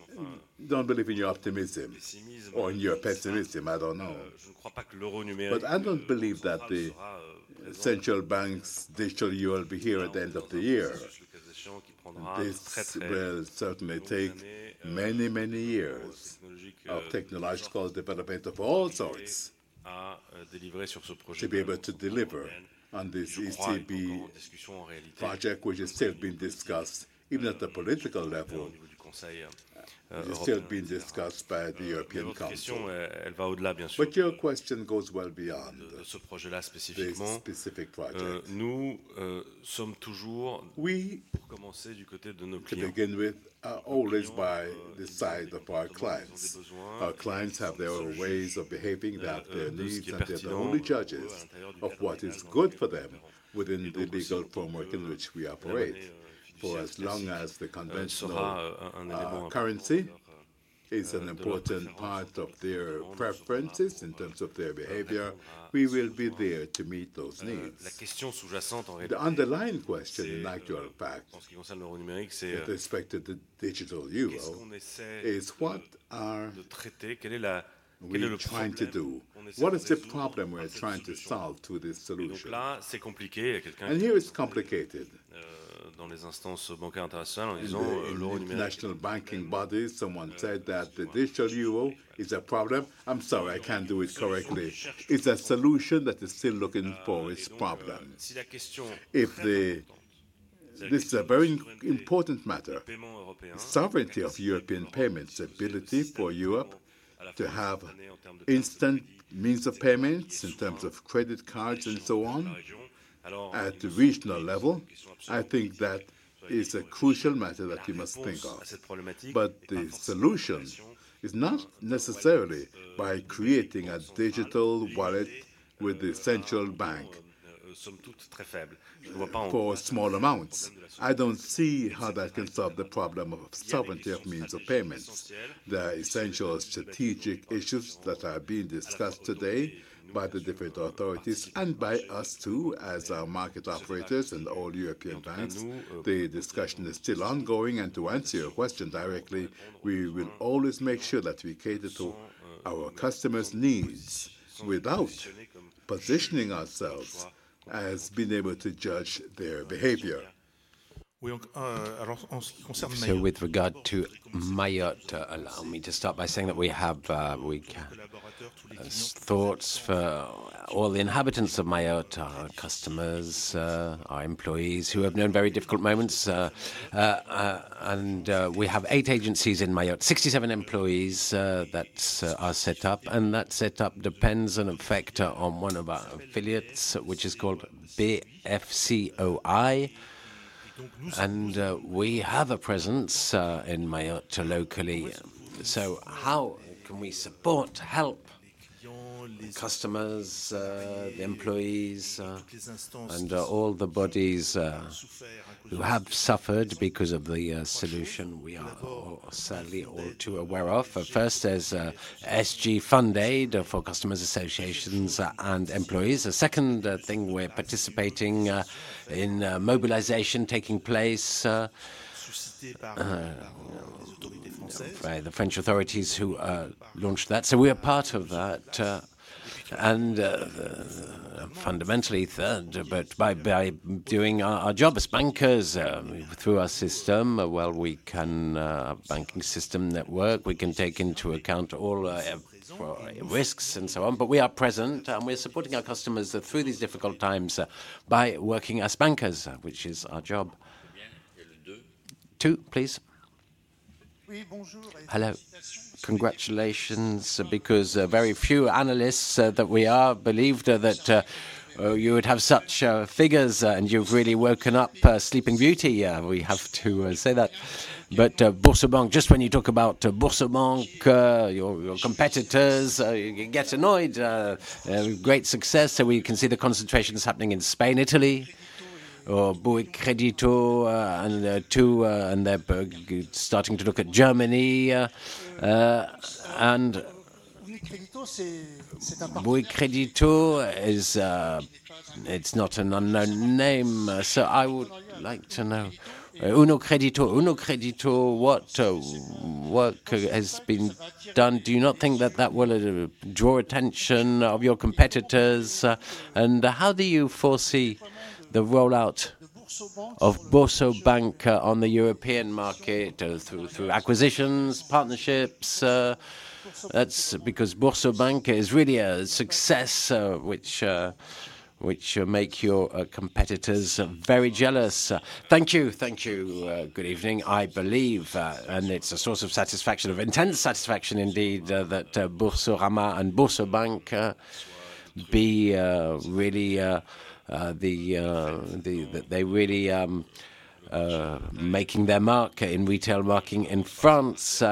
I don't believe in your optimism or in your pessimism. I don't know. I don't believe that the central bank's digital euro will be here at the end of the year. This will certainly take many, many years of technological development of all sorts to be able to deliver on this ECB project, which is still being discussed, even at the political level. It is still being discussed by the European Council. Mais your question goes well beyond this specific project. Nous sommes toujours, oui, to begin with, always by the side of our clients. Our clients have their own ways of behaving that they need, and they are the only judges of what is good for them within the legal framework in which we operate. For as long as the conventional currency is an important part of their preferences in terms of their behavior, we will be there to meet those needs. The underlying question in actual fact, with respect to the digital euro, is what are we trying to do? What is the problem we're trying to solve through this solution? Here it's complicated. Dans les instances bancaires internationales, on dit que l'organe national bancaire, someone said that the digital euro is a problem. I'm sorry, I can't do it correctly. It's a solution that is still looking for its problem. If this is a very important matter, the sovereignty of European payments, ability for Europe to have instant means of payments in terms of credit cards and so on at the regional level, I think that is a crucial matter that you must think of. The solution is not necessarily by creating a digital wallet with the central bank for small amounts. I do not see how that can solve the problem of sovereignty of means of payments. There are essential strategic issues that are being discussed today by the different authorities and by us too as our market operators and all European banks. The discussion is still ongoing, and to answer your question directly, we will always make sure that we cater to our customers' needs without positioning ourselves as being able to judge their behavior. Alors, en ce qui concerne Mayotte. With regard to Mayotte, allow me to start by saying that we have thoughts for all the inhabitants of Mayotte, our customers, our employees who have known very difficult moments. We have eight agencies in Mayotte, 67 employees that are set up, and that setup depends in effect on one of our affiliates, which is called BFCOI. We have a presence in Mayotte locally. How can we support, help customers, the employees, and all the bodies who have suffered because of the solution we are sadly all too aware of? First, there is SG Fund Aid for customers' associations and employees. The second thing, we are participating in mobilization taking place by the French authorities who launched that. We are part of that. Fundamentally, third, by doing our job as bankers through our system, while we can, banking system network, we can take into account all risks and so on. We are present, and we are supporting our customers through these difficult times by working as bankers, which is our job. Two, please. Oui, bonjour. Hello. Congratulations, because very few analysts believed that you would have such figures, and you have really woken up Sleeping Beauty. We have to say that. But Boursorama Banque, just when you talk about Boursorama Banque, your competitors, you get annoyed. Great success. We can see the concentrations happening in Spain, Italy, or UniCredit. They are starting to look at Germany. UniCredit, it is not an unknown name. I would like to know, UniCredit, what work has been done? Do you not think that that will draw attention of your competitors? How do you foresee the rollout of Boursorama and Boursorama Banque on the European market through acquisitions, partnerships? That's because Boursorama Banque is really a success, which makes your competitors very jealous. Thank you. Thank you. Good evening. I believe, and it's a source of satisfaction, of intense satisfaction indeed, that Boursorama and Boursorama Banque be really the that they really making their mark in retail banking in France.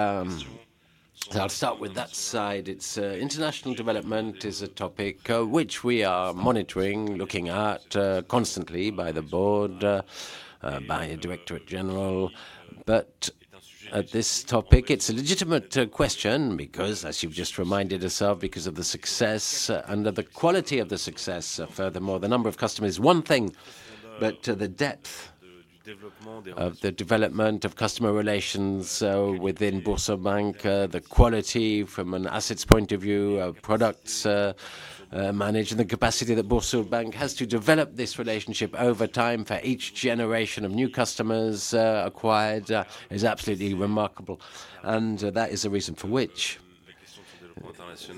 I'll start with that side. International development is a topic which we are monitoring, looking at constantly by the board, by a directorate general. At this topic, it's a legitimate question because, as you've just reminded yourself, because of the success and the quality of the success. Furthermore, the number of customers, one thing, but the depth of the development of customer relations within Boursorama Banque, the quality from an assets point of view, products managed, and the capacity that Boursorama Banque has to develop this relationship over time for each generation of new customers acquired is absolutely remarkable. That is a reason for which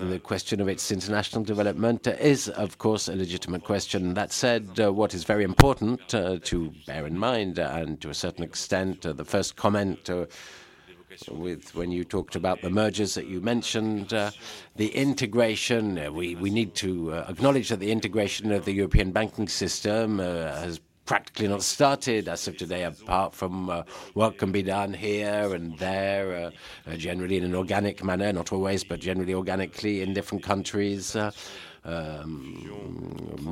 the question of its international development is, of course, a legitimate question. That said, what is very important to bear in mind, and to a certain extent, the first comment when you talked about the mergers that you mentioned, the integration, we need to acknowledge that the integration of the European banking system has practically not started as of today, apart from what can be done here and there, generally in an organic manner, not always, but generally organically in different countries.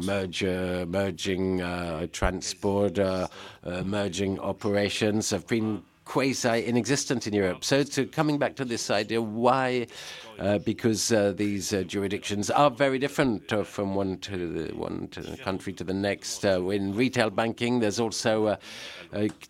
Merging transport, merging operations have been quasi inexistent in Europe. Coming back to this idea, why? Because these jurisdictions are very different from one country to the next. In retail banking, there are also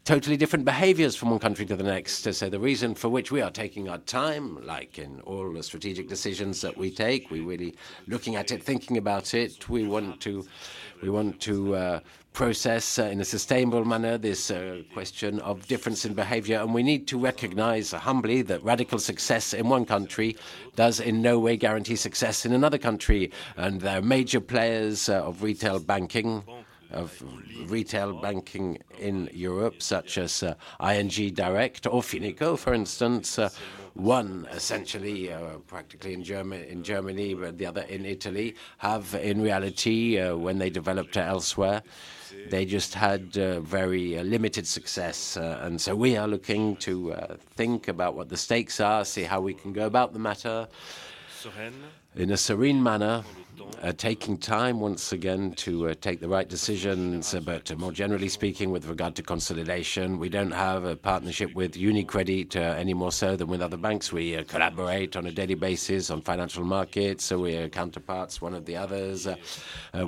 totally different behaviors from one country to the next. The reason for which we are taking our time, like in all the strategic decisions that we take, we're really looking at it, thinking about it. We want to process in a sustainable manner this question of difference in behavior. We need to recognize humbly that radical success in one country does in no way guarantee success in another country. There are major players of retail banking in Europe, such as ING Direct or Fineco, for instance, one essentially, practically in Germany, but the other in Italy, have in reality, when they developed elsewhere, they just had very limited success. We are looking to think about what the stakes are, see how we can go about the matter in a serene manner, taking time once again to take the right decisions. More generally speaking, with regard to consolidation, we do not have a partnership with UniCredit any more so than with other banks. We collaborate on a daily basis on financial markets. We are counterparts one of the others.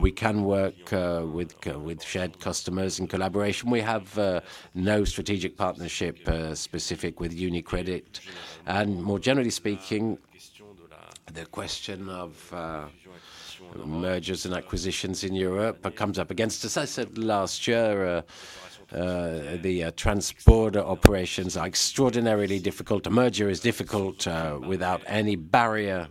We can work with shared customers in collaboration. We have no strategic partnership specific with UniCredit. More generally speaking, the question of mergers and acquisitions in Europe comes up against us. I said last year, the transport operations are extraordinarily difficult. A merger is difficult without any barrier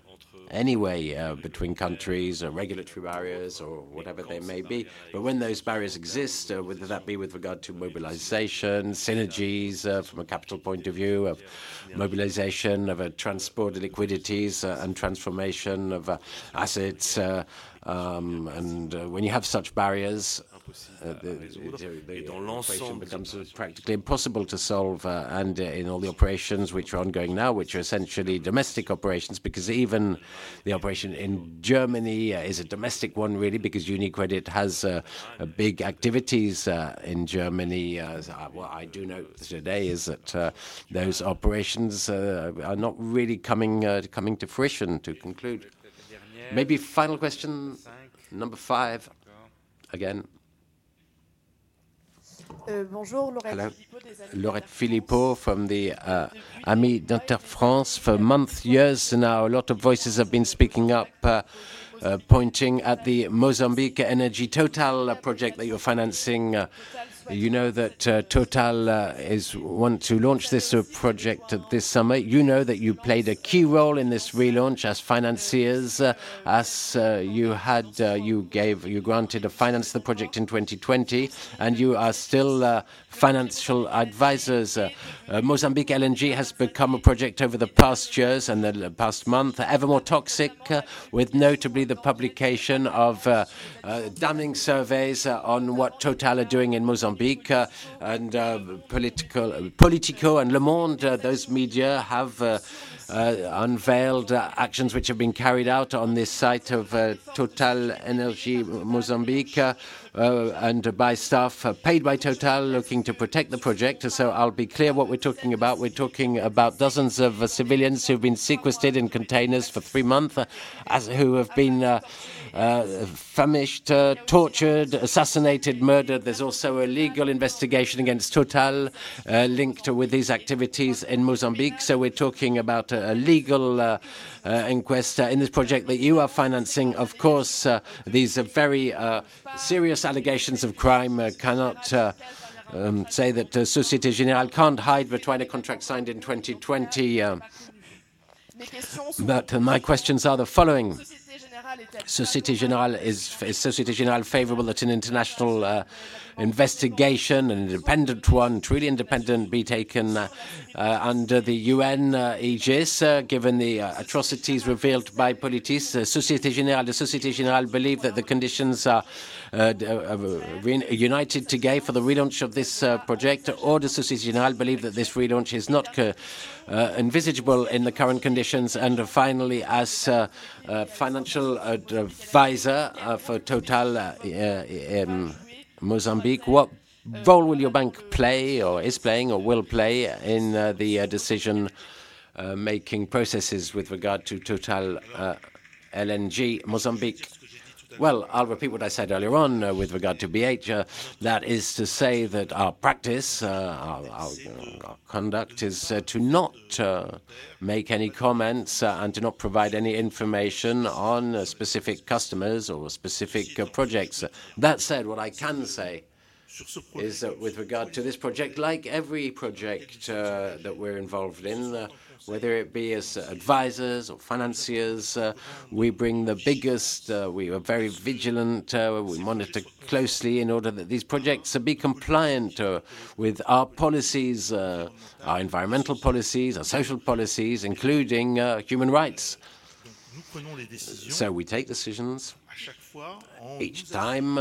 anyway between countries, regulatory barriers or whatever they may be. When those barriers exist, whether that be with regard to mobilization, synergies from a capital point of view of mobilization of transport liquidities and transformation of assets. When you have such barriers, it becomes practically impossible to solve. In all the operations which are ongoing now, which are essentially domestic operations, because even the operation in Germany is a domestic one really, because UniCredit has big activities in Germany. What I do know today is that those operations are not really coming to fruition to conclude. Maybe final question, number five again. Bonjour, Laurette Philippot from the Amies d'Inter France for months, years. Now, a lot of voices have been speaking up, pointing at the Mozambique Energy Total project that you're financing. You know that Total want to launch this project this summer. You know that you played a key role in this relaunch as financiers, as you granted to finance the project in 2020, and you are still financial advisors. Mozambique LNG has become a project over the past years and the past month, ever more toxic, with notably the publication of damning surveys on what Total are doing in Mozambique and Politico and Le Monde. Those media have unveiled actions which have been carried out on this site of TotalEnergies Mozambique and by staff paid by Total looking to protect the project. I'll be clear what we're talking about. We're talking about dozens of civilians who have been sequestered in containers for three months, who have been famished, tortured, assassinated, murdered. There's also a legal investigation against Total linked with these activities in Mozambique. We're talking about a legal inquest in this project that you are financing. Of course, these are very serious allegations of crime. I cannot say that Société Générale cannot hide the Twilight contract signed in 2020. My questions are the following. Is Société Générale favorable that an international investigation, an independent one, truly independent, be taken under the UNEGIS given the atrocities revealed by politics? Does Société Générale believe that the conditions are united to go for the relaunch of this project, or does Société Générale believe that this relaunch is not envisageable in the current conditions? Finally, as financial advisor for TotalEnergies Mozambique, what role will your bank play or is playing or will play in the decision-making processes with regard to Mozambique LNG? I will repeat what I said earlier on with regard to BHR. That is to say that our practice, our conduct is to not make any comments and to not provide any information on specific customers or specific projects. That said, what I can say is that with regard to this project, like every project that we're involved in, whether it be as advisors or financiers, we bring the biggest. We are very vigilant. We monitor closely in order that these projects be compliant with our policies, our environmental policies, our social policies, including human rights. We take decisions each time,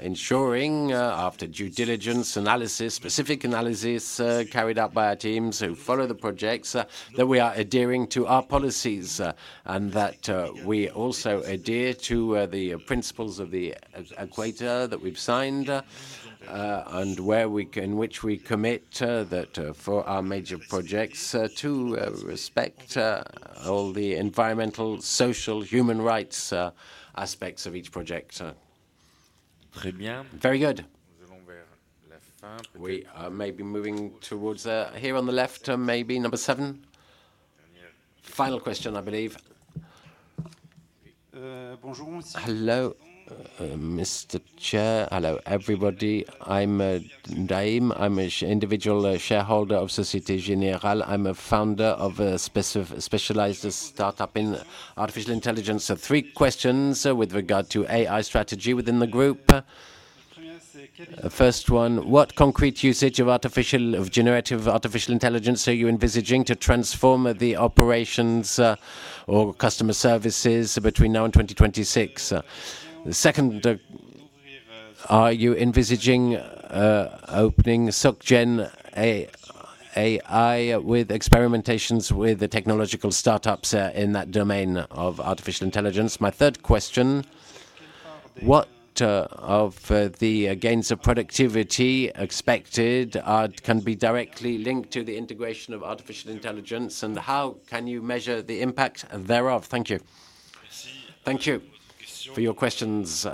ensuring after due diligence analysis, specific analysis carried out by our teams who follow the projects, that we are adhering to our policies and that we also adhere to the principles of the Equator that we've signed and in which we commit that for our major projects to respect all the environmental, social, human rights aspects of each project. Very good. We may be moving towards here on the left, maybe number seven. Final question, I believe. Hello, Mr. Chair. Hello, everybody. I'm Naïm. I'm an individual shareholder of Société Générale. I'm a founder of a specialized startup in artificial intelligence. Three questions with regard to AI strategy within the group. First one, what concrete usage of generative artificial intelligence are you envisaging to transform the operations or customer services between now and 2026? Second, are you envisaging opening Soggen AI with experimentations with technological startups in that domain of artificial intelligence? My third question, what of the gains of productivity expected can be directly linked to the integration of artificial intelligence, and how can you measure the impact thereof? Thank you. Thank you for your questions.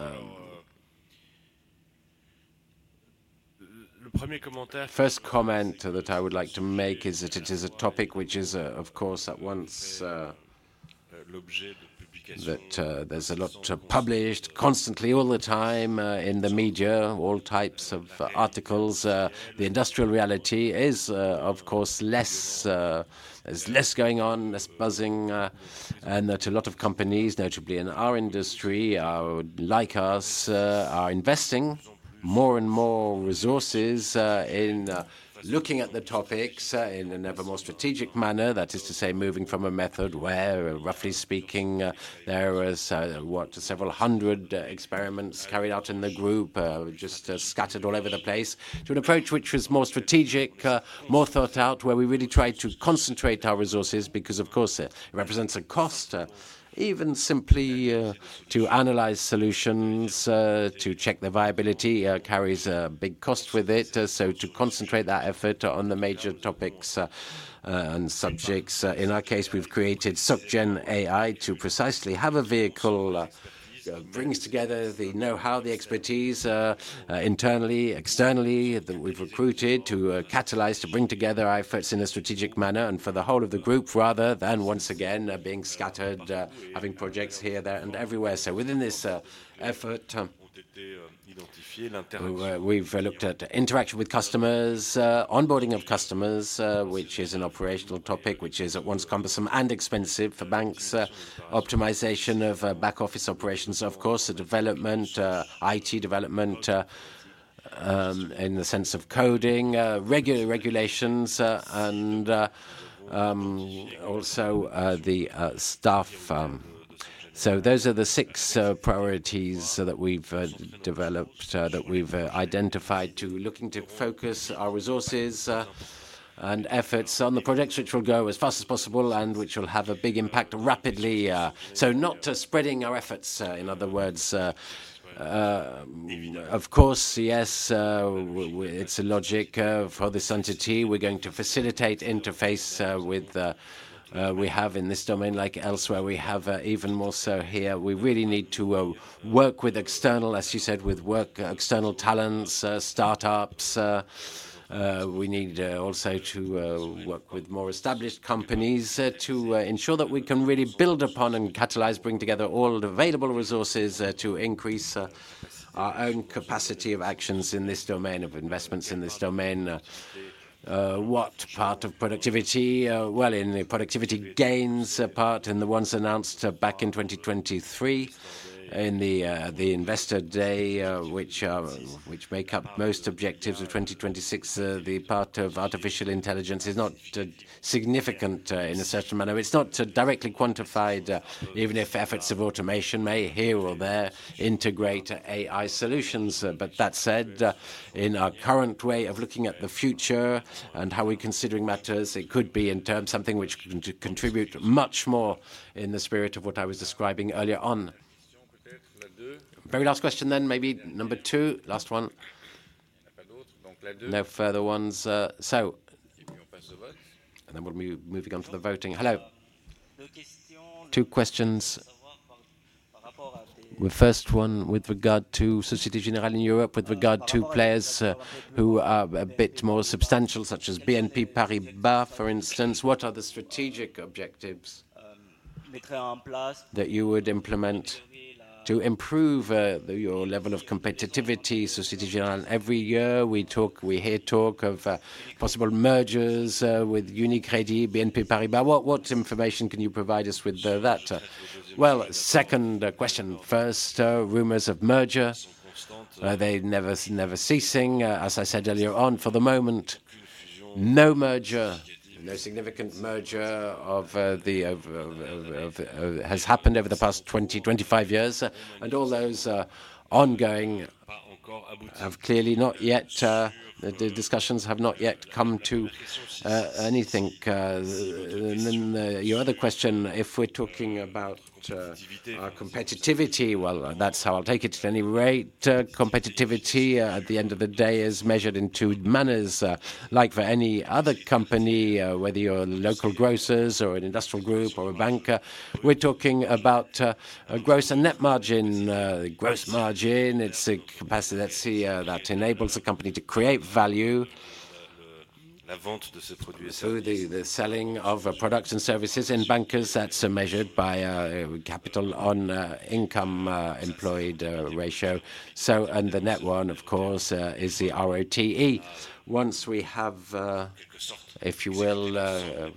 First comment that I would like to make is that it is a topic which is, of course, at once that there's a lot published constantly, all the time in the media, all types of articles. The industrial reality is, of course, less going on, less buzzing, and that a lot of companies, notably in our industry, like us, are investing more and more resources in looking at the topics in an ever more strategic manner. That is to say, moving from a method where, roughly speaking, there were several hundred experiments carried out in the group, just scattered all over the place, to an approach which was more strategic, more thought out, where we really tried to concentrate our resources because, of course, it represents a cost, even simply to analyze solutions, to check the viability carries a big cost with it. To concentrate that effort on the major topics and subjects. In our case, we've created Soggen AI to precisely have a vehicle that brings together the know-how, the expertise internally, externally that we've recruited to catalyze, to bring together efforts in a strategic manner and for the whole of the group, rather than, once again, being scattered, having projects here, there, and everywhere. Within this effort, we've looked at interaction with customers, onboarding of customers, which is an operational topic, which is at once cumbersome and expensive for banks, optimization of back office operations, of course, the development, IT development in the sense of coding, regular regulations, and also the staff. Those are the six priorities that we've developed, that we've identified to look to focus our resources and efforts on the projects which will go as fast as possible and which will have a big impact rapidly. Not spreading our efforts, in other words. Of course, yes, it's a logic for this entity. We're going to facilitate interface with what we have in this domain, like elsewhere, even more so here. We really need to work with external, as you said, with external talents, startups. We need also to work with more established companies to ensure that we can really build upon and catalyze, bring together all available resources to increase our own capacity of actions in this domain of investments in this domain. What part of productivity? In the productivity gains part and the ones announced back in 2023 in the investor day, which make up most objectives of 2026, the part of artificial intelligence is not significant in a certain manner. It's not directly quantified, even if efforts of automation may here or there integrate AI solutions. That said, in our current way of looking at the future and how we're considering matters, it could be in terms of something which could contribute much more in the spirit of what I was describing earlier on. Very last question then, maybe number two, last one. No further ones. We're moving on to the voting. Hello. Two questions. The first one with regard to Société Générale in Europe, with regard to players who are a bit more substantial, such as BNP Paribas, for instance. What are the strategic objectives that you would implement to improve your level of competitivity? Société Générale, every year we hear talk of possible mergers with UniCredit, BNP Paribas. What information can you provide us with that? Second question. First, rumors of merger. They're never ceasing. As I said earlier on, for the moment, no merger, no significant merger has happened over the past 20-25 years. All those ongoing have clearly not yet, the discussions have not yet come to anything. Your other question, if we're talking about competitivity, that's how I'll take it at any rate. Competitivity, at the end of the day, is measured in two manners. Like for any other company, whether you're a local grocer or an industrial group or a banker, we're talking about a gross net margin, gross margin. It's a capacity that enables a company to create value. The selling of products and services in bankers, that's measured by capital on income employed ratio. The net one, of course, is the ROTE. Once we have, if you will,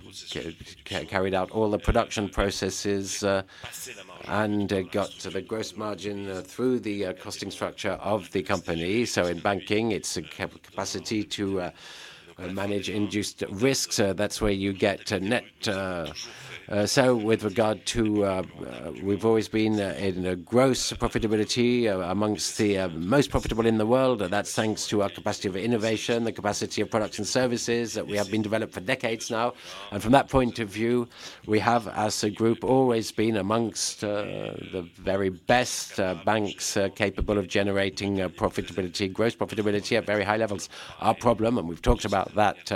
carried out all the production processes and got the gross margin through the costing structure of the company, in banking, it's a capacity to manage induced risks. That's where you get a net. With regard to we've always been in a gross profitability amongst the most profitable in the world. That's thanks to our capacity of innovation, the capacity of products and services that we have been developed for decades now. From that point of view, we have, as a group, always been amongst the very best banks capable of generating profitability, gross profitability at very high levels. Our problem, and we've talked about that,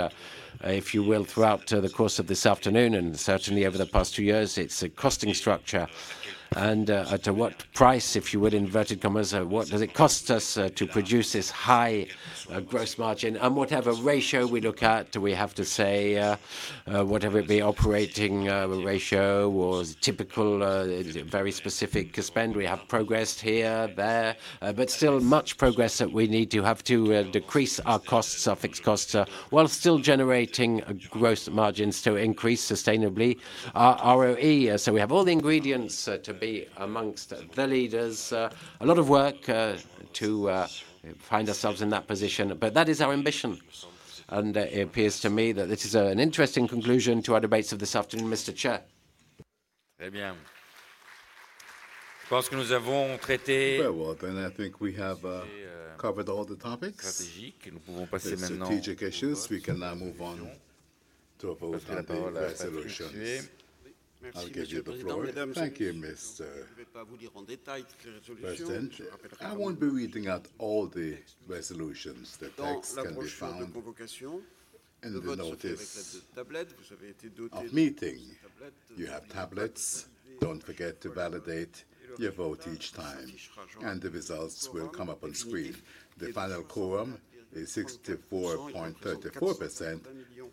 if you will, throughout the course of this afternoon and certainly over the past two years, it's a costing structure. At what price, if you would, in inverted commas, what does it cost us to produce this high gross margin? Whatever ratio we look at, we have to say, whether it be operating ratio or typical, very specific spend, we have progressed here, there, but still much progress that we need to have to decrease our costs, our fixed costs, while still generating gross margins to increase sustainably our ROE. We have all the ingredients to be amongst the leaders. A lot of work to find ourselves in that position, that is our ambition. It appears to me that this is an interesting conclusion to our debates of this afternoon, Mr. Chair. Je pense que nous avons traité. Very well done. I think we have covered all the topics. Strategic issues, we can now move on to a vote on the resolutions. I'll give you the floor. Thank you, Ms. President. I won't be reading out all the resolutions. The text can be found in the notice of meeting, you have tablets. Don't forget to validate your vote each time. The results will come up on screen. The final quorum is 64.34%,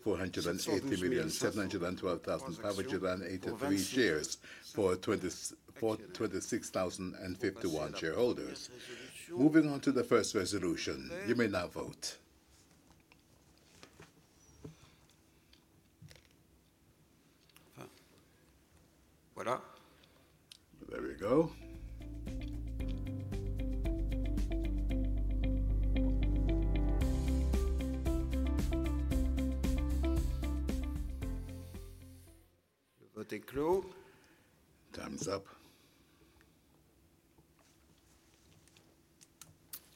480,712,583 shares for 26,051 shareholders. Moving on to the first resolution. You may now vote. There you go. Voting close. Thumbs up.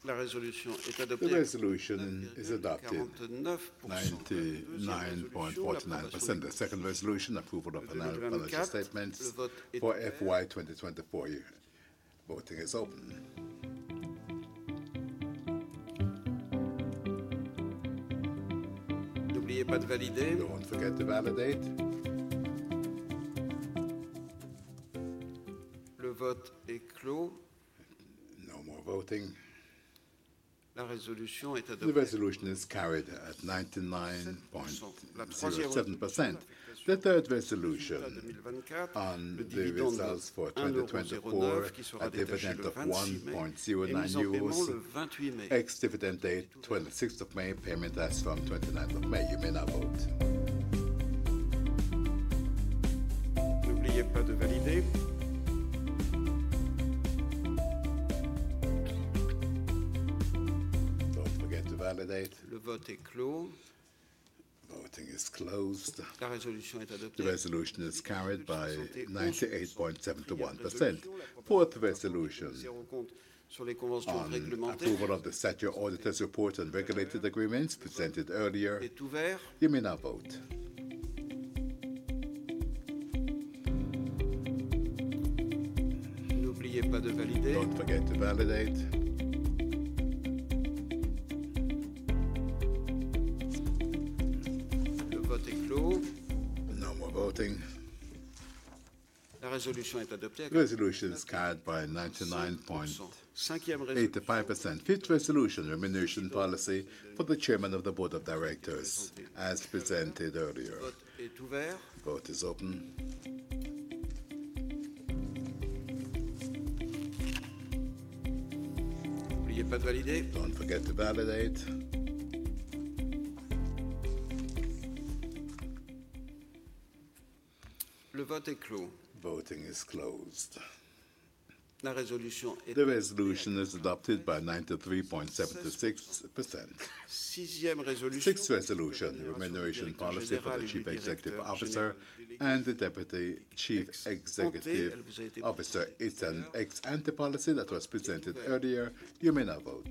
La résolution est adoptée. The resolution is adopted. 99.49%. The second resolution, approval of financial statements for FY 2024. Voting is open. N'oubliez pas de valider. Don't forget to validate. Le vote est clos. No more voting. La résolution est adoptée. The resolution is carried at 99.7%. The third resolution on the results for 2024, a dividend of 1.09 euros, ex-dividend date 26th of May, payment as from 29th of May. You may now vote. N'oubliez pas de valider. Don't forget to validate. Le vote est clos. Voting is closed. La résolution est adoptée. The resolution is carried by 98.71%. Fourth resolution. Approval of the set your auditors report and regulated agreements presented earlier. Est ouvert. You may now vote. N'oubliez pas de valider. Don't forget to validate. Le vote est clos. No more voting. La résolution est adoptée. The resolution is carried by 99.85%. Fifth resolution, remuneration policy for the Chairman of the Board of Directors, as presented earlier. Vote is open. N'oubliez pas de valider. Don't forget to validate. Le vote est clos. Voting is closed. La résolution. The resolution is adopted by 93.76%. Sixth resolution, remuneration policy for the Chief Executive Officer and the Deputy Chief Executive Officer. It's an ex-ante policy that was presented earlier. You may now vote.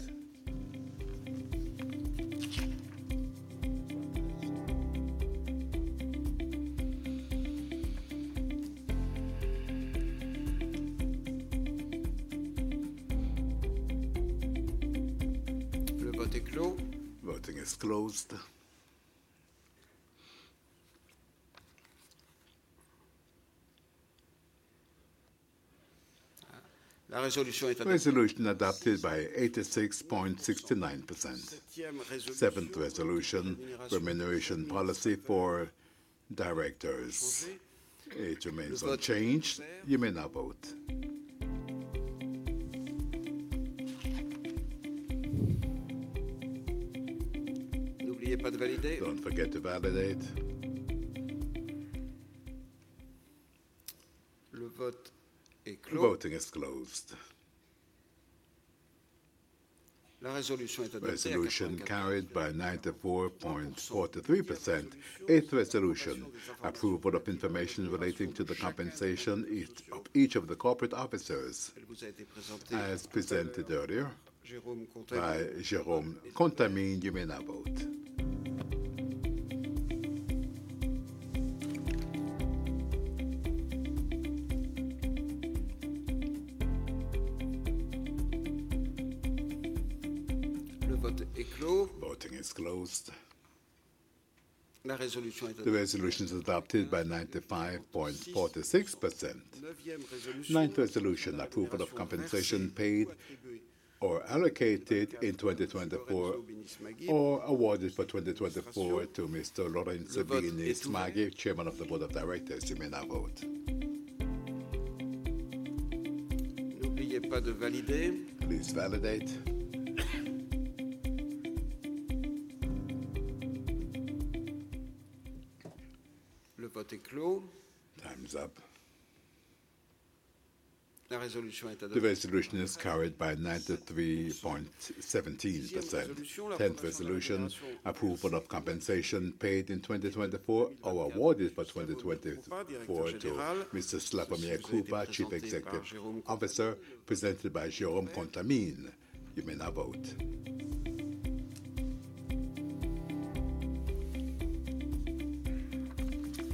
Le vote est clos. Voting is closed. La résolution est adoptée by 86.69%. Seventh resolution, remuneration policy for directors. It remains unchanged. You may now vote. N'oubliez pas de valider. Don't forget to validate. Le vote est clos. Voting is closed. La résolution est adoptée. Resolution carried by 94.43%. Eighth resolution, approval of information relating to the compensation of each of the corporate officers, as presented earlier, by Jérôme Contamine. You may now vote. Le vote est clos. Voting is closed. The resolution is adopted by 95.46%. Ninth resolution, approval of compensation paid or allocated in 2024 or awarded for 2024 to Mr. Laurent Savigny-Smaghi, Chairman of the Board of Directors. You may now vote. N'oubliez pas de valider. Please validate. Le vote est clos. Thumbs up. La résolution est adoptée. The resolution is carried by 93.17%. Tenth resolution, approval of compensation paid in 2024 or awarded for 2024 to Mr. Slawomir Krupa, Chief Executive Officer, presented by Jérôme Contamine. You may now vote.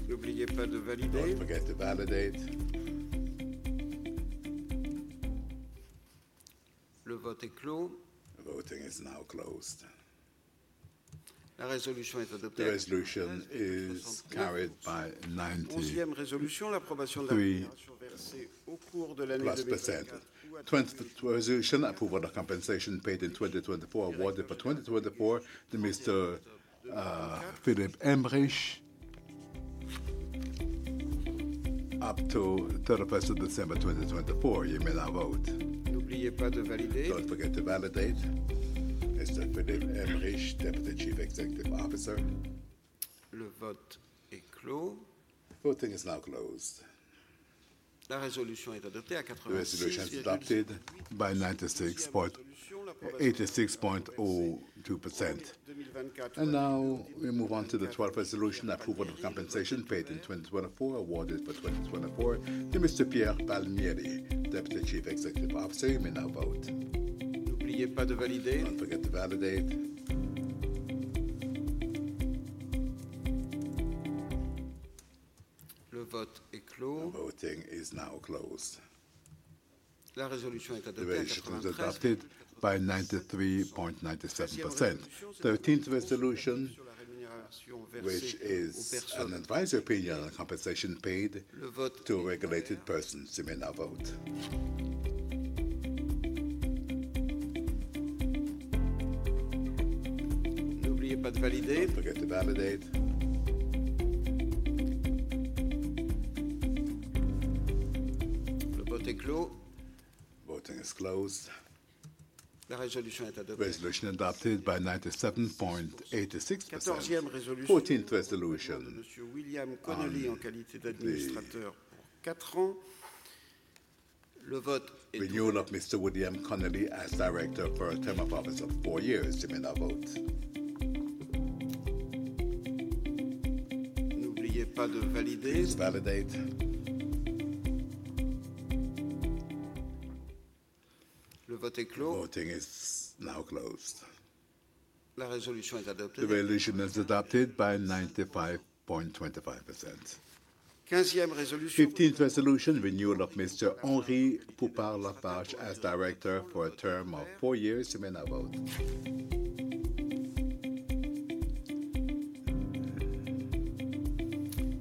N'oubliez pas de valider. Don't forget to validate. Le vote est clos. Voting is now closed. La résolution est adoptée. The resolution is carried by 90%. Onzième résolution, l'approbation de la compensation versée au cours de l'année de 2024. Twenty-fourth resolution, approval of compensation paid in 2024, awarded for 2024 to Mr. Philippe Aymerich, up to 31st of December 2024. You may now vote. N'oubliez pas de valider. Don't forget to validate. Mr. Philippe Aymerich, Deputy Chief Executive Officer. Le vote est clos. Voting is now closed. La résolution est adoptée à 90%. The resolution is adopted by 96.86%. Now we move on to the twelfth resolution, approval of compensation paid in 2024, awarded for 2024 to Mr. Pierre Palmieri, Deputy Chief Executive Officer. You may now vote. N'oubliez pas de valider. Don't forget to validate. Le vote est clos. Voting is now closed. La résolution est adoptée. The resolution is adopted by 93.97%. Thirteenth resolution, which is an advisory opinion on compensation paid to regulated persons. You may now vote. N'oubliez pas de valider. Don't forget to validate. Le vote est clos. Voting is closed. La résolution est adoptée. Resolution adopted by 97.86%. Quatorzième résolution. Fourteenth resolution. Monsieur William Connolly en qualité d'administrateur pour quatre ans. Le vote est adopté. Renewal of Mr. William Connolly as Director for a term of office of four years. You may now vote. N'oubliez pas de valider. Please validate. Le vote est clos. Voting is now closed. La résolution est adoptée. The resolution is adopted by 95.25%. Quinzième résolution. Fifteenth resolution, renewal of Mr. Henri Poupart-Lafarge as director for a term of four years. You may now vote.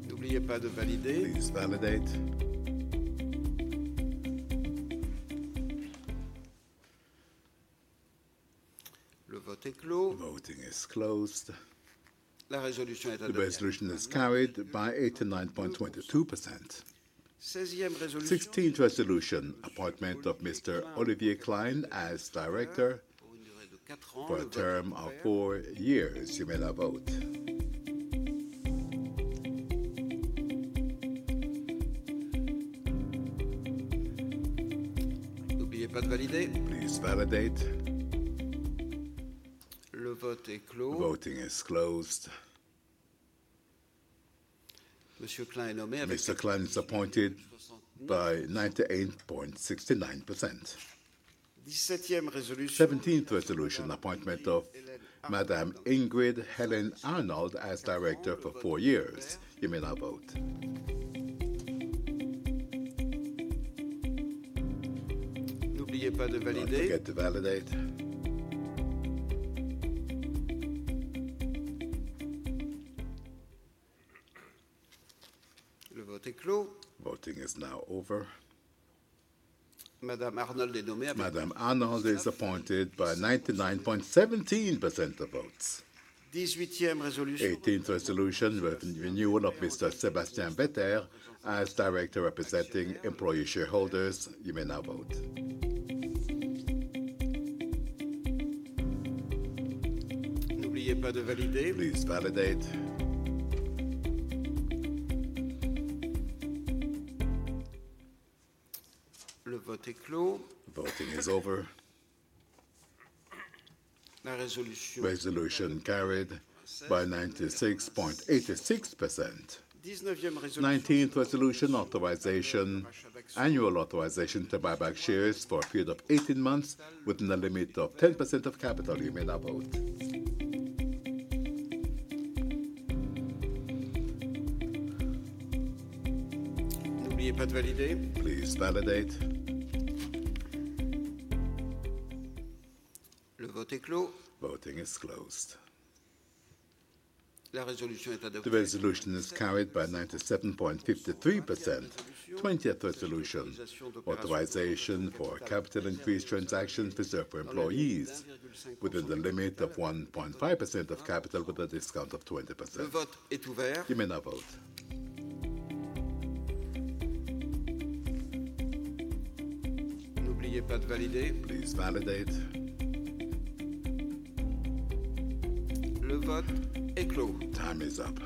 N'oubliez pas de valider. Please validate. Le vote est clos. Voting is closed. La résolution est adoptée. The resolution is carried by 89.22%. Seizième résolution. Sixteenth resolution, appointment of Mr. Olivier Klein as director for a term of four years. You may now vote. N'oubliez pas de valider. Please validate. Le vote est clos. Voting is closed. Mr. Klein is appointed by 98.69%. Dix-septième résolution. Seventeenth resolution, appointment of Madame Ingrid Helen Arnold as director for four years. You may now vote. N'oubliez pas de valider. Don't forget to validate. Le vote est clos. Voting is now over. Madame Arnold est nommée. Madame Arnold is appointed by 99.17% of votes. Dix-huitième résolution. Eighteenth resolution, renewal of Mr. Sébastien Vetter as director representing employee shareholders. You may now vote. N'oubliez pas de valider. Please validate. Le vote est clos. Voting is over. La résolution est adoptée. Resolution carried by 96.86%. Dix-neuvième résolution. Nineteenth resolution, authorization annual authorization to buy back shares for a period of eighteen months within the limit of 10% of capital. You may now vote. N'oubliez pas de valider. Please validate. Le vote est clos. Voting is closed. La résolution est adoptée. The resolution is carried by 97.53%. Twentieth resolution, authorization for capital increase transactions reserved for employees within the limit of 1.5% of capital with a discount of 20%. Le vote est ouvert. You may now vote. N'oubliez pas de valider. Please validate. Le vote est clos. Time is up.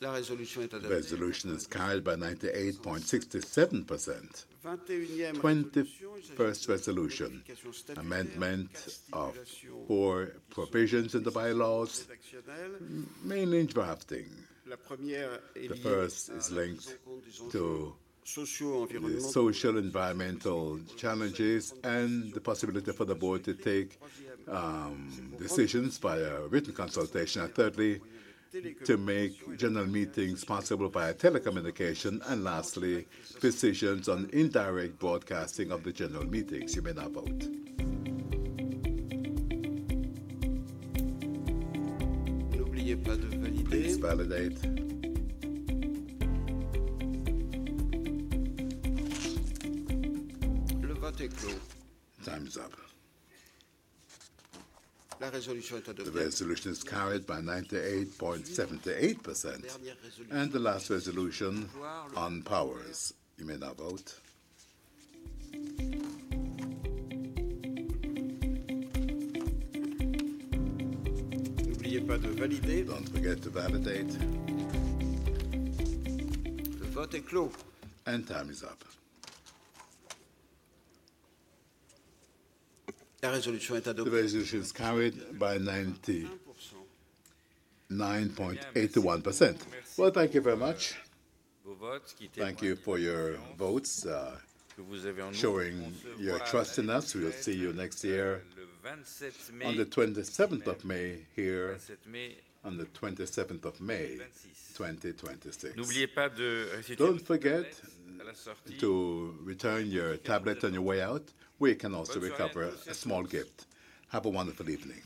La résolution est adoptée. Resolution is carried by 98.67%. Twenty-first resolution, amendment of four provisions in the bylaws, mainly drafting. The first is linked to social environmental challenges and the possibility for the board to take decisions via written consultation. Thirdly, to make general meetings possible via telecommunication. Lastly, decisions on indirect broadcasting of the general meetings. You may now vote. N'oubliez pas de valider. Please validate. Le vote est clos. Thumbs up. La résolution est adoptée. The resolution is carried by 98.78%. The last resolution on powers. You may now vote. N'oubliez pas de valider. Don't forget to validate. Le vote est clos. Time is up. La résolution est adoptée. The resolution is carried by 90.81%. Thank you very much. Thank you for your votes, showing your trust in us. We will see you next year, on the twenty-seventh of May, here on the twenty-seventh of May, twenty twenty-six. N'oubliez pas de. Don't forget to return your tablet on your way out. We can also recover a small gift. Have a wonderful evening.